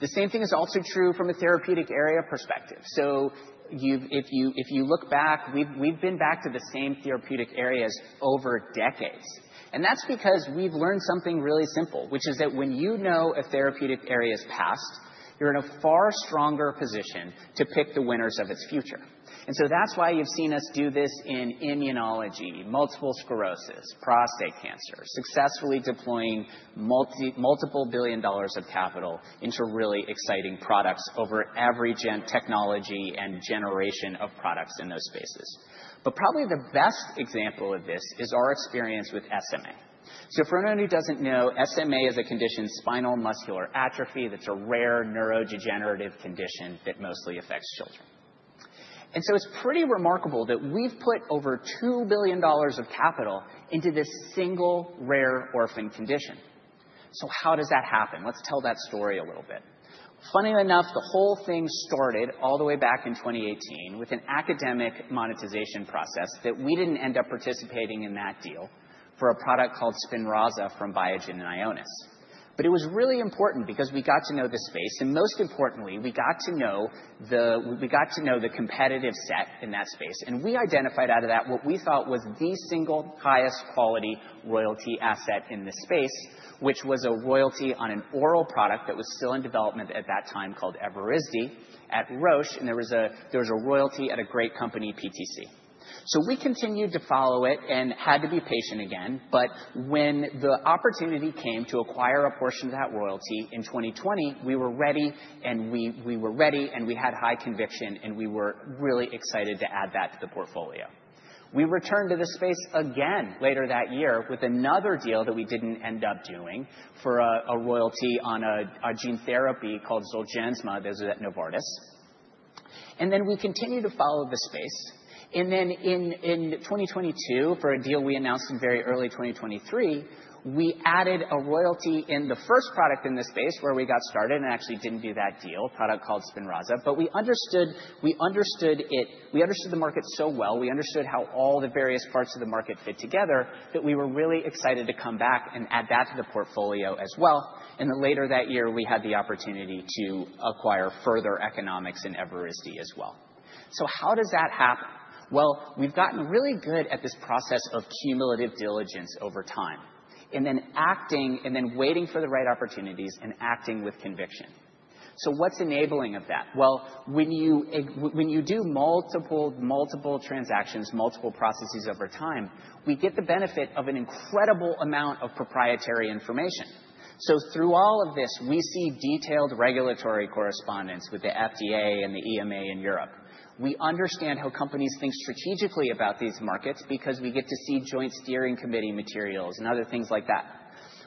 The same thing is also true from a therapeutic area perspective. So if you look back, we've been back to the same therapeutic areas over decades. And that's because we've learned something really simple, which is that when you know a therapeutic area's past, you're in a far stronger position to pick the winners of its future. And so that's why you've seen us do this in immunology, multiple sclerosis, prostate cancer, successfully deploying multiple billion dollars of capital into really exciting products over every technology and generation of products in those spaces. But probably the best example of this is our experience with SMA. So for anyone who doesn't know, SMA is a condition, spinal muscular atrophy. That's a rare neurodegenerative condition that mostly affects children. And so it's pretty remarkable that we've put over $2 billion of capital into this single rare orphan condition. So how does that happen? Let's tell that story a little bit. Funny enough, the whole thing started all the way back in 2018 with an academic monetization process that we didn't end up participating in that deal for a product called Spinraza from Biogen and Ionis. But it was really important because we got to know the space. And most importantly, we got to know the competitive set in that space. We identified out of that what we thought was the single highest quality royalty asset in the space, which was a royalty on an oral product that was still in development at that time called Evrysdi at Roche. There was a royalty at a great company, PTC. We continued to follow it and had to be patient again. When the opportunity came to acquire a portion of that royalty in 2020, we were ready. And we were ready. And we had high conviction. And we were really excited to add that to the portfolio. We returned to the space again later that year with another deal that we didn't end up doing for a royalty on a gene therapy called Zolgensma that was at Novartis. We continued to follow the space. And then in 2022, for a deal we announced in very early 2023, we added a royalty in the first product in the space where we got started and actually didn't do that deal, a product called Spinraza. But we understood it. We understood the market so well. We understood how all the various parts of the market fit together that we were really excited to come back and add that to the portfolio as well. And then later that year, we had the opportunity to acquire further economics in Evrysdi as well. So how does that happen? Well, we've gotten really good at this process of cumulative diligence over time and then waiting for the right opportunities and acting with conviction. So what's enabling of that? Well, when you do multiple transactions, multiple processes over time, we get the benefit of an incredible amount of proprietary information. So through all of this, we see detailed regulatory correspondence with the FDA and the EMA in Europe. We understand how companies think strategically about these markets because we get to see Joint Steering Committee materials and other things like that.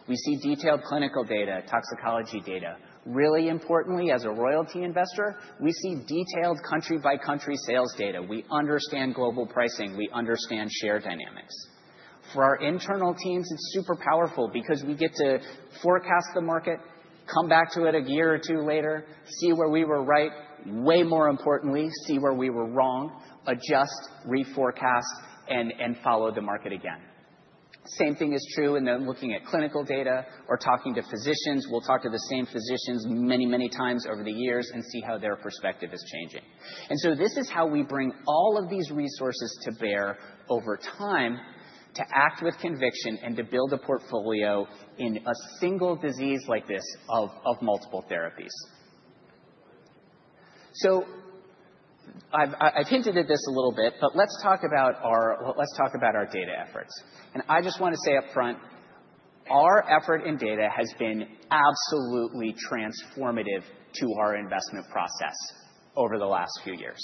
We see detailed clinical data, toxicology data. Really importantly, as a royalty investor, we see detailed country-by-country sales data. We understand global pricing. We understand share dynamics. For our internal teams, it's super powerful because we get to forecast the market, come back to it a year or two later, see where we were right. Way more importantly, see where we were wrong, adjust, reforecast, and follow the market again. Same thing is true in looking at clinical data or talking to physicians. We'll talk to the same physicians many, many times over the years and see how their perspective is changing. And so this is how we bring all of these resources to bear over time to act with conviction and to build a portfolio in a single disease like this of multiple therapies. So I've hinted at this a little bit, but let's talk about our data efforts. And I just want to say upfront, our effort in data has been absolutely transformative to our investment process over the last few years.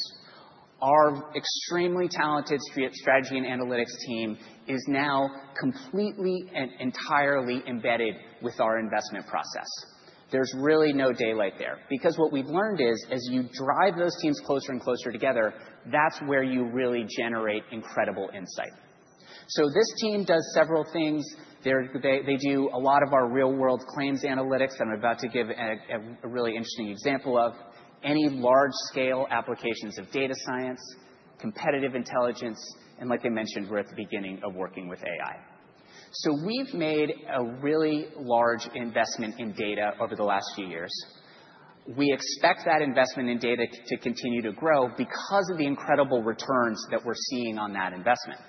Our extremely talented strategy and analytics team is now completely and entirely embedded with our investment process. There's really no daylight there because what we've learned is, as you drive those teams closer and closer together, that's where you really generate incredible insight. So this team does several things. They do a lot of our real-world claims analytics that I'm about to give a really interesting example of, any large-scale applications of data science, competitive intelligence. Like I mentioned, we're at the beginning of working with AI. We've made a really large investment in data over the last few years. We expect that investment in data to continue to grow because of the incredible returns that we're seeing on that investment.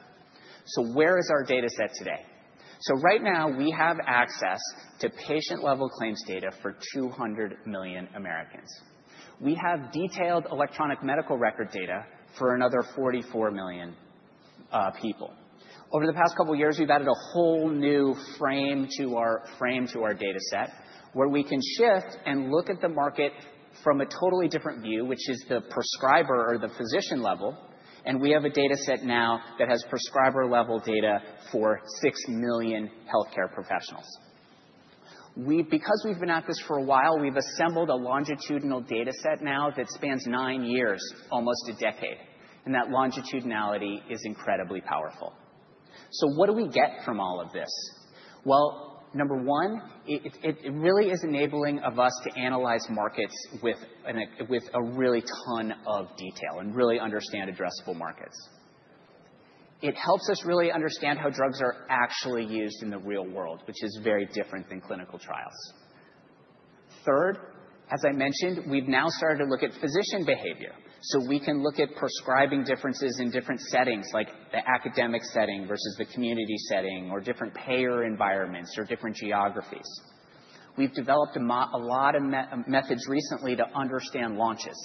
Where is our data set today? Right now, we have access to patient-level claims data for 200 million Americans. We have detailed electronic medical record data for another 44 million people. Over the past couple of years, we've added a whole new frame to our data set where we can shift and look at the market from a totally different view, which is the prescriber or the physician level. We have a data set now that has prescriber-level data for 6 million healthcare professionals. Because we've been at this for a while, we've assembled a longitudinal data set now that spans nine years, almost a decade, and that longitudinality is incredibly powerful, so what do we get from all of this? Well, number one, it really is enabling of us to analyze markets with a really ton of detail and really understand addressable markets. It helps us really understand how drugs are actually used in the real world, which is very different than clinical trials. Third, as I mentioned, we've now started to look at physician behavior. So we can look at prescribing differences in different settings, like the academic setting versus the community setting or different payer environments or different geographies. We've developed a lot of methods recently to understand launches,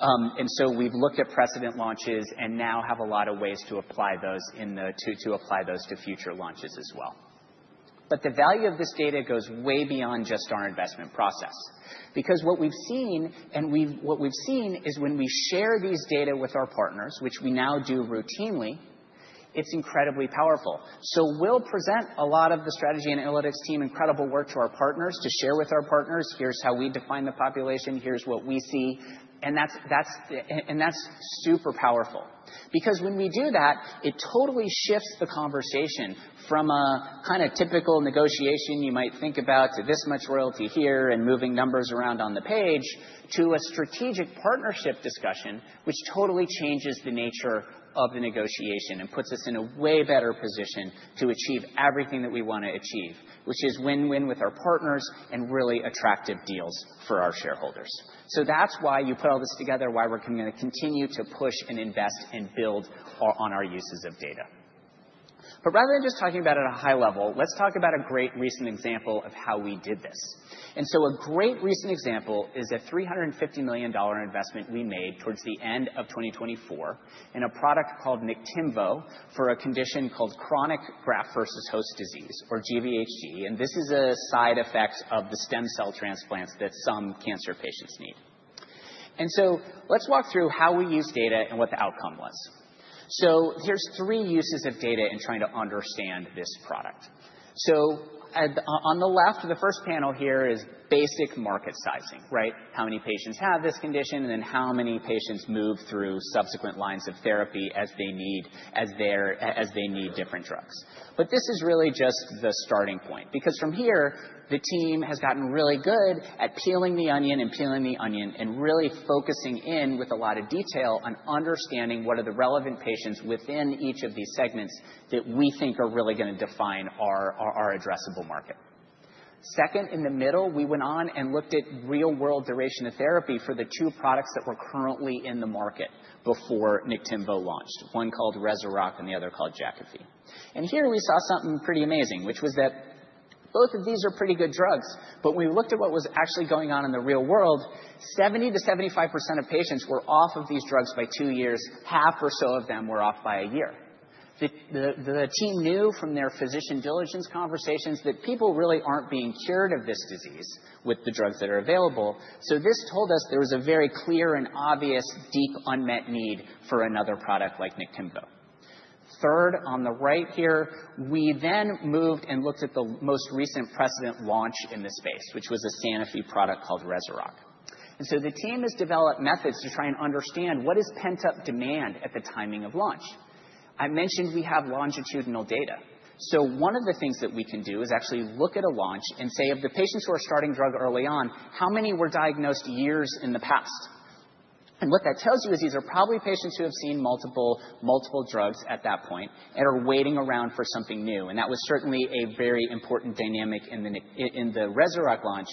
and so we've looked at precedent launches and now have a lot of ways to apply those to future launches as well. But the value of this data goes way beyond just our investment process because what we've seen is when we share these data with our partners, which we now do routinely, it's incredibly powerful. So we'll present a lot of the strategy and analytics team, incredible work to our partners to share with our partners. Here's how we define the population. Here's what we see. And that's super powerful because when we do that, it totally shifts the conversation from a kind of typical negotiation you might think about to this much royalty here and moving numbers around on the page to a strategic partnership discussion, which totally changes the nature of the negotiation and puts us in a way better position to achieve everything that we want to achieve, which is win-win with our partners and really attractive deals for our shareholders. So that's why you put all this together, why we're going to continue to push and invest and build on our uses of data. But rather than just talking about it at a high level, let's talk about a great recent example of how we did this. And so a great recent example is a $350 million investment we made towards the end of 2024 in a product called Niktimvo for a condition called chronic graft-versus-host disease, or GVHD. And so let's walk through how we used data and what the outcome was. So here's three uses of data in trying to understand this product. So on the left, the first panel here is basic market sizing, right? How many patients have this condition and then how many patients move through subsequent lines of therapy as they need different drugs, but this is really just the starting point because from here, the team has gotten really good at peeling the onion and peeling the onion and really focusing in with a lot of detail on understanding what are the relevant patients within each of these segments that we think are really going to define our addressable market. Second, in the middle, we went on and looked at real-world duration of therapy for the two products that were currently in the market before Niktimvo launched, one called Rezurock and the other called Jakafi, and here we saw something pretty amazing, which was that both of these are pretty good drugs. But when we looked at what was actually going on in the real world, 70%-75% of patients were off of these drugs by two years. Half or so of them were off by a year. The team knew from their physician diligence conversations that people really aren't being cured of this disease with the drugs that are available. So this told us there was a very clear and obvious deep unmet need for another product like Niktimvo. Third, on the right here, we then moved and looked at the most recent precedent launch in the space, which was a Sanofi product called Rezurock. And so the team has developed methods to try and understand what is pent-up demand at the timing of launch. I mentioned we have longitudinal data. One of the things that we can do is actually look at a launch and say, of the patients who are starting drug early on, how many were diagnosed years in the past? What that tells you is these are probably patients who have seen multiple drugs at that point and are waiting around for something new. That was certainly a very important dynamic in the Rezurock launch.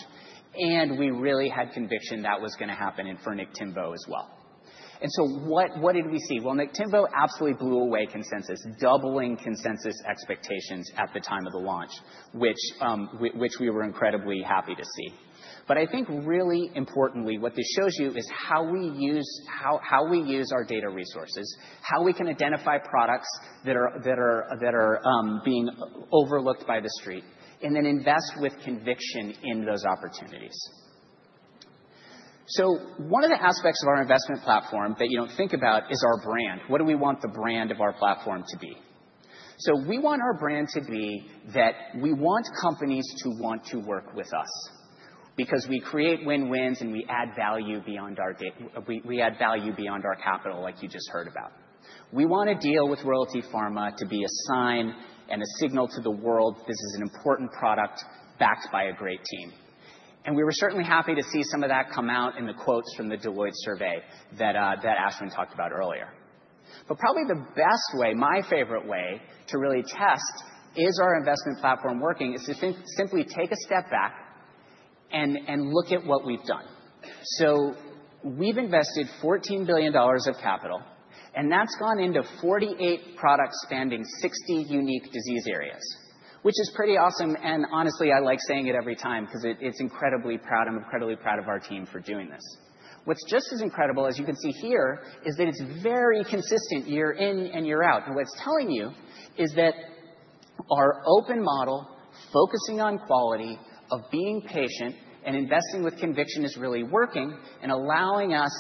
We really had conviction that was going to happen for Niktimvo as well. What did we see? Well, Niktimvo absolutely blew away consensus, doubling consensus expectations at the time of the launch, which we were incredibly happy to see. I think really importantly, what this shows you is how we use our data resources, how we can identify products that are being overlooked by the street, and then invest with conviction in those opportunities. One of the aspects of our investment platform that you don't think about is our brand. What do we want the brand of our platform to be? We want our brand to be that we want companies to want to work with us because we create win-wins and we add value beyond our capital, like you just heard about. We want to deal with Royalty Pharma to be a sign and a signal to the world this is an important product backed by a great team. We were certainly happy to see some of that come out in the quotes from the Deloitte survey that Ashwin talked about earlier. Probably the best way, my favorite way to really test is our investment platform working is to simply take a step back and look at what we've done. So we've invested $14 billion of capital, and that's gone into 48 products spanning 60 unique disease areas, which is pretty awesome. And honestly, I like saying it every time because it's incredibly proud. I'm incredibly proud of our team for doing this. What's just as incredible, as you can see here, is that it's very consistent year in and year out. And what it's telling you is that our open model, focusing on quality of being patient and investing with conviction, is really working and allowing us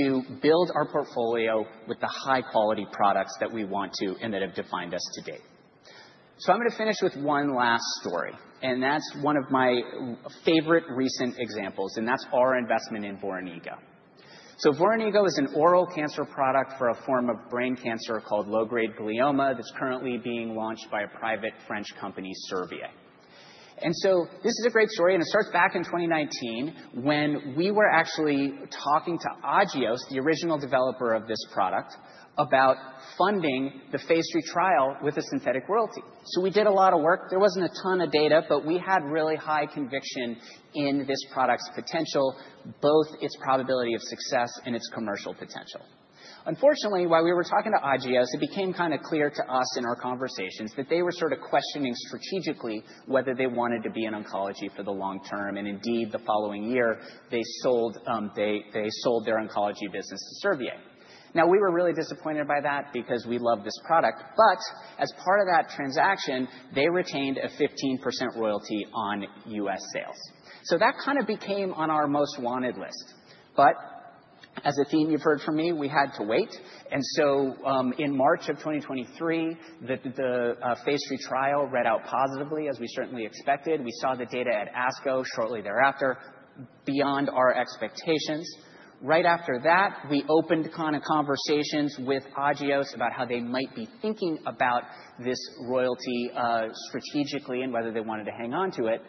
to build our portfolio with the high-quality products that we want to and that have defined us to date. So I'm going to finish with one last story. And that's one of my favorite recent examples, and that's our investment in Voranigo. Voranigo is an oral cancer product for a form of brain cancer called low-grade glioma that's currently being launched by a private French company, Servier. And so this is a great story. And it starts back in 2019 when we were actually talking to Agios, the original developer of this product, about phase III trial with a synthetic royalty. So we did a lot of work. There wasn't a ton of data, but we had really high conviction in this product's potential, both its probability of success and its commercial potential. Unfortunately, while we were talking to Agios, it became kind of clear to us in our conversations that they were sort of questioning strategically whether they wanted to be in oncology for the long term. And indeed, the following year, they sold their oncology business to Servier. Now, we were really disappointed by that because we love this product. But as part of that transaction, they retained a 15% royalty on U.S. sales. So that kind of became on our most wanted list. But as a team you've heard from me, we had to wait. And so in March of phase III trial read out positively, as we certainly expected. We saw the data at ASCO shortly thereafter, beyond our expectations. Right after that, we opened kind of conversations with Agios about how they might be thinking about this royalty strategically and whether they wanted to hang on to it.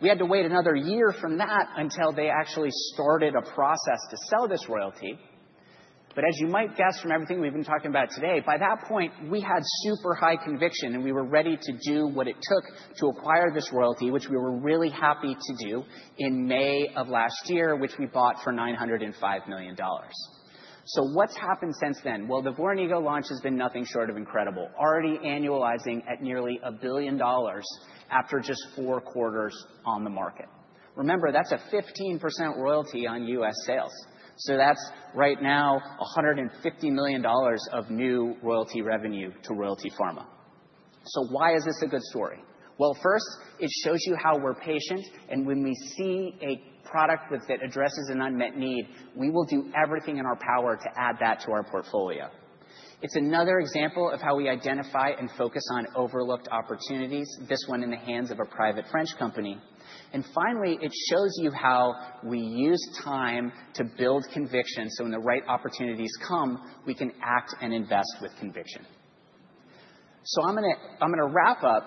We had to wait another year from that until they actually started a process to sell this royalty. But as you might guess from everything we've been talking about today, by that point, we had super high conviction, and we were ready to do what it took to acquire this royalty, which we were really happy to do in May of last year, which we bought for $905 million. So what's happened since then? Well, the Voranigo launch has been nothing short of incredible, already annualizing at nearly a billion dollars after just four quarters on the market. Remember, that's a 15% royalty on U.S. sales. So that's right now $150 million of new royalty revenue to Royalty Pharma. So why is this a good story? Well, first, it shows you how we're patient. And when we see a product that addresses an unmet need, we will do everything in our power to add that to our portfolio. It's another example of how we identify and focus on overlooked opportunities, this one in the hands of a private French company, and finally, it shows you how we use time to build conviction so when the right opportunities come, we can act and invest with conviction, so I'm going to wrap up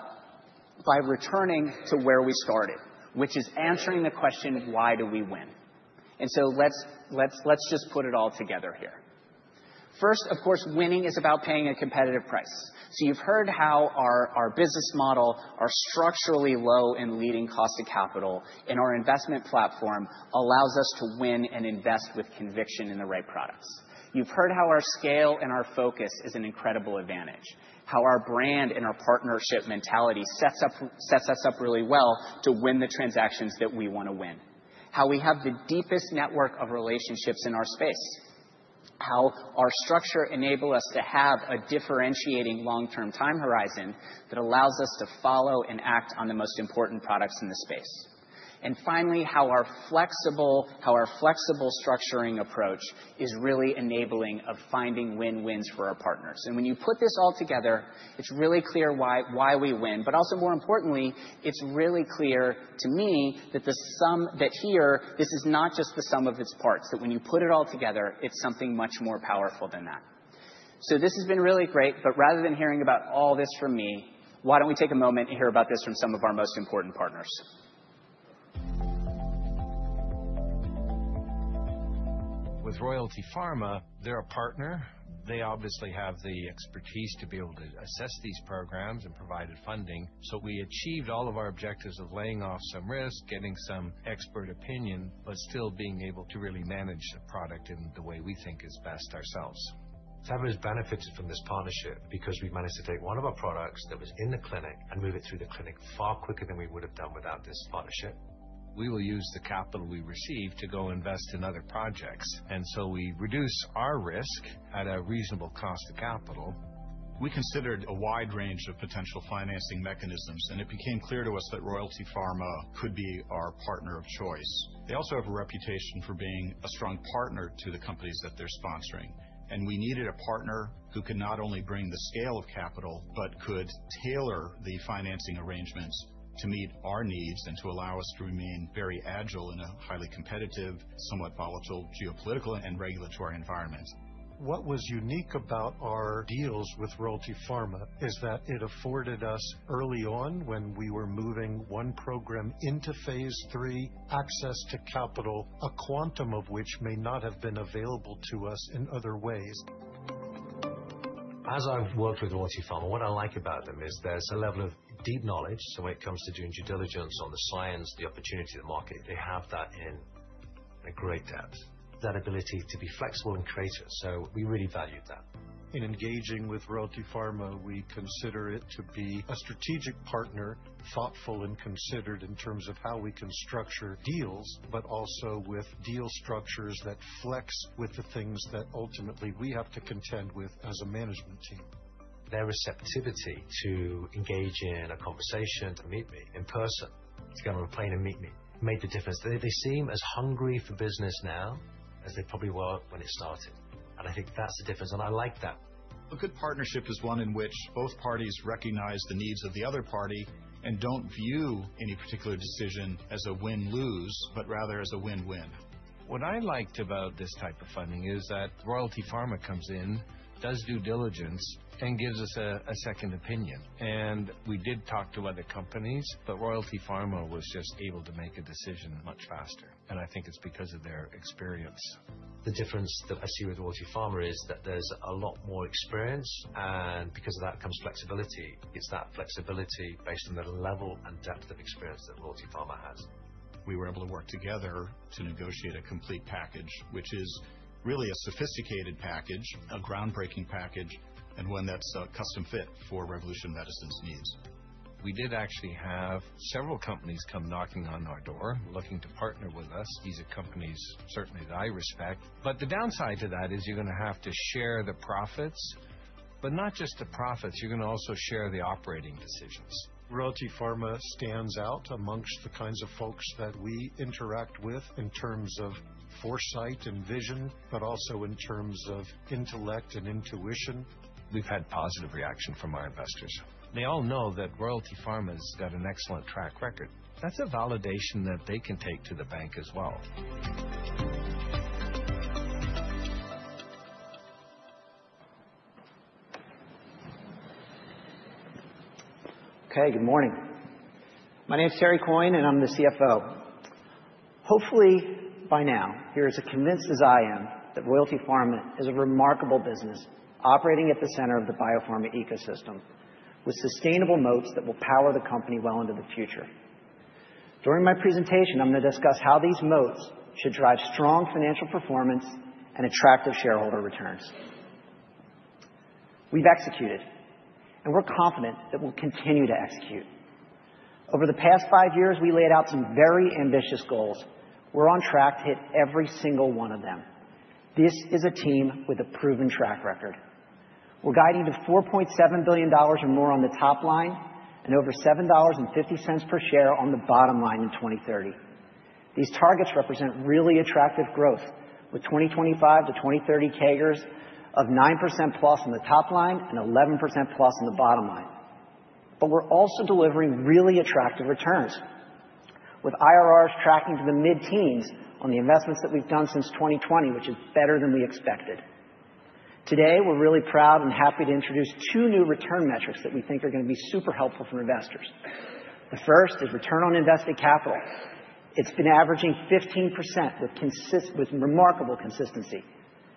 by returning to where we started, which is answering the question, why do we win, and so let's just put it all together here. First, of course, winning is about paying a competitive price, so you've heard how our business model is structurally low and leading cost of capital, and our investment platform allows us to win and invest with conviction in the right products. You've heard how our scale and our focus is an incredible advantage, how our brand and our partnership mentality sets us up really well to win the transactions that we want to win, how we have the deepest network of relationships in our space, how our structure enables us to have a differentiating long-term time horizon that allows us to follow and act on the most important products in the space. And finally, how our flexible structuring approach is really enabling of finding win-wins for our partners. And when you put this all together, it's really clear why we win. But also, more importantly, it's really clear to me that here, this is not just the sum of its parts, that when you put it all together, it's something much more powerful than that. So this has been really great. But rather than hearing about all this from me, why don't we take a moment and hear about this from some of our most important partners? With Royalty Pharma, they're a partner. They obviously have the expertise to be able to assess these programs and provide funding. So we achieved all of our objectives of laying off some risk, getting some expert opinion, but still being able to really manage the product in the way we think is best ourselves. We've had those benefits from this partnership because we've managed to take one of our products that was in the clinic and move it through the clinic far quicker than we would have done without this partnership. We will use the capital we receive to go invest in other projects. And so we reduce our risk at a reasonable cost of capital. We considered a wide range of potential financing mechanisms, and it became clear to us that Royalty Pharma could be our partner of choice. They also have a reputation for being a strong partner to the companies that they're sponsoring. And we needed a partner who could not only bring the scale of capital, but could tailor the financing arrangements to meet our needs and to allow us to remain very agile in a highly competitive, somewhat volatile geopolitical and regulatory environment. What was unique about our deals with Royalty Pharma is that it afforded us early on, when we were moving one phase III, access to capital, a quantum of which may not have been available to us in other ways. As I've worked with Royalty Pharma, what I like about them is there's a level of deep knowledge. When it comes to doing due diligence on the science, the opportunity, the market, they have that in great depth, that ability to be flexible and creative. We really valued that. In engaging with Royalty Pharma, we consider it to be a strategic partner, thoughtful and considered in terms of how we can structure deals, but also with deal structures that flex with the things that ultimately we have to contend with as a management team. Their receptivity to engage in a conversation, to meet me in person, to come on a plane and meet me made the difference. They seem as hungry for business now as they probably were when it started. I think that's the difference. I like that. A good partnership is one in which both parties recognize the needs of the other party and don't view any particular decision as a win-lose, but rather as a win-win. What I liked about this type of funding is that Royalty Pharma comes in, does due diligence, and gives us a second opinion, and we did talk to other companies, but Royalty Pharma was just able to make a decision much faster. And I think it's because of their experience. The difference that I see with Royalty Pharma is that there's a lot more experience, and because of that comes flexibility. It's that flexibility based on the level and depth of experience that Royalty Pharma has. We were able to work together to negotiate a complete package, which is really a sophisticated package, a groundbreaking package, and one that's a custom fit for Revolution Medicines's needs. We did actually have several companies come knocking on our door looking to partner with us. These are companies certainly that I respect. But the downside to that is you're going to have to share the profits, but not just the profits. You're going to also share the operating decisions. Royalty Pharma stands out amongst the kinds of folks that we interact with in terms of foresight and vision, but also in terms of intellect and intuition. We've had positive reaction from our investors. They all know that Royalty Pharma's got an excellent track record. That's a validation that they can take to the bank as well. Okay, good morning. My name's Terry Coyne, and I'm the CFO. Hopefully, by now, you're as convinced as I am that Royalty Pharma is a remarkable business operating at the center of the biopharma ecosystem with sustainable moats that will power the company well into the future. During my presentation, I'm going to discuss how these moats should drive strong financial performance and attractive shareholder returns. We've executed, and we're confident that we'll continue to execute. Over the past five years, we laid out some very ambitious goals. We're on track to hit every single one of them. This is a team with a proven track record. We're guiding to $4.7 billion or more on the top line and over $7.50 per share on the bottom line in 2030. These targets represent really attractive growth with 2025 to 2030 CAGRs of 9% plus on the top line and 11% plus on the bottom line. But we're also delivering really attractive returns with IRRs tracking to the mid-teens on the investments that we've done since 2020, which is better than we expected. Today, we're really proud and happy to introduce two new return metrics that we think are going to be super helpful for investors. The first is return on invested capital. It's been averaging 15% with remarkable consistency.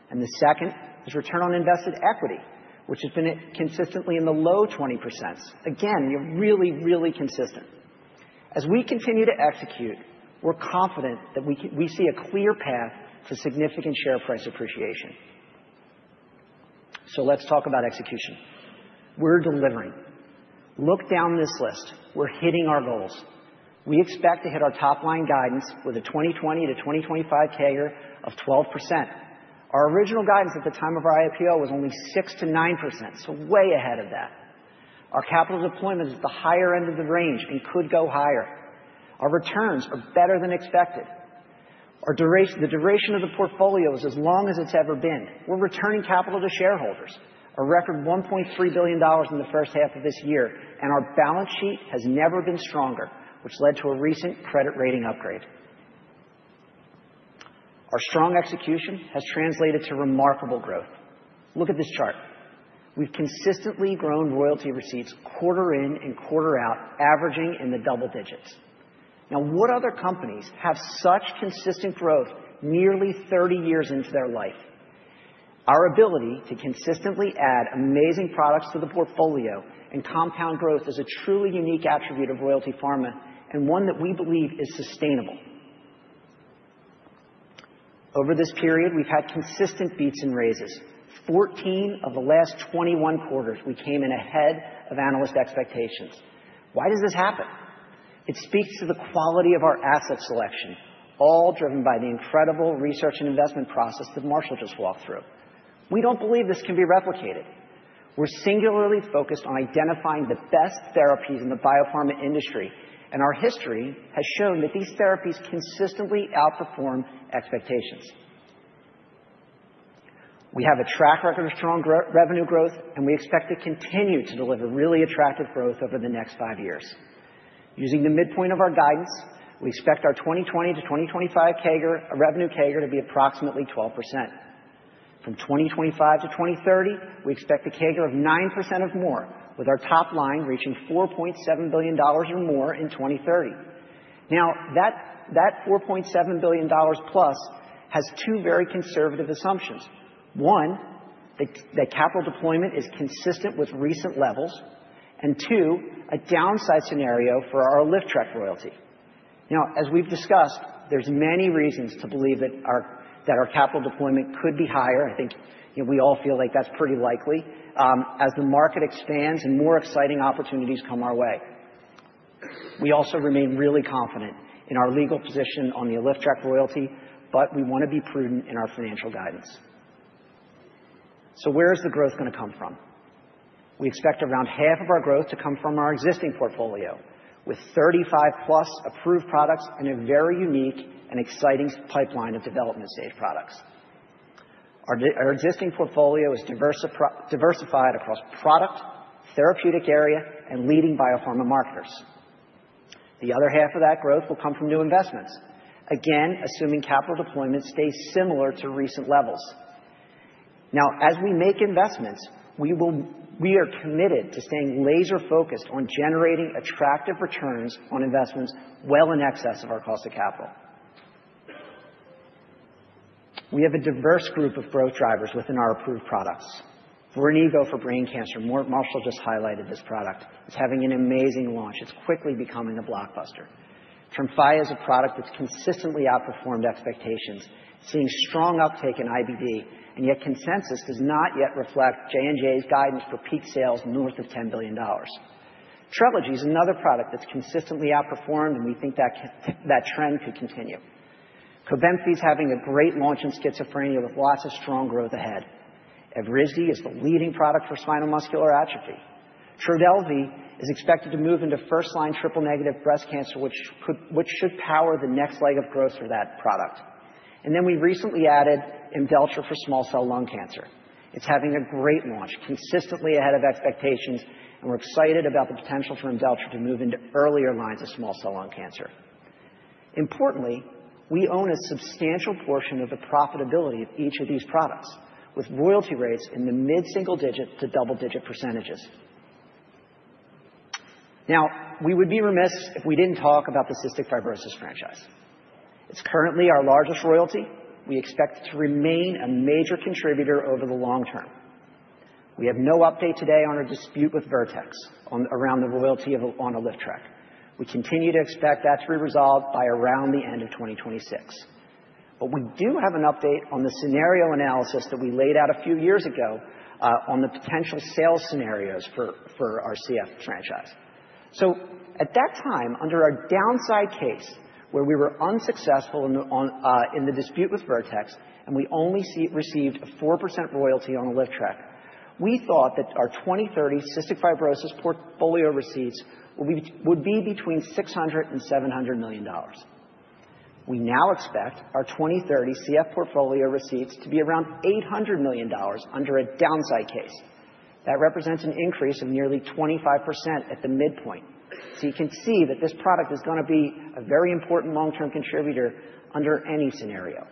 And the second is return on invested equity, which has been consistently in the low 20%s. Again, you're really, really consistent. As we continue to execute, we're confident that we see a clear path to significant share price appreciation. So let's talk about execution. We're delivering. Look down this list. We're hitting our goals. We expect to hit our top line guidance with a 2020 to 2025 CAGR of 12%. Our original guidance at the time of our IPO was only 6%-9%, so way ahead of that. Our capital deployment is at the higher end of the range and could go higher. Our returns are better than expected. The duration of the portfolio is as long as it's ever been. We're returning capital to shareholders, a record $1.3 billion in the first half of this year, and our balance sheet has never been stronger, which led to a recent credit rating upgrade. Our strong execution has translated to remarkable growth. Look at this chart. We've consistently grown royalty receipts quarter in and quarter out, averaging in the double digits. Now, what other companies have such consistent growth nearly 30 years into their life? Our ability to consistently add amazing products to the portfolio and compound growth is a truly unique attribute of Royalty Pharma and one that we believe is sustainable. Over this period, we've had consistent beats and raises. 14 of the last 21 quarters, we came in ahead of analyst expectations. Why does this happen? It speaks to the quality of our asset selection, all driven by the incredible research and investment process that Marshall just walked through. We don't believe this can be replicated. We're singularly focused on identifying the best therapies in the biopharma industry, and our history has shown that these therapies consistently outperform expectations. We have a track record of strong revenue growth, and we expect to continue to deliver really attractive growth over the next five years. Using the midpoint of our guidance, we expect our 2020 to 2025 CAGR revenue CAGR to be approximately 12%. From 2025 to 2030, we expect a CAGR of 9% or more, with our top line reaching $4.7 billion or more in 2030. Now, that $4.7 billion plus has two very conservative assumptions. One, that capital deployment is consistent with recent levels, and two, a downside scenario for ourTrikafta royalty. Now, as we've discussed, there's many reasons to believe that our capital deployment could be higher. I think we all feel like that's pretty likely as the market expands and more exciting opportunities come our way. We also remain really confident in our legal position on theTrikafta royalty, but we want to be prudent in our financial guidance. So where is the growth going to come from? We expect around half of our growth to come from our existing portfolio, with 35-plus approved products and a very unique and exciting pipeline of development-stage products. Our existing portfolio is diversified across product, therapeutic area, and leading biopharma marketers. The other half of that growth will come from new investments, again, assuming capital deployment stays similar to recent levels. Now, as we make investments, we are committed to staying laser-focused on generating attractive returns on investments well in excess of our cost of capital. We have a diverse group of growth drivers within our approved products. Voranigo for brain cancer, Marshall just highlighted this product. It's having an amazing launch. It's quickly becoming a blockbuster. Tremfya is a product that's consistently outperformed expectations, seeing strong uptake in IBD, and yet consensus does not yet reflect J&J's guidance for peak sales north of $10 billion. Trelegy is another product that's consistently outperformed, and we think that trend could continue. Cobenfy is having a great launch in schizophrenia with lots of strong growth ahead. Evrysdi is the leading product for spinal muscular atrophy. Trodelvy is expected to move into first-line triple-negative breast cancer, which should power the next leg of growth for that product. And then we recently added Imdelltra for small cell lung cancer. It's having a great launch, consistently ahead of expectations, and we're excited about the potential for Imdelltra to move into earlier lines of small cell lung cancer. Importantly, we own a substantial portion of the profitability of each of these products, with royalty rates in the mid-single-digit% to double-digit%. Now, we would be remiss if we didn't talk about the cystic fibrosis franchise. It's currently our largest royalty. We expect to remain a major contributor over the long term. We have no update today on our dispute with Vertex around the royalty on aTrikafta. We continue to expect that to be resolved by around the end of 2026. But we do have an update on the scenario analysis that we laid out a few years ago on the potential sales scenarios for our CF franchise. So at that time, under our downside case where we were unsuccessful in the dispute with Vertex, and we only received a 4% royalty onTrikafta, we thought that our 2030 cystic fibrosis portfolio receipts would be between $600 and $700 million. We now expect our 2030 CF portfolio receipts to be around $800 million under a downside case. That represents an increase of nearly 25% at the midpoint. So you can see that this product is going to be a very important long-term contributor under any scenario.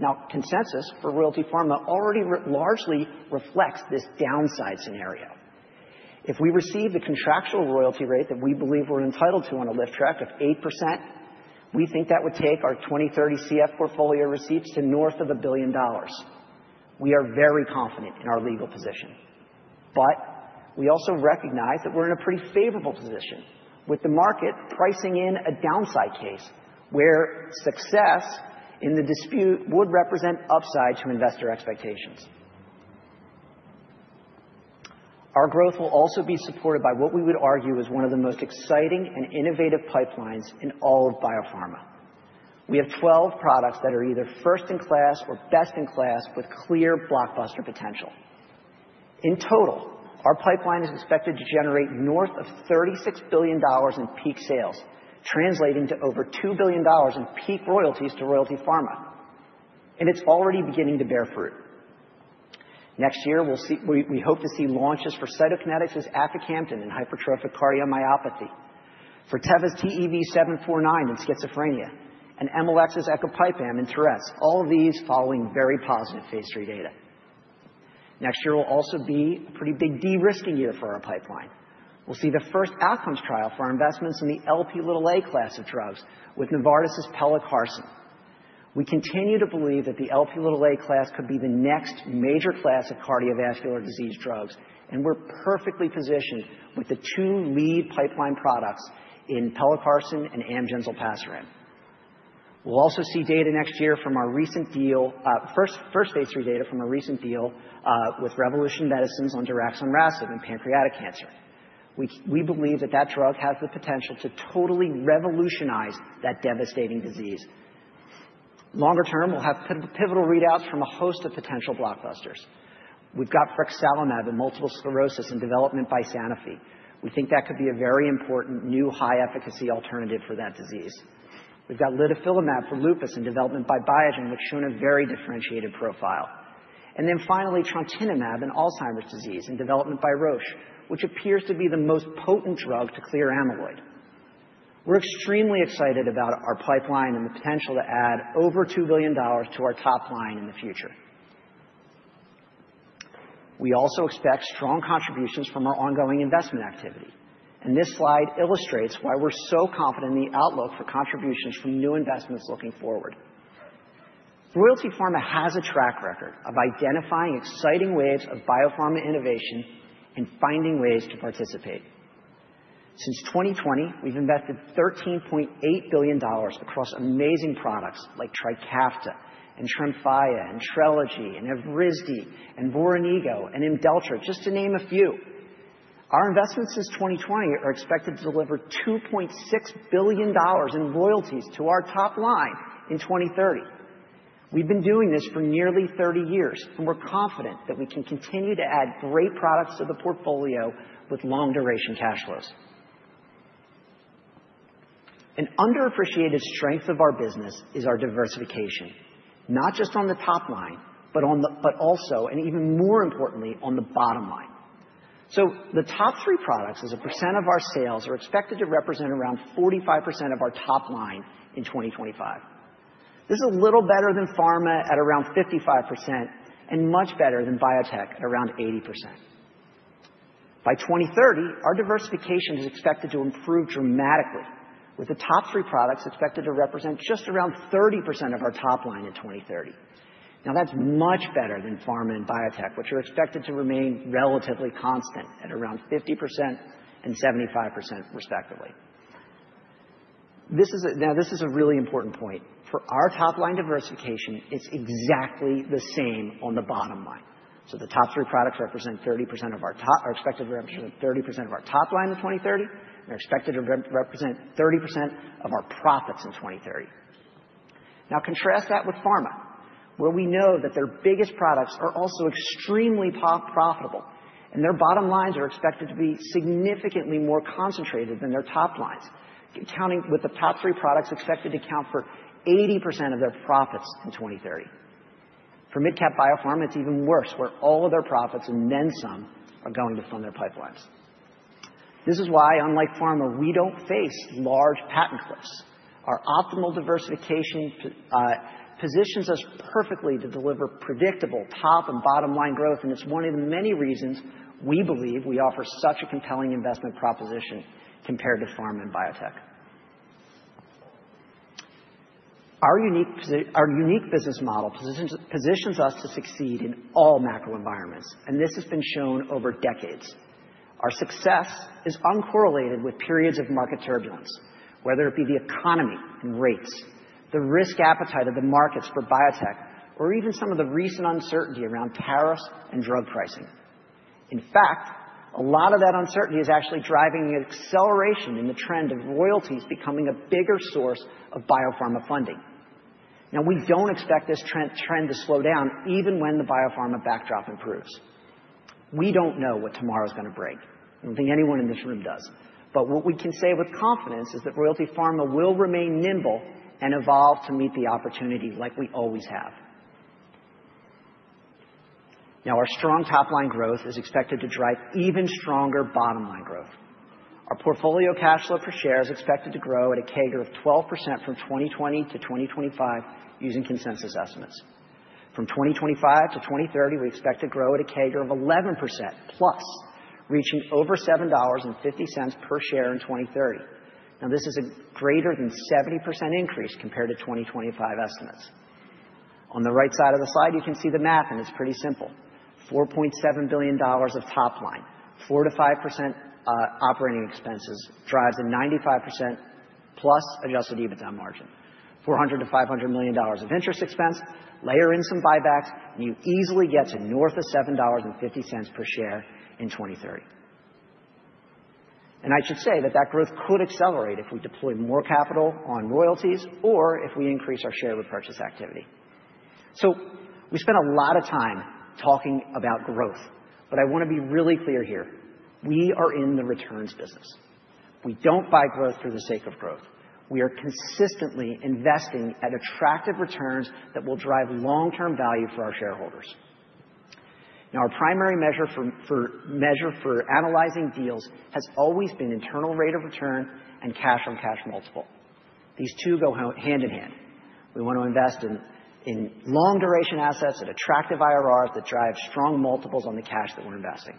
Now, consensus for Royalty Pharma already largely reflects this downside scenario. If we receive the contractual royalty rate that we believe we're entitled to onTrikafta of 8%, we think that would take our 2030 CF portfolio receipts to north of $1 billion. We are very confident in our legal position. But we also recognize that we're in a pretty favorable position, with the market pricing in a downside case where success in the dispute would represent upside to investor expectations. Our growth will also be supported by what we would argue is one of the most exciting and innovative pipelines in all of biopharma. We have 12 products that are either first-in-class or best-in-class with clear blockbuster potential. In total, our pipeline is expected to generate north of $36 billion in peak sales, translating to over $2 billion in peak royalties to Royalty Pharma. And it's already beginning to bear fruit. Next year, we hope to see launches for Cytokinetics' Afacamton and hypertrophic cardiomyopathy, for Teva's TEV-749 and schizophrenia, and Emalex's Ecopipam and Tourette's, all of these following very phase III data. Next year will also be a pretty big de-risking year for our pipeline. We'll see the first outcomes trial for our investments in the Lp(a) class of drugs with Novartis's Pelacarsen. We continue to believe that the Lp(a) class could be the next major class of cardiovascular disease drugs, and we're perfectly positioned with the two lead pipeline products in Pelacarsen and Olpasiran. We'll also see data next year from our recent phase III data from our recent deal with Revolution Medicines on RMC-6236 in pancreatic cancer. We believe that that drug has the potential to totally revolutionize that devastating disease. Longer term, we'll have pivotal readouts from a host of potential blockbusters. We've got Frexalimab in multiple sclerosis and development by Sanofi. We think that could be a very important new high-efficacy alternative for that disease. We've got Litifilimab for lupus in development by Biogen, which shown a very differentiated profile. And then finally, Trontinemab in Alzheimer's disease in development by Roche, which appears to be the most potent drug to clear amyloid. We're extremely excited about our pipeline and the potential to add over $2 billion to our top line in the future. We also expect strong contributions from our ongoing investment activity. And this slide illustrates why we're so confident in the outlook for contributions from new investments looking forward. Royalty Pharma has a track record of identifying exciting waves of biopharma innovation and finding ways to participate. Since 2020, we've invested $13.8 billion across amazing products like Trikafta and Tremfya and Trelegy and Evrysdi and Voranigo and Imdelltra, just to name a few. Our investments since 2020 are expected to deliver $2.6 billion in royalties to our top line in 2030. We've been doing this for nearly 30 years, and we're confident that we can continue to add great products to the portfolio with long-duration cash flows. An underappreciated strength of our business is our diversification, not just on the top line, but also, and even more importantly, on the bottom line, so the top three products, as a percent of our sales, are expected to represent around 45% of our top line in 2025. This is a little better than Pharma at around 55% and much better than Biotech at around 80%. By 2030, our diversification is expected to improve dramatically, with the top three products expected to represent just around 30% of our top line in 2030. Now, that's much better than pharma and biotech, which are expected to remain relatively constant at around 50% and 75%, respectively. Now, this is a really important point. For our top line diversification, it's exactly the same on the bottom line. So the top three products are expected to represent 30% of our top line in 2030, and they're expected to represent 30% of our profits in 2030. Now, contrast that with pharma, where we know that their biggest products are also extremely profitable, and their bottom lines are expected to be significantly more concentrated than their top lines, with the top three products expected to account for 80% of their profits in 2030. For mid-cap biopharma, it's even worse, where all of their profits and then some are going to fund their pipelines. This is why, unlike Pharma, we don't face large patent cliffs. Our optimal diversification positions us perfectly to deliver predictable top and bottom line growth, and it's one of the many reasons we believe we offer such a compelling investment proposition compared to Pharma and Biotech. Our unique business model positions us to succeed in all macro environments, and this has been shown over decades. Our success is uncorrelated with periods of market turbulence, whether it be the economy and rates, the risk appetite of the markets for biotech, or even some of the recent uncertainty around tariffs and drug pricing. In fact, a lot of that uncertainty is actually driving an acceleration in the trend of royalties becoming a bigger source of biopharma funding. Now, we don't expect this trend to slow down even when the biopharma backdrop improves. We don't know what tomorrow is going to break. I don't think anyone in this room does. But what we can say with confidence is that Royalty Pharma will remain nimble and evolve to meet the opportunity like we always have. Now, our strong top line growth is expected to drive even stronger bottom line growth. Our portfolio cash flow per share is expected to grow at a CAGR of 12% from 2020 to 2025, using consensus estimates. From 2025 to 2030, we expect to grow at a CAGR of 11%, plus reaching over $7.50 per share in 2030. Now, this is a greater than 70% increase compared to 2025 estimates. On the right side of the slide, you can see the math, and it's pretty simple. $4.7 billion of top line, 4%-5% operating expenses drives a 95% plus Adjusted EBITDA margin, $400 million-$500 million of interest expense, layer in some buybacks, and you easily get to north of $7.50 per share in 2030. And I should say that that growth could accelerate if we deploy more capital on royalties or if we increase our share repurchase activity. So we spend a lot of time talking about growth, but I want to be really clear here. We are in the returns business. We don't buy growth for the sake of growth. We are consistently investing at attractive returns that will drive long-term value for our shareholders. Now, our primary measure for analyzing deals has always been internal rate of return and cash-on-cash multiple. These two go hand in hand. We want to invest in long-duration assets at attractive IRRs that drive strong multiples on the cash that we're investing.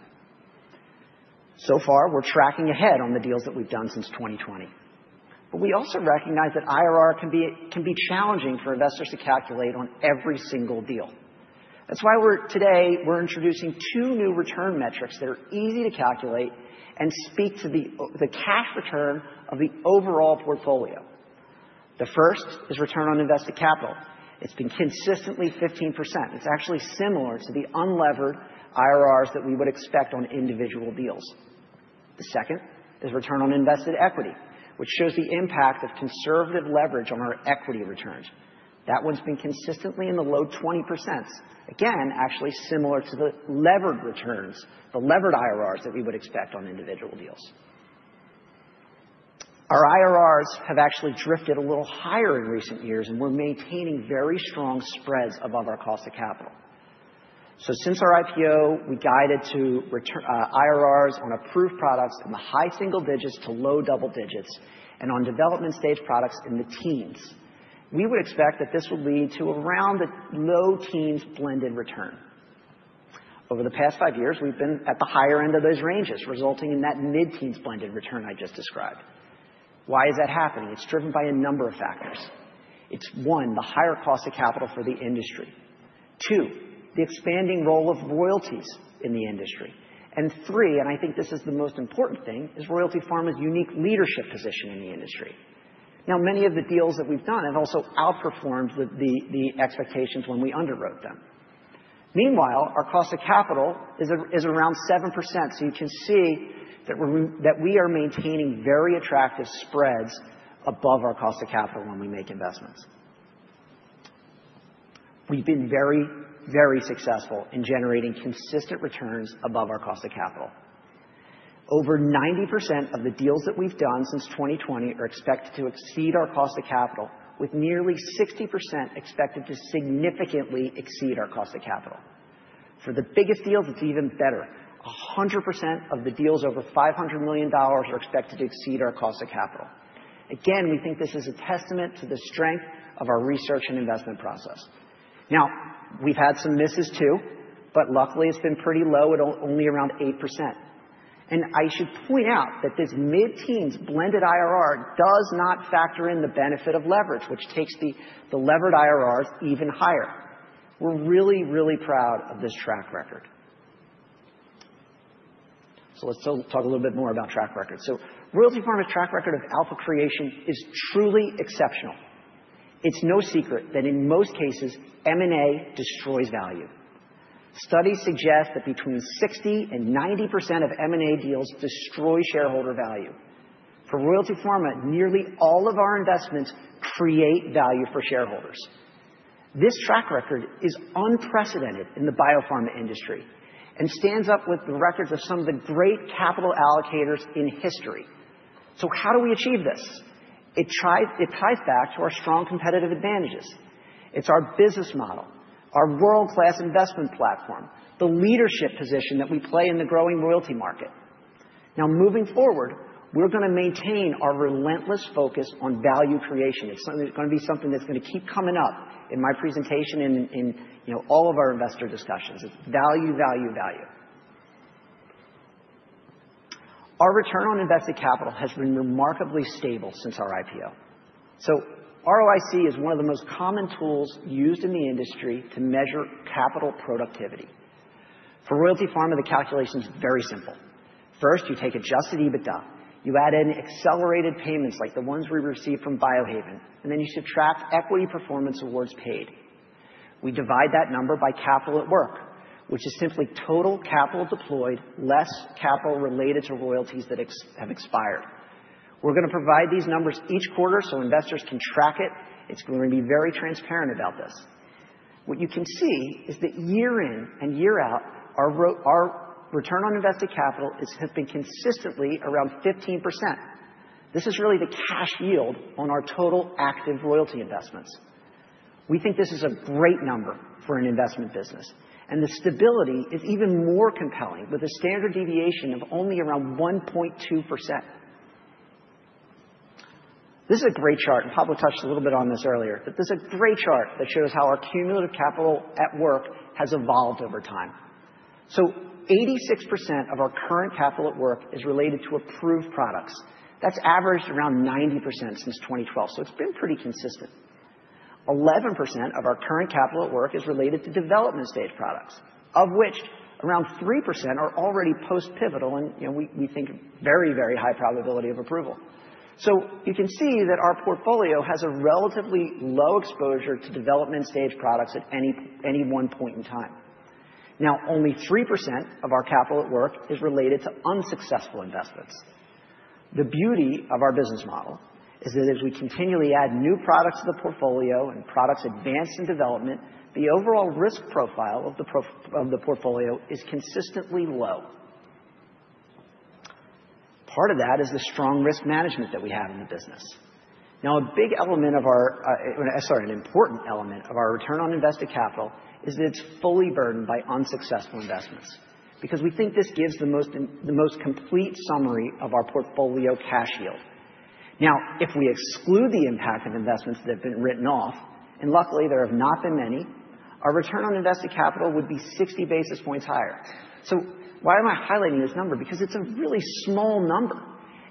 So far, we're tracking ahead on the deals that we've done since 2020. But we also recognize that IRR can be challenging for investors to calculate on every single deal. That's why today we're introducing two new return metrics that are easy to calculate and speak to the cash return of the overall portfolio. The first is return on invested capital. It's been consistently 15%. It's actually similar to the unlevered IRRs that we would expect on individual deals. The second is return on invested equity, which shows the impact of conservative leverage on our equity returns. That one's been consistently in the low 20%s, again, actually similar to the levered returns, the levered IRRs that we would expect on individual deals. Our IRRs have actually drifted a little higher in recent years, and we're maintaining very strong spreads above our cost of capital. So since our IPO, we guided to IRRs on approved products in the high single digits to low double digits and on development-stage products in the teens. We would expect that this will lead to around the low teens blended return. Over the past five years, we've been at the higher end of those ranges, resulting in that mid-teens blended return I just described. Why is that happening? It's driven by a number of factors. It's, one, the higher cost of capital for the industry. Two, the expanding role of royalties in the industry. And three, and I think this is the most important thing, is Royalty Pharma's unique leadership position in the industry. Now, many of the deals that we've done have also outperformed the expectations when we underwrote them. Meanwhile, our cost of capital is around 7%. So you can see that we are maintaining very attractive spreads above our cost of capital when we make investments. We've been very, very successful in generating consistent returns above our cost of capital. Over 90% of the deals that we've done since 2020 are expected to exceed our cost of capital, with nearly 60% expected to significantly exceed our cost of capital. For the biggest deals, it's even better. 100% of the deals over $500 million are expected to exceed our cost of capital. Again, we think this is a testament to the strength of our research and investment process. Now, we've had some misses too, but luckily it's been pretty low at only around 8%. I should point out that this mid-teens blended IRR does not factor in the benefit of leverage, which takes the levered IRRs even higher. We're really, really proud of this track record. Let's talk a little bit more about track record. Royalty Pharma's track record of alpha creation is truly exceptional. It's no secret that in most cases, M&A destroys value. Studies suggest that between 60%-90% of M&A deals destroy shareholder value. For Royalty Pharma, nearly all of our investments create value for shareholders. This track record is unprecedented in the biopharma industry and stands up with the records of some of the great capital allocators in history. How do we achieve this? It ties back to our strong competitive advantages. It's our business model, our world-class investment platform, the leadership position that we play in the growing royalty market. Now, moving forward, we're going to maintain our relentless focus on value creation. It's going to be something that's going to keep coming up in my presentation and in all of our investor discussions. It's value, value, value. Our return on invested capital has been remarkably stable since our IPO. So ROIC is one of the most common tools used in the industry to measure capital productivity. For Royalty Pharma, the calculation is very simple. First, you take adjusted EBITDA, you add in accelerated payments like the ones we received from Biohaven, and then you subtract equity performance awards paid. We divide that number by capital at work, which is simply total capital deployed less capital related to royalties that have expired. We're going to provide these numbers each quarter so investors can track it. It's going to be very transparent about this. What you can see is that year in and year out, our return on invested capital has been consistently around 15%. This is really the cash yield on our total active royalty investments. We think this is a great number for an investment business. And the stability is even more compelling with a standard deviation of only around 1.2%. This is a great chart. And Pablo touched a little bit on this earlier, but this is a great chart that shows how our cumulative capital at work has evolved over time. So 86% of our current capital at work is related to approved products. That's averaged around 90% since 2012. So it's been pretty consistent. 11% of our current capital at work is related to development-stage products, of which around 3% are already post-pivotal, and we think very, very high probability of approval. So you can see that our portfolio has a relatively low exposure to development-stage products at any one point in time. Now, only 3% of our capital at work is related to unsuccessful investments. The beauty of our business model is that as we continually add new products to the portfolio and products advanced in development, the overall risk profile of the portfolio is consistently low. Part of that is the strong risk management that we have in the business. Now, a big element of our, sorry, an important element of our return on invested capital is that it's fully burdened by unsuccessful investments because we think this gives the most complete summary of our portfolio cash yield. Now, if we exclude the impact of investments that have been written off, and luckily there have not been many, our return on invested capital would be 60 basis points higher. Why am I highlighting this number? Because it's a really small number,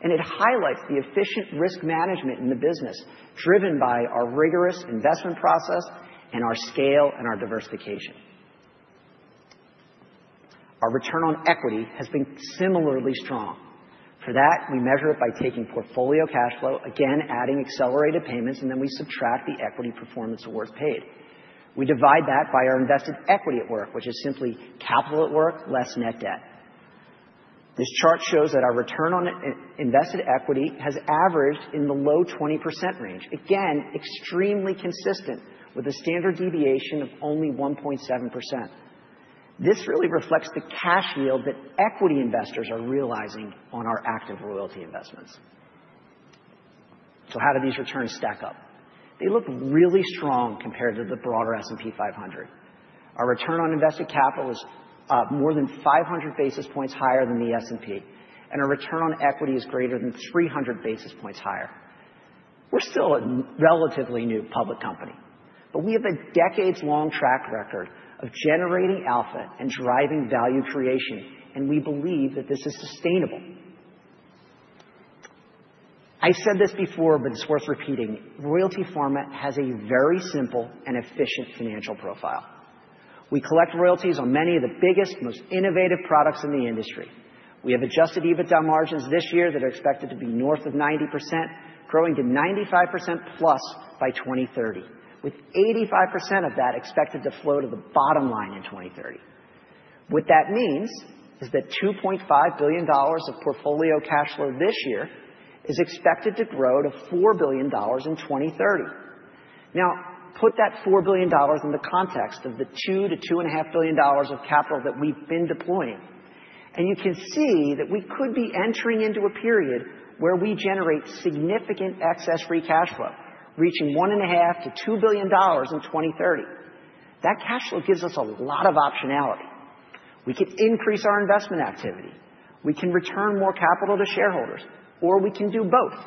and it highlights the efficient risk management in the business driven by our rigorous investment process and our scale and our diversification. Our return on equity has been similarly strong. For that, we measure it by taking portfolio cash flow, again, adding accelerated payments, and then we subtract the equity performance awards paid. We divide that by our invested equity at work, which is simply capital at work less net debt. This chart shows that our return on invested equity has averaged in the low 20% range, again, extremely consistent with a standard deviation of only 1.7%. This really reflects the cash yield that equity investors are realizing on our active royalty investments. How do these returns stack up? They look really strong compared to the broader S&P 500. Our return on invested capital is more than 500 basis points higher than the S&P, and our return on equity is greater than 300 basis points higher. We're still a relatively new public company, but we have a decades-long track record of generating alpha and driving value creation, and we believe that this is sustainable. I've said this before, but it's worth repeating. Royalty Pharma has a very simple and efficient financial profile. We collect royalties on many of the biggest, most innovative products in the industry. We have Adjusted EBITDA margins this year that are expected to be north of 90%, growing to 95% plus by 2030, with 85% of that expected to flow to the bottom line in 2030. What that means is that $2.5 billion of portfolio cash flow this year is expected to grow to $4 billion in 2030. Now, put that $4 billion in the context of the $2 billion-$2.5 billion of capital that we've been deploying, and you can see that we could be entering into a period where we generate significant excess free cash flow, reaching $1.5 billion-$2 billion in 2030. That cash flow gives us a lot of optionality. We can increase our investment activity. We can return more capital to shareholders, or we can do both.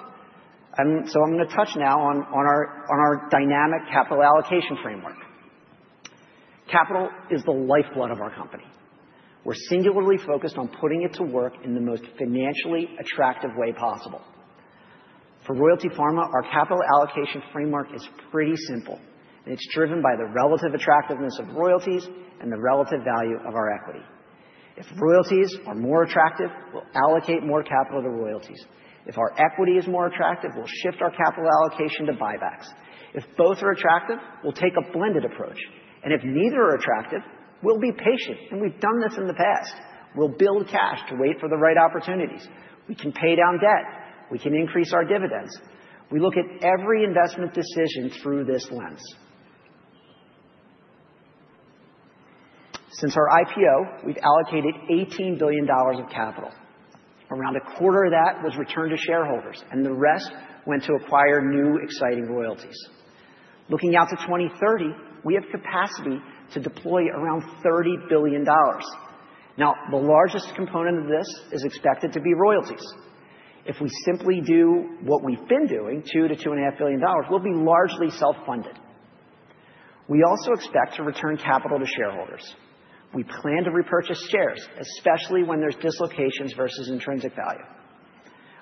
So I'm going to touch now on our dynamic capital allocation framework. Capital is the lifeblood of our company. We're singularly focused on putting it to work in the most financially attractive way possible. For Royalty Pharma, our capital allocation framework is pretty simple, and it's driven by the relative attractiveness of royalties and the relative value of our equity. If royalties are more attractive, we'll allocate more capital to royalties. If our equity is more attractive, we'll shift our capital allocation to buybacks. If both are attractive, we'll take a blended approach. And if neither are attractive, we'll be patient, and we've done this in the past. We'll build cash to wait for the right opportunities. We can pay down debt. We can increase our dividends. We look at every investment decision through this lens. Since our IPO, we've allocated $18 billion of capital. Around a quarter of that was returned to shareholders, and the rest went to acquire new exciting royalties. Looking out to 2030, we have capacity to deploy around $30 billion. Now, the largest component of this is expected to be royalties. If we simply do what we've been doing, $2 billion-$2.5 billion, we'll be largely self-funded. We also expect to return capital to shareholders. We plan to repurchase shares, especially when there's dislocations versus intrinsic value.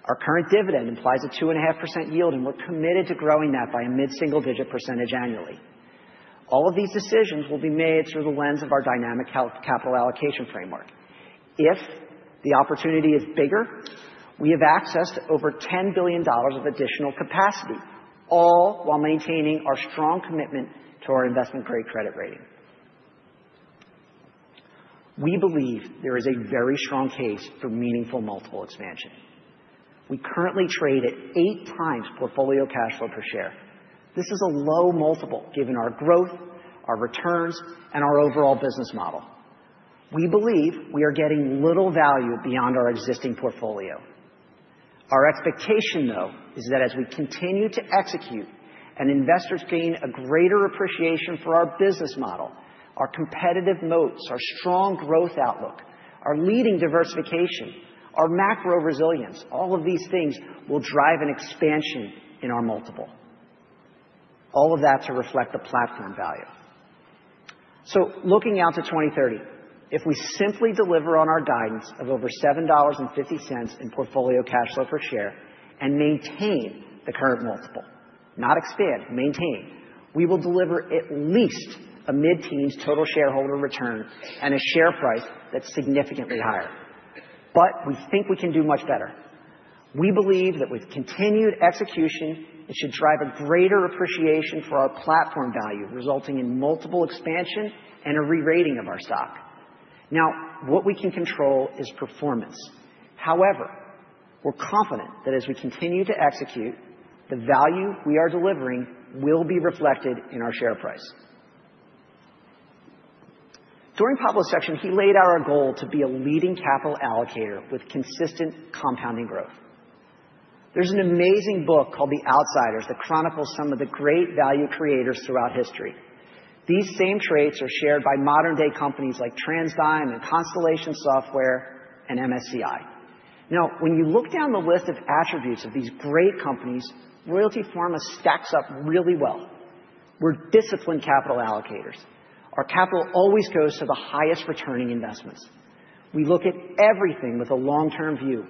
Our current dividend implies a 2.5% yield, and we're committed to growing that by a mid-single digit percentage annually. All of these decisions will be made through the lens of our dynamic capital allocation framework. If the opportunity is bigger, we have access to over $10 billion of additional capacity, all while maintaining our strong commitment to our investment-grade credit rating. We believe there is a very strong case for meaningful multiple expansion. We currently trade at eight times portfolio cash flow per share. This is a low multiple given our growth, our returns, and our overall business model. We believe we are getting little value beyond our existing portfolio. Our expectation, though, is that as we continue to execute and investors gain a greater appreciation for our business model, our competitive moats, our strong growth outlook, our leading diversification, our macro resilience, all of these things will drive an expansion in our multiple. All of that to reflect the platform value. So looking out to 2030, if we simply deliver on our guidance of over $7.50 in portfolio cash flow per share and maintain the current multiple, not expand, maintain, we will deliver at least a mid-teens total shareholder return and a share price that's significantly higher. But we think we can do much better. We believe that with continued execution, it should drive a greater appreciation for our platform value, resulting in multiple expansion and a re-rating of our stock. Now, what we can control is performance. However, we're confident that as we continue to execute, the value we are delivering will be reflected in our share price. During Pablo's section, he laid out our goal to be a leading capital allocator with consistent compounding growth. There's an amazing book called The Outsiders that chronicles some of the great value creators throughout history. These same traits are shared by modern-day companies like TransDigm and Constellation Software and MSCI. Now, when you look down the list of attributes of these great companies, Royalty Pharma stacks up really well. We're disciplined capital allocators. Our capital always goes to the highest returning investments. We look at everything with a long-term view,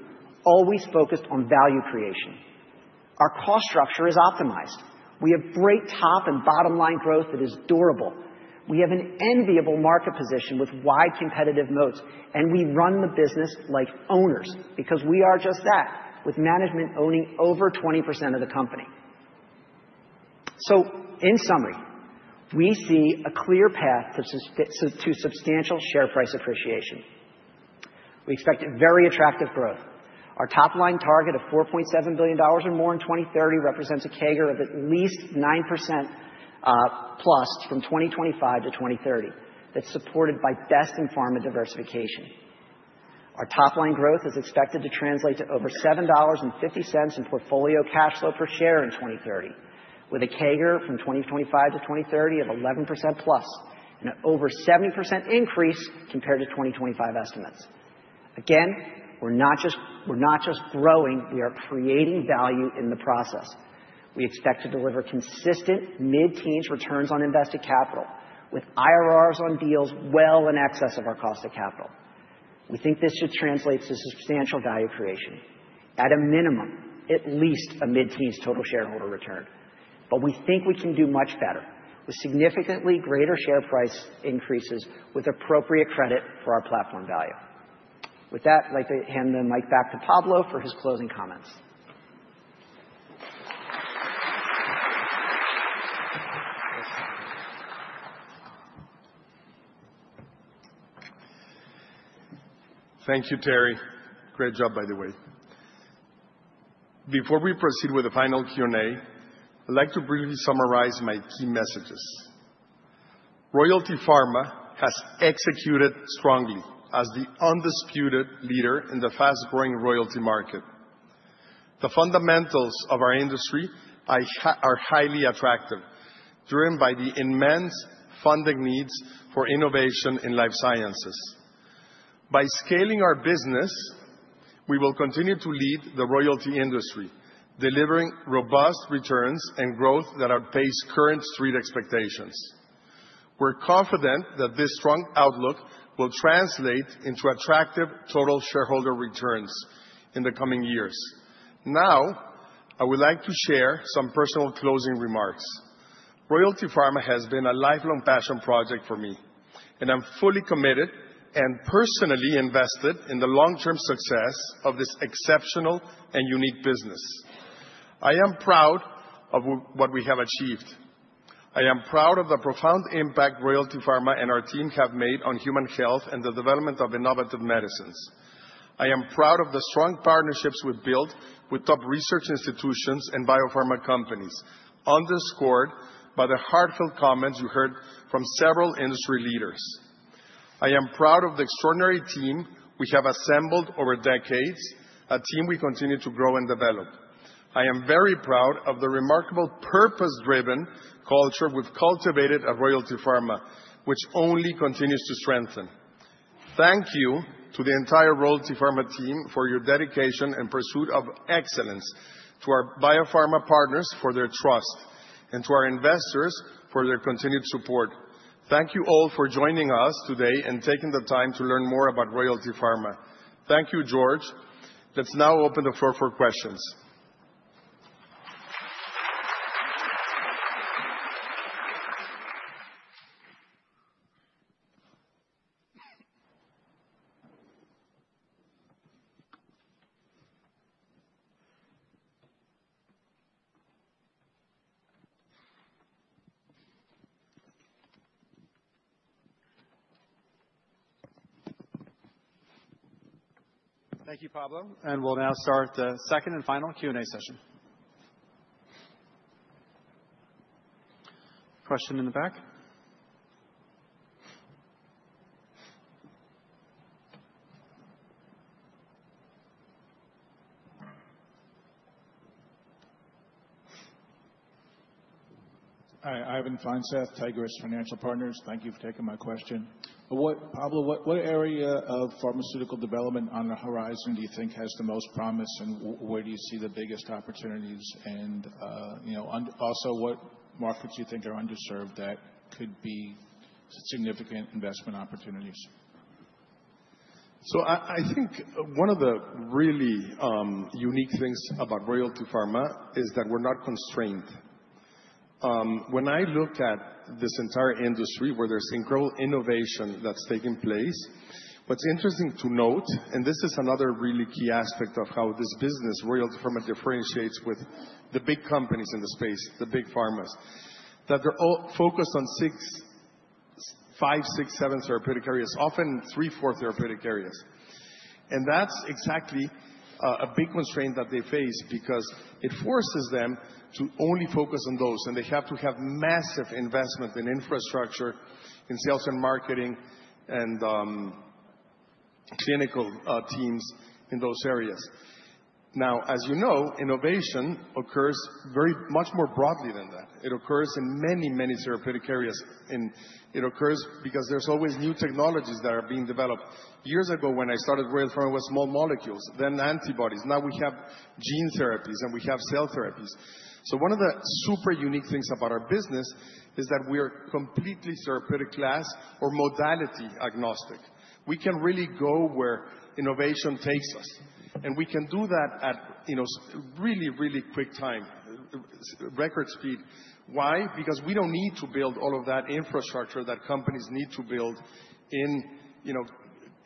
always focused on value creation. Our cost structure is optimized. We have great top and bottom line growth that is durable. We have an enviable market position with wide competitive moats, and we run the business like owners because we are just that, with management owning over 20% of the company. So, in summary, we see a clear path to substantial share price appreciation. We expect very attractive growth. Our top line target of $4.7 billion or more in 2030 represents a CAGR of at least 9% plus from 2025 to 2030, that's supported by best in pharma diversification. Our top line growth is expected to translate to over $7.50 in portfolio cash flow per share in 2030, with a CAGR from 2025 to 2030 of 11% plus and an over 70% increase compared to 2025 estimates. Again, we're not just growing. We are creating value in the process. We expect to deliver consistent mid-teens returns on invested capital with IRRs on deals well in excess of our cost of capital. We think this should translate to substantial value creation. At a minimum, at least a mid-teens total shareholder return. But we think we can do much better with significantly greater share price increases with appropriate credit for our platform value. With that, I'd like to hand the mic back to Pablo for his closing comments. Thank you, Terry. Great job, by the way. Before we proceed with the final Q&A, I'd like to briefly summarize my key messages. Royalty Pharma has executed strongly as the undisputed leader in the fast-growing royalty market. The fundamentals of our industry are highly attractive, driven by the immense funding needs for innovation in life sciences. By scaling our business, we will continue to lead the royalty industry, delivering robust returns and growth that outpace current street expectations. We're confident that this strong outlook will translate into attractive total shareholder returns in the coming years. Now, I would like to share some personal closing remarks. Royalty Pharma has been a lifelong passion project for me, and I'm fully committed and personally invested in the long-term success of this exceptional and unique business. I am proud of what we have achieved. I am proud of the profound impact Royalty Pharma and our team have made on human health and the development of innovative medicines. I am proud of the strong partnerships we've built with top research institutions and biopharma companies, underscored by the heartfelt comments you heard from several industry leaders. I am proud of the extraordinary team we have assembled over decades, a team we continue to grow and develop. I am very proud of the remarkable purpose-driven culture we've cultivated at Royalty Pharma, which only continues to strengthen. Thank you to the entire Royalty Pharma team for your dedication and pursuit of excellence, to our biopharma partners for their trust, and to our investors for their continued support. Thank you all for joining us today and taking the time to learn more about Royalty Pharma. Thank you, George. Let's now open the floor for questions. Thank you, Pablo. And we'll now start the second and final Q&A session. Question in the back? I'm Ivan Feinseth, Tigress Risk Financial Partners. Thank you for taking my question. Pablo, what area of pharmaceutical development on the horizon do you think has the most promise, and where do you see the biggest opportunities? And also, what markets do you think are underserved that could be significant investment opportunities? I think one of the really unique things about Royalty Pharma is that we're not constrained. When I look at this entire industry where there's incredible innovation that's taking place, what's interesting to note, and this is another really key aspect of how this business, Royalty Pharma, differentiates with the big companies in the space, the big pharmas, that they're all focused on five, six, seven therapeutic areas, often three, four therapeutic areas, and that's exactly a big constraint that they face because it forces them to only focus on those, and they have to have massive investment in infrastructure, in sales and marketing, and clinical teams in those areas. Now, as you know, innovation occurs very much more broadly than that. It occurs in many, many therapeutic areas, and it occurs because there's always new technologies that are being developed. Years ago, when I started Royalty Pharma, it was small molecules, then antibodies. Now we have gene therapies, and we have cell therapies. So one of the super unique things about our business is that we are completely therapeutic class or modality agnostic. We can really go where innovation takes us, and we can do that at really, really quick time, record speed. Why? Because we don't need to build all of that infrastructure that companies need to build in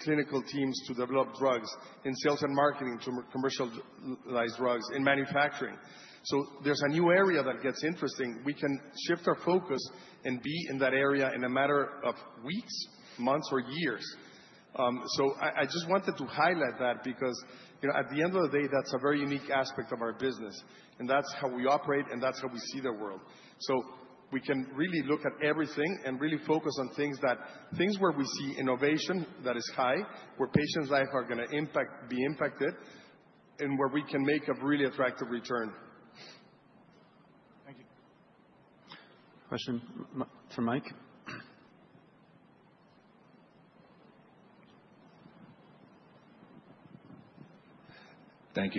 clinical teams to develop drugs, in sales and marketing to commercialize drugs, in manufacturing. So there's a new area that gets interesting. We can shift our focus and be in that area in a matter of weeks, months, or years. I just wanted to highlight that because at the end of the day, that's a very unique aspect of our business, and that's how we operate, and that's how we see the world. We can really look at everything and really focus on things where we see innovation that is high, where patients' lives are going to be impacted, and where we can make a really attractive return. Thank you. Question for Mike. Thank you.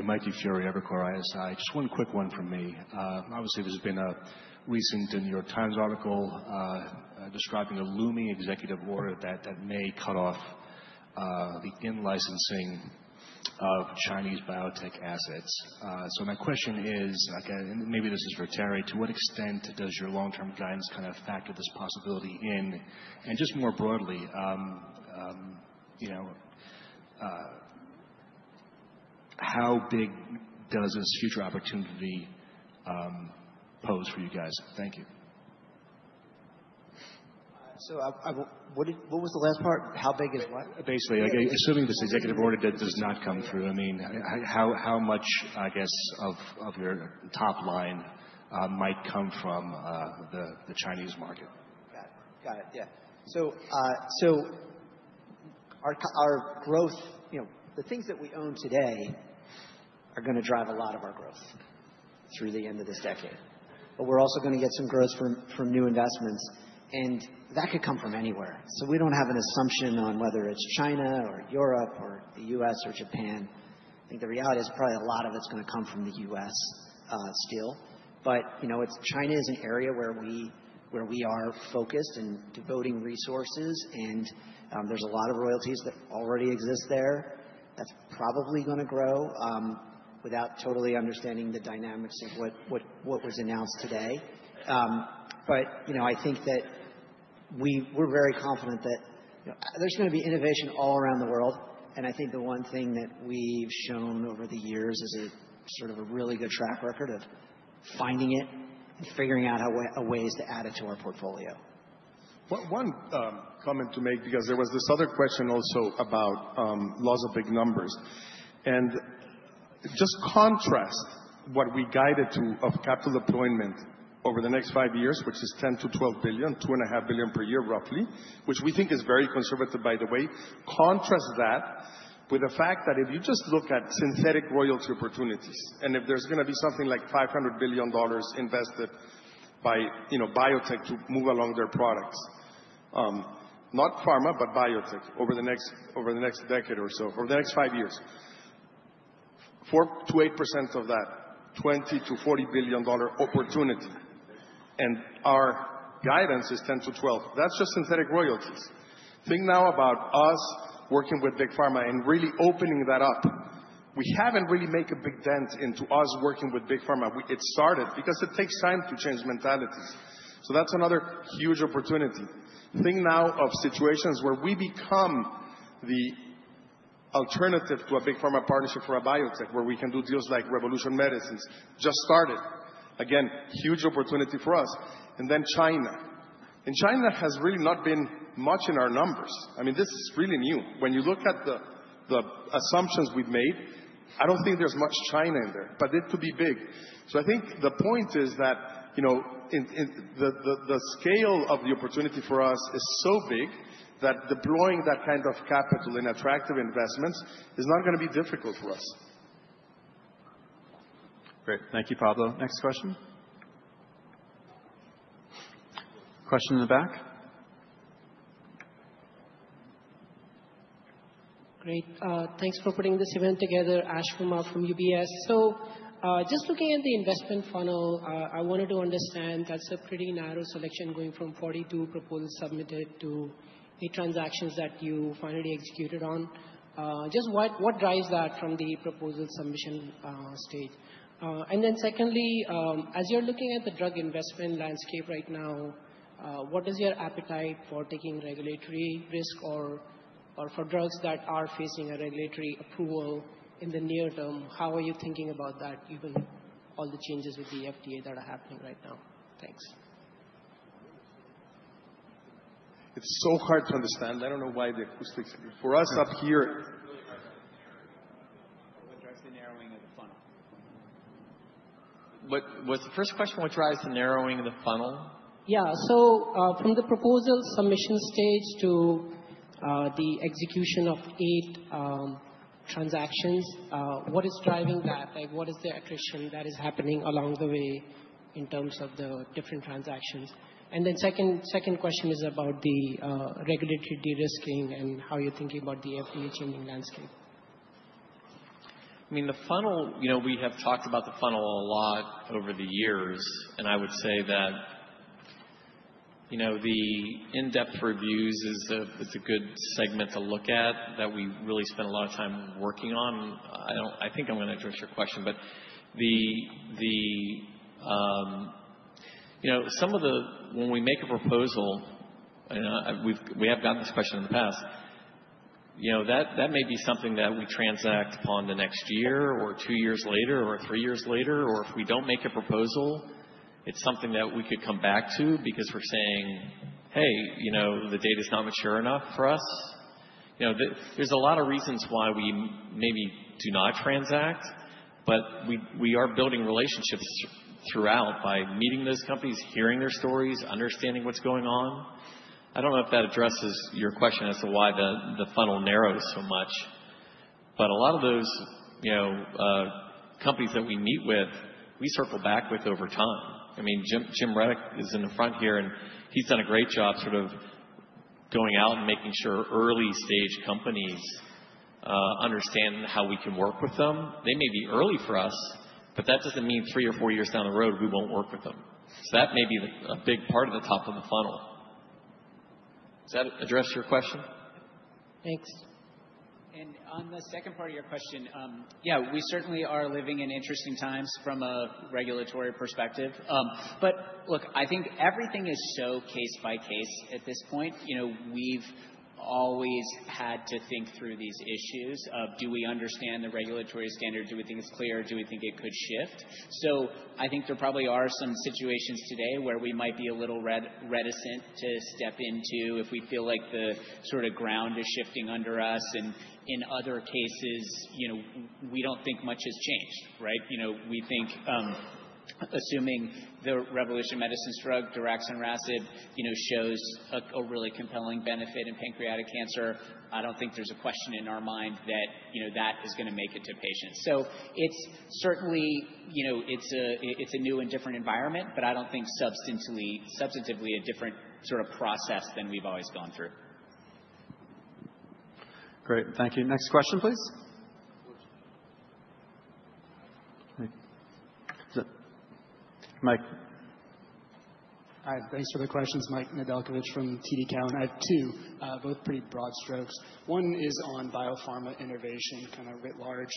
Michael DiFiore at Evercore ISI. Just one quick one from me. Obviously, there's been a recent New York Times article describing a looming executive order that may cut off the in-licensing of Chinese biotech assets. So my question is, and maybe this is for Terry, to what extent does your long-term guidance kind of factor this possibility in? And just more broadly, how big does this future opportunity pose for you guys? Thank you. So what was the last part? How big is what? Basically, assuming this executive order does not come through, I mean, how much, I guess, of your top line might come from the Chinese market? Got it. Got it. Yeah. So our growth, the things that we own today are going to drive a lot of our growth through the end of this decade. But we're also going to get some growth from new investments, and that could come from anywhere. So we don't have an assumption on whether it's China or Europe or the U.S. or Japan. I think the reality is probably a lot of it's going to come from the U.S. still. But China is an area where we are focused and devoting resources, and there's a lot of royalties that already exist there. That's probably going to grow without totally understanding the dynamics of what was announced today. But I think that we're very confident that there's going to be innovation all around the world. I think the one thing that we've shown over the years is sort of a really good track record of finding it and figuring out ways to add it to our portfolio. One comment to make, because there was this other question also about lots of big numbers. And just contrast what we guided to of capital deployment over the next five years, which is $10 billion-$12 billion, $2.5 billion per year, roughly, which we think is very conservative, by the way. Contrast that with the fact that if you just look at synthetic royalty opportunities, and if there's going to be something like $500 billion invested by biotech to move along their products, not pharma, but biotech over the next decade or so, over the next five years, 4%-8% of that, $20 billion-$40 billion opportunity. And our guidance is $10 billion-$12 billion. That's just synthetic royalties. Think now about us working with big pharma and really opening that up. We haven't really made a big dent into us working with big pharma. It started because it takes time to change mentalities. So that's another huge opportunity. Think now of situations where we become the alternative to a big pharma partnership for a biotech where we can do deals like Revolution Medicines. Just started. Again, huge opportunity for us. And then China. And China has really not been much in our numbers. I mean, this is really new. When you look at the assumptions we've made, I don't think there's much China in there, but it could be big. So I think the point is that the scale of the opportunity for us is so big that deploying that kind of capital in attractive investments is not going to be difficult for us. Great. Thank you, Pablo. Next question. Question in the back. Great. Thanks for putting this event together, Ashwani Verma from UBS. So just looking at the investment funnel, I wanted to understand that's a pretty narrow selection going from 42 proposals submitted to the transactions that you finally executed on. Just what drives that from the proposal submission stage? And then secondly, as you're looking at the drug investment landscape right now, what is your appetite for taking regulatory risk or for drugs that are facing a regulatory approval in the near term? How are you thinking about that, given all the changes with the FDA that are happening right now? Thanks. It's so hard to understand. I don't know why the acoustics are good. For us up here. What drives the narrowing of the funnel? What's the first question? What drives the narrowing of the funnel? Yeah. So from the proposal submission stage to the execution of eight transactions, what is driving that? What is the attrition that is happening along the way in terms of the different transactions? And then second question is about the regulatory de-risking and how you're thinking about the FDA changing landscape? I mean, the funnel, we have talked about the funnel a lot over the years, and I would say that the in-depth reviews is a good segment to look at that we really spent a lot of time working on. I think I'm going to address your question, but some of the, when we make a proposal, and we have gotten this question in the past, that may be something that we transact upon the next year or two years later or three years later. Or if we don't make a proposal, it's something that we could come back to because we're saying, "Hey, the data is not mature enough for us." There's a lot of reasons why we maybe do not transact, but we are building relationships throughout by meeting those companies, hearing their stories, understanding what's going on. I don't know if that addresses your question as to why the funnel narrows so much, but a lot of those companies that we meet with, we circle back with over time. I mean, Jim Reddoch is in the front here, and he's done a great job sort of going out and making sure early-stage companies understand how we can work with them. They may be early for us, but that doesn't mean three or four years down the road, we won't work with them. So that may be a big part of the top of the funnel. Does that address your question? Thanks. And on the second part of your question, yeah, we certainly are living in interesting times from a regulatory perspective. But look, I think everything is so case by case at this point. We've always had to think through these issues of, do we understand the regulatory standard? Do we think it's clear? Do we think it could shift? So I think there probably are some situations today where we might be a little reticent to step into if we feel like the sort of ground is shifting under us. And in other cases, we don't think much has changed, right? We think assuming the Revolution Medicines drug, RMC-6236, shows a really compelling benefit in pancreatic cancer, I don't think there's a question in our mind that that is going to make it to patients. So it's a new and different environment, but I don't think substantively a different sort of process than we've always gone through. Great. Thank you. Next question, please. Mike. Hi. Thanks for the questions, Michael Nedelcovych from TD Cowen. I have two, both pretty broad strokes. One is on biopharma innovation, kind of writ large.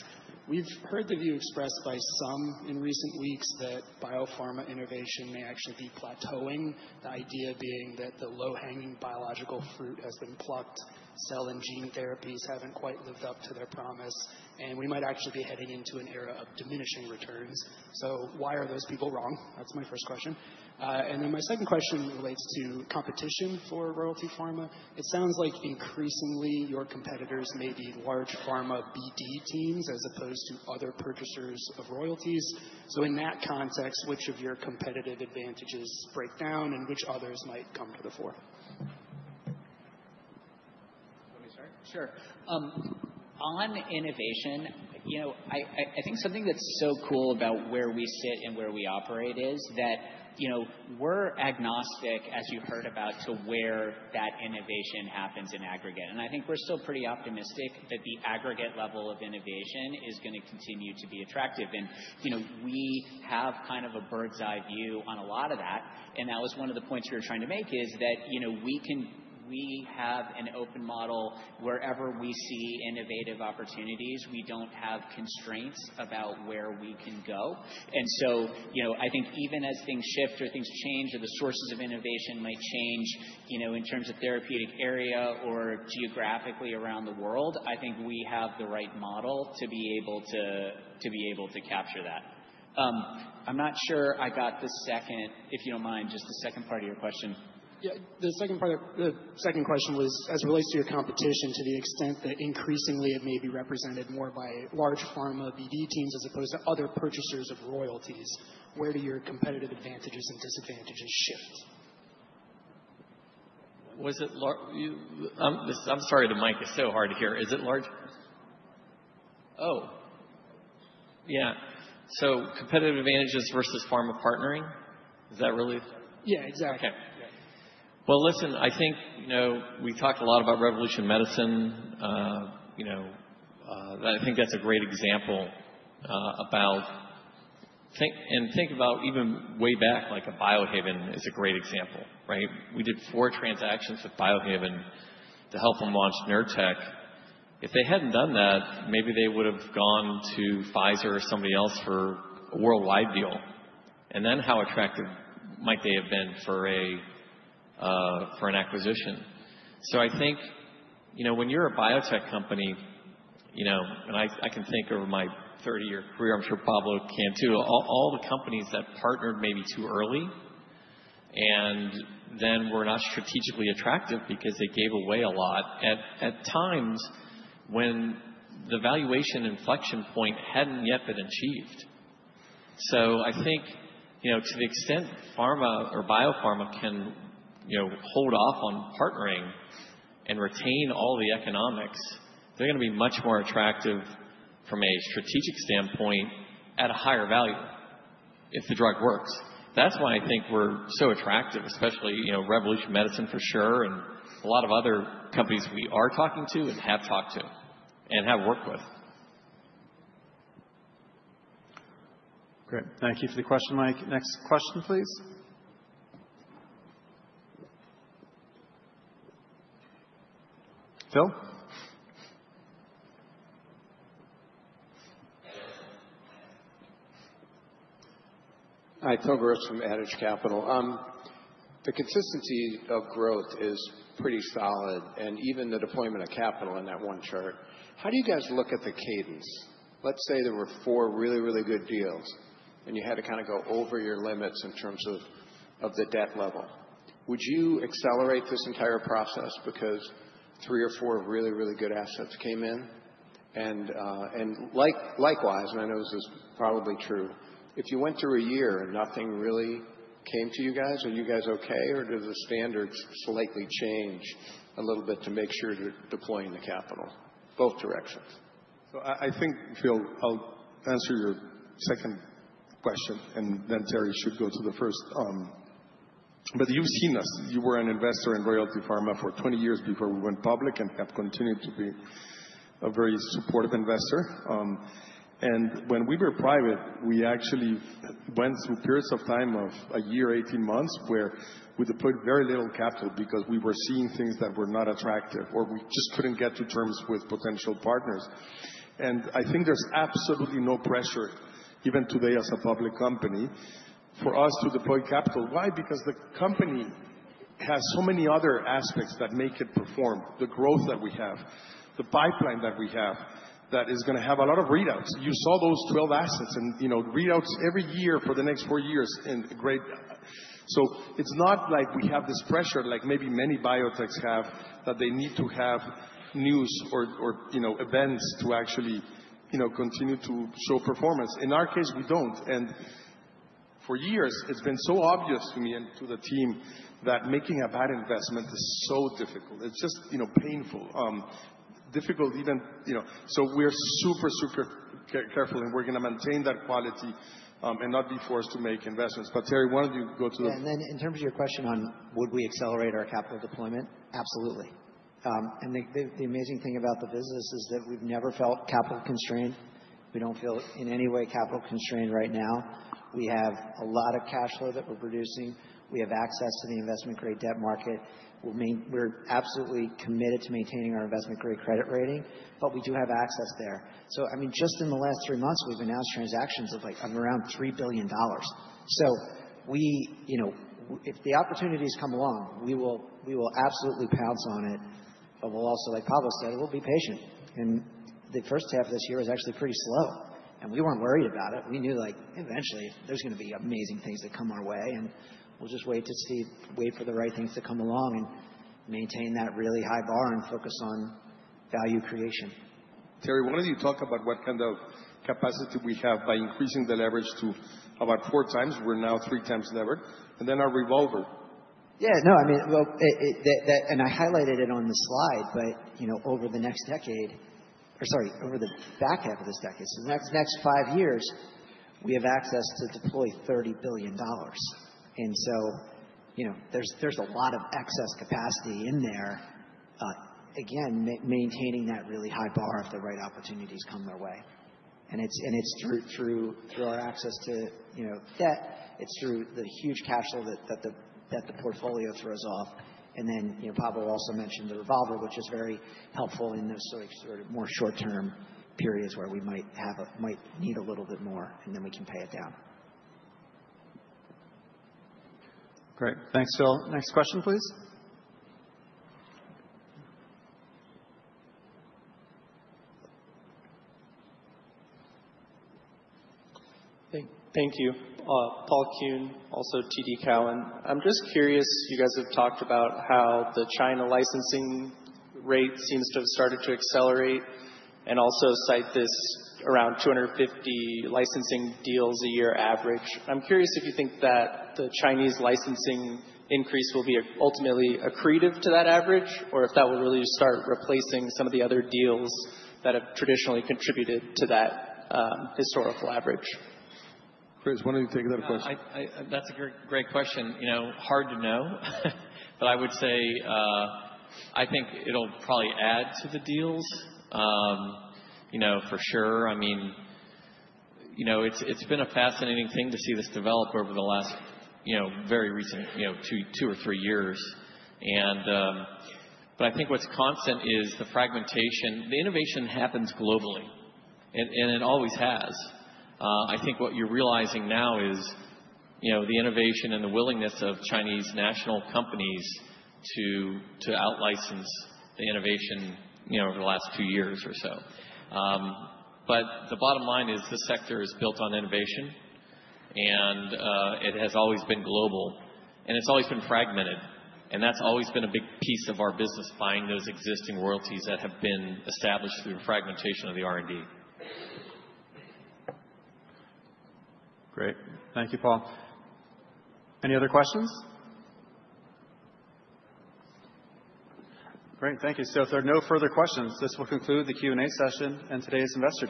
We've heard the view expressed by some in recent weeks that biopharma innovation may actually be plateauing, the idea being that the low-hanging biological fruit has been plucked, cell and gene therapies haven't quite lived up to their promise, and we might actually be heading into an era of diminishing returns. So why are those people wrong? That's my first question. And then my second question relates to competition for Royalty Pharma. It sounds like increasingly your competitors may be large pharma BD teams as opposed to other purchasers of royalties. So in that context, which of your competitive advantages break down and which others might come to the fore? Let me start. Sure. On innovation, I think something that's so cool about where we sit and where we operate is that we're agnostic, as you heard about, to where that innovation happens in aggregate. And I think we're still pretty optimistic that the aggregate level of innovation is going to continue to be attractive. And we have kind of a bird's-eye view on a lot of that. And that was one of the points we were trying to make is that we have an open model. Wherever we see innovative opportunities, we don't have constraints about where we can go. And so I think even as things shift or things change or the sources of innovation might change in terms of therapeutic area or geographically around the world, I think we have the right model to be able to capture that. I'm not sure I got the second, if you don't mind, just the second part of your question. Yeah. The second part of the second question was, as it relates to your competition, to the extent that increasingly it may be represented more by large pharma BD teams as opposed to other purchasers of royalties, where do your competitive advantages and disadvantages shift? I'm sorry. The mic is so hard to hear. Is it large? Oh. Yeah. So competitive advantages versus pharma partnering? Is that really? Yeah, exactly. Okay. Well, listen, I think we talked a lot about Revolution Medicines. I think that's a great example about and think about even way back, like a Biohaven is a great example, right? We did four transactions with Biohaven to help them launch Nurtec. If they hadn't done that, maybe they would have gone to Pfizer or somebody else for a worldwide deal. And then how attractive might they have been for an acquisition? So I think when you're a biotech company, and I can think over my 30-year career, I'm sure Pablo can too, all the companies that partnered maybe too early, and then were not strategically attractive because they gave away a lot at times when the valuation inflection point hadn't yet been achieved. So I think to the extent pharma or biopharma can hold off on partnering and retain all the economics, they're going to be much more attractive from a strategic standpoint at a higher value if the drug works. That's why I think we're so attractive, especially Revolution Medicines for sure, and a lot of other companies we are talking to and have talked to and have worked with. Great. Thank you for the question, Mike. Next question, please. Phill? Hi. Phill Gross from Adage Capital. The consistency of growth is pretty solid, and even the deployment of capital in that one chart. How do you guys look at the cadence? Let's say there were four really, really good deals, and you had to kind of go over your limits in terms of the debt level. Would you accelerate this entire process because three or four really, really good assets came in? And likewise, and I know this is probably true, if you went through a year and nothing really came to you guys, are you guys okay, or do the standards slightly change a little bit to make sure you're deploying the capital both directions? So I think, Phill, I'll answer your second question, and then Terry should go to the first. But you've seen us. You were an investor in Royalty Pharma for 20 years before we went public and have continued to be a very supportive investor. And when we were private, we actually went through periods of time of a year, 18 months, where we deployed very little capital because we were seeing things that were not attractive or we just couldn't get to terms with potential partners. And I think there's absolutely no pressure, even today as a public company, for us to deploy capital. Why? Because the company has so many other aspects that make it perform, the growth that we have, the pipeline that we have that is going to have a lot of readouts. You saw those 12 assets and readouts every year for the next four years. Great. It's not like we have this pressure like maybe many biotechs have that they need to have news or events to actually continue to show performance. In our case, we don't. For years, it's been so obvious to me and to the team that making a bad investment is so difficult. It's just painful, difficult even. We're super, super careful, and we're going to maintain that quality and not be forced to make investments. But Terry, why don't you go to the. Yeah. And then in terms of your question on would we accelerate our capital deployment? Absolutely. And the amazing thing about the business is that we've never felt capital constrained. We don't feel in any way capital constrained right now. We have a lot of cash flow that we're producing. We have access to the investment-grade debt market. We're absolutely committed to maintaining our investment-grade credit rating, but we do have access there. So I mean, just in the last three months, we've announced transactions of around $3 billion. So if the opportunities come along, we will absolutely pounce on it. But we'll also, like Pablo said, we'll be patient. And the first half of this year was actually pretty slow. And we weren't worried about it. We knew eventually there's going to be amazing things that come our way. We'll just wait for the right things to come along and maintain that really high bar and focus on value creation. Terry, why don't you talk about what kind of capacity we have by increasing the leverage to about four times? We're now three times levered, and then our revolver. Yeah. No, I mean, and I highlighted it on the slide, but over the next decade, or sorry, over the back half of this decade, so the next five years, we have access to deploy $30 billion. And so there's a lot of excess capacity in there, again, maintaining that really high bar if the right opportunities come their way. And it's through our access to debt. It's through the huge cash flow that the portfolio throws off. And then Pablo also mentioned the revolver, which is very helpful in those sort of more short-term periods where we might need a little bit more, and then we can pay it down. Great. Thanks, Phill. Next question, please. Thank you. Paul Kuhn, also TD Cowen. I'm just curious. You guys have talked about how the China licensing rate seems to have started to accelerate and also cite this around 250 licensing deals a year average. I'm curious if you think that the Chinese licensing increase will be ultimately accretive to that average or if that will really start replacing some of the other deals that have traditionally contributed to that historical average. Chris, why don't you take that question? That's a great question. Hard to know, but I would say I think it'll probably add to the deals for sure. I mean, it's been a fascinating thing to see this develop over the last very recent two or three years. I think what's constant is the fragmentation. The innovation happens globally, and it always has. I think what you're realizing now is the innovation and the willingness of Chinese national companies to out-license the innovation over the last two years or so. The bottom line is the sector is built on innovation, and it has always been global, and it's always been fragmented. That's always been a big piece of our business, buying those existing royalties that have been established through fragmentation of the R&D. Great. Thank you, Paul. Any other questions? Great. Thank you. So if there are no further questions, this will conclude the Q&A session and today's investment.